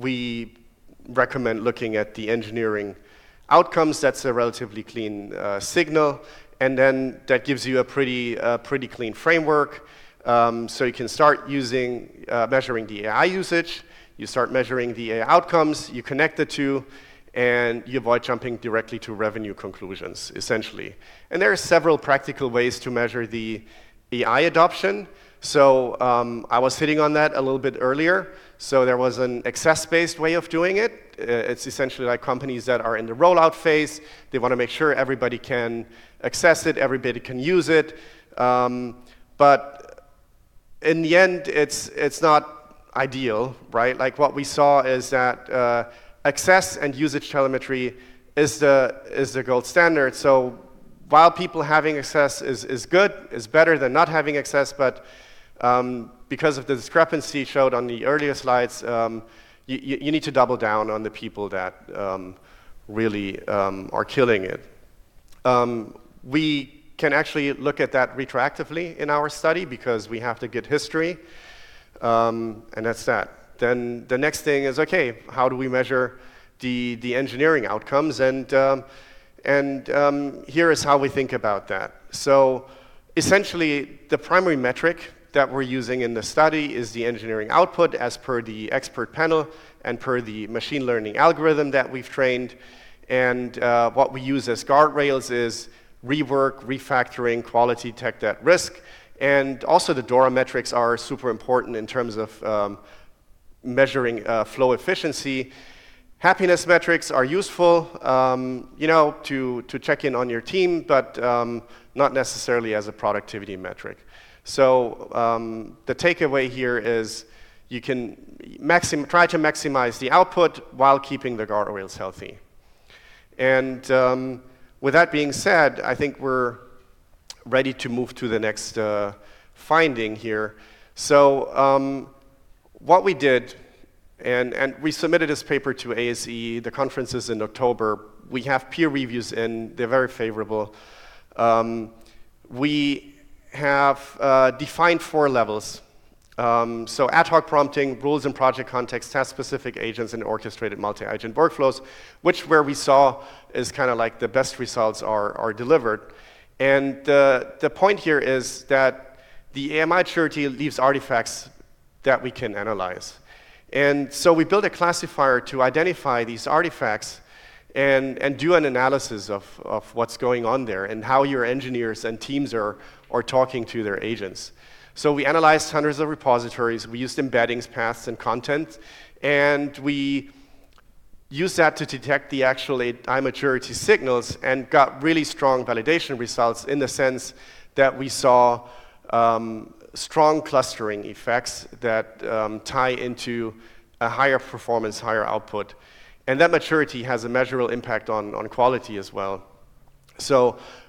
T: we recommend looking at the engineering outcomes. That's a relatively clean signal. Then that gives you a pretty clean framework. You can start measuring the AI usage, you start measuring the AI outcomes, you connect the two, and you avoid jumping directly to revenue conclusions, essentially. There are several practical ways to measure the AI adoption. I was hitting on that a little bit earlier. There was an access-based way of doing it. It is essentially companies that are in the rollout phase. They want to make sure everybody can access it, everybody can use it. In the end, it is not ideal, right? What we saw is that access and usage telemetry is the gold standard. While people having access is good, is better than not having access, but because of the discrepancy showed on the earlier slides, you need to double down on the people that really are killing it. We can actually look at that retroactively in our study because we have the Git history, and that is that. The next thing is, okay, how do we measure the engineering outcomes? Here is how we think about that. Essentially, the primary metric that we're using in the study is the engineering output as per the expert panel and per the machine learning algorithm that we've trained. What we use as guardrails is rework, refactoring, quality, tech debt risk. Also the DORA metrics are super important in terms of measuring flow efficiency. Happiness metrics are useful to check in on your team, but not necessarily as a productivity metric. The takeaway here is you can try to maximize the output while keeping the guardrails healthy. With that being said, I think we're ready to move to the next finding here. What we did, and we submitted this paper to ASE, the conference is in October. We have peer reviews and they're very favorable. We have defined four levels. Ad hoc prompting, rules and project context, task-specific agents, and orchestrated multi-agent workflows, which where we saw is the best results are delivered. The point here is that the AMI maturity leaves artifacts that we can analyze. We built a classifier to identify these artifacts and do an analysis of what is going on there and how your engineers and teams are talking to their agents. We analyzed hundreds of repositories. We used embeddings, paths, and content. We use that to detect the actual AI maturity signals and got really strong validation results in the sense that we saw strong clustering effects that tie into a higher performance, higher output. That maturity has a measurable impact on quality as well.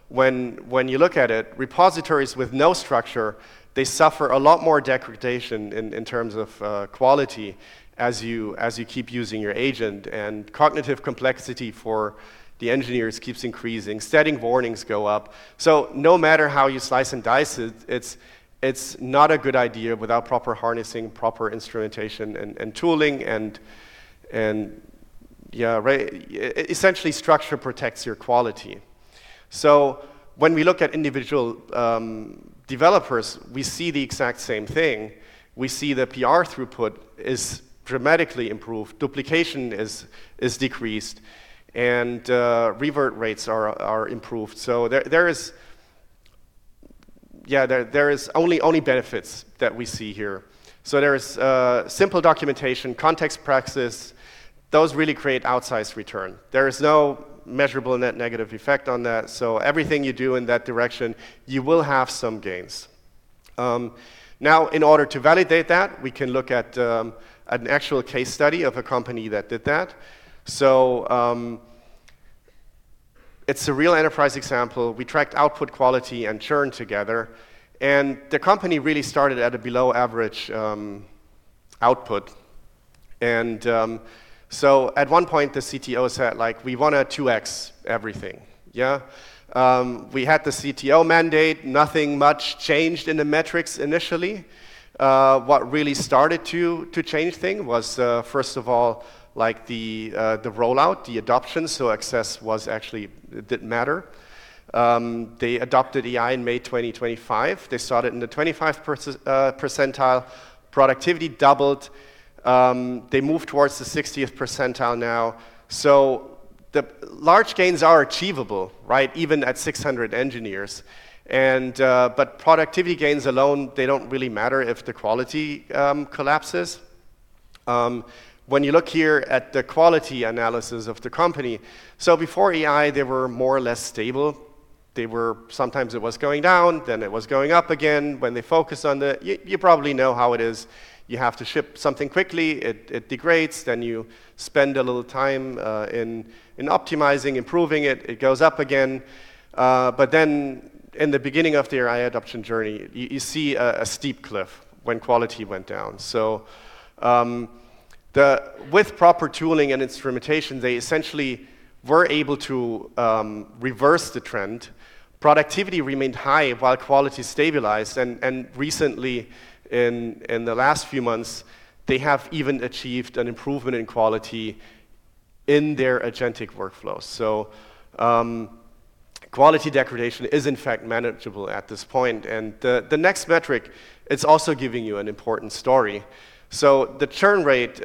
T: When you look at it, repositories with no structure, they suffer a lot more degradation in terms of quality as you keep using your agent, and cognitive complexity for the engineers keeps increasing. Static warnings go up. No matter how you slice and dice it's not a good idea without proper harnessing, proper instrumentation and tooling. Essentially, structure protects your quality. When we look at individual developers, we see the exact same thing. We see the PR throughput is dramatically improved, duplication is decreased, and revert rates are improved. There is only benefits that we see here. There is simple documentation, context practices. Those really create outsized return. There is no measurable net negative effect on that. Everything you do in that direction, you will have some gains. In order to validate that, we can look at an actual case study of a company that did that. It's a real enterprise example. We tracked output quality and churn together, the company really started at a below average output. At one point the CTO said, "We want to 2X everything." We had the CTO mandate. Nothing much changed in the metrics initially. What really started to change things was, first of all, the rollout, the adoption. Access actually didn't matter. They adopted AI in May 2025. They started in the 25th percentile. Productivity doubled. They moved towards the 60th percentile now. The large gains are achievable, even at 600 engineers. Productivity gains alone, they don't really matter if the quality collapses. When you look here at the quality analysis of the company, before AI, they were more or less stable. Sometimes it was going down, then it was going up again. When they focus on, you probably know how it is. You have to ship something quickly, it degrades, then you spend a little time in optimizing, improving it. It goes up again. In the beginning of their AI adoption journey, you see a steep cliff when quality went down. With proper tooling and instrumentation, they essentially were able to reverse the trend. Productivity remained high while quality stabilized. Recently in the last few months, they have even achieved an improvement in quality in their agentic workflows. Quality degradation is in fact manageable at this point. The next metric, it's also giving you an important story. The churn rate,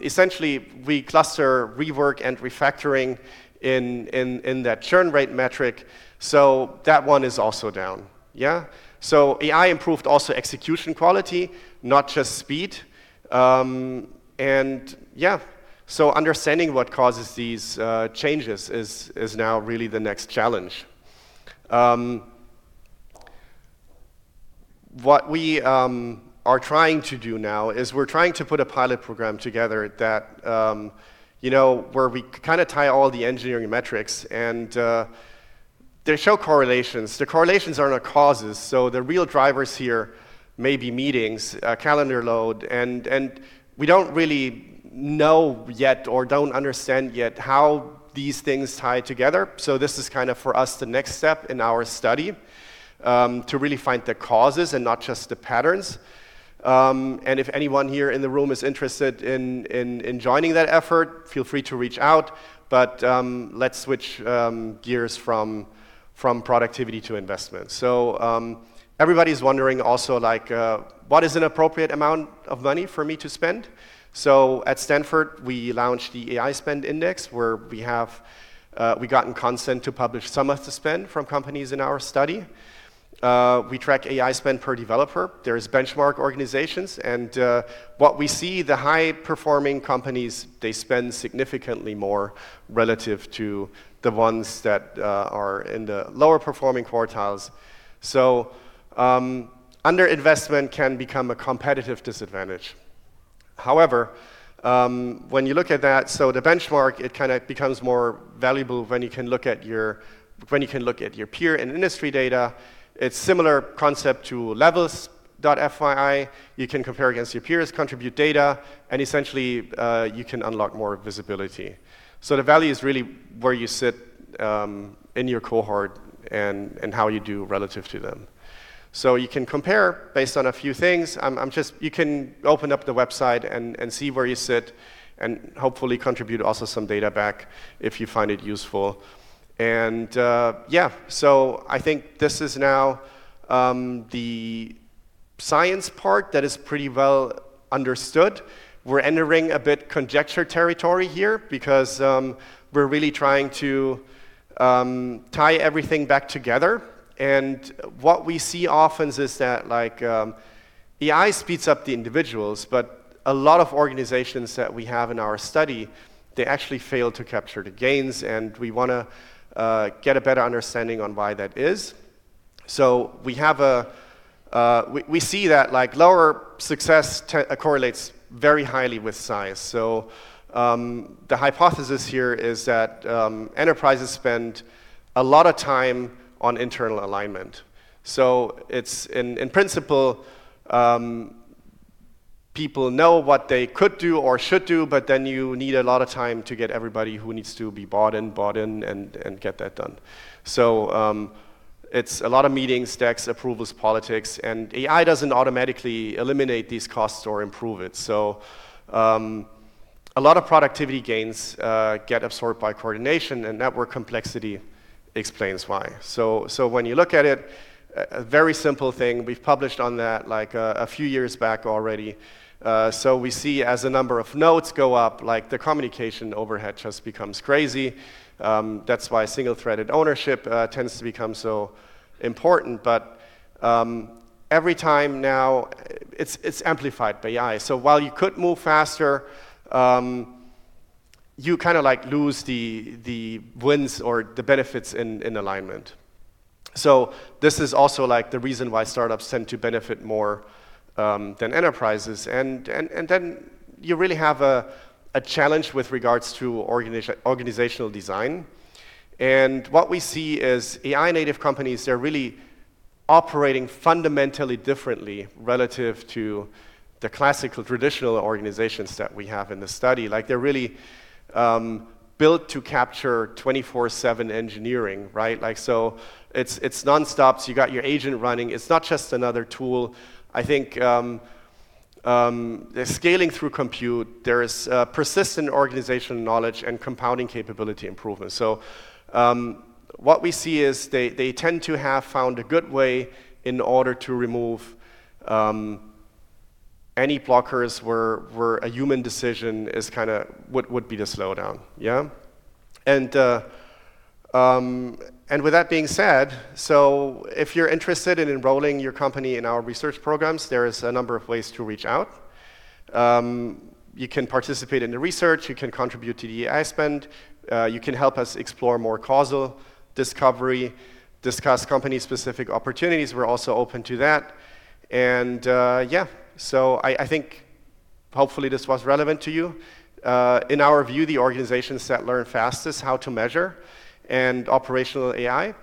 T: essentially we cluster rework and refactoring in that churn rate metric. That one is also down. AI improved also execution quality, not just speed. Yeah. Understanding what causes these changes is now really the next challenge. What we are trying to do now is we're trying to put a pilot program together where we tie all the engineering metrics, they show correlations. The correlations are not causes. The real drivers here may be meetings, calendar load, we don't really know yet or don't understand yet how these things tie together. This is for us the next step in our study to really find the causes and not just the patterns. If anyone here in the room is interested in joining that effort, feel free to reach out. Let's switch gears from productivity to investment. Everybody's wondering also what is an appropriate amount of money for me to spend? At Stanford, we launched the AI Spend Index, where we gotten consent to publish summaries to spend from companies in our study. We track AI spend per developer. There is benchmark organizations. What we see, the high-performing companies, they spend significantly more relative to the ones that are in the lower performing quartiles. Under-investment can become a competitive disadvantage. However, when you look at that, the benchmark, it becomes more valuable when you can look at your peer and industry data. It's similar concept to levels.fyi. You can compare against your peers, contribute data, essentially, you can unlock more visibility. The value is really where you sit in your cohort and how you do relative to them. You can compare based on a few things. You can open up the website and see where you sit and hopefully contribute also some data back if you find it useful. Yeah. I think this is now the science part that is pretty well understood. We're entering a bit conjecture territory here because we're really trying to tie everything back together. What we see often is that AI speeds up the individuals, but a lot of organizations that we have in our study, they actually fail to capture the gains, and we want to get a better understanding on why that is. We see that lower success correlates very highly with size. The hypothesis here is that enterprises spend a lot of time on internal alignment. It's in principle, people know what they could do or should do, but then you need a lot of time to get everybody who needs to be bought in, bought in, and get that done. It's a lot of meetings, stacks, approvals, politics, and AI doesn't automatically eliminate these costs or improve it. A lot of productivity gains get absorbed by coordination and network complexity explains why. When you look at it, a very simple thing, we've published on that a few years back already. We see as the number of nodes go up, the communication overhead just becomes crazy. That's why single-threaded ownership tends to become so important. Every time now, it's amplified by AI. While you could move faster, you kind of lose the wins or the benefits in alignment. This is also the reason why startups tend to benefit more than enterprises. Then you really have a challenge with regards to organizational design. What we see is AI native companies, they're really operating fundamentally differently relative to the classical traditional organizations that we have in the study. They're really built to capture 24/7 engineering. It's non-stop. You got your agent running. It's not just another tool. I think there's scaling through compute. There is persistent organization knowledge and compounding capability improvement. What we see is they tend to have found a good way in order to remove any blockers where a human decision would be the slowdown. Yeah. With that being said, if you're interested in enrolling your company in our research programs, there is a number of ways to reach out. You can participate in the research. You can contribute to the AI spend. You can help us explore more causal discovery, discuss company-specific opportunities. We're also open to that. Yeah. I think hopefully this was relevant to you. In our view, the organizations that learn fastest how to measure and operational AI,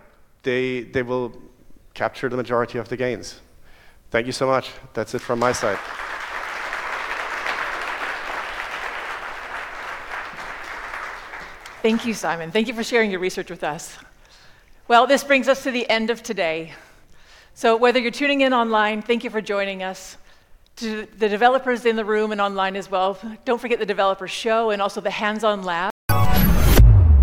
T: they will capture the majority of the gains. Thank you so much. That's it from my side.
M: Thank you, Simon. Thank you for sharing your research with us. This brings us to the end of today. Whether you're tuning in online, thank you for joining us. To the developers in the room and online as well, don't forget the developer show and also the hands-on lab.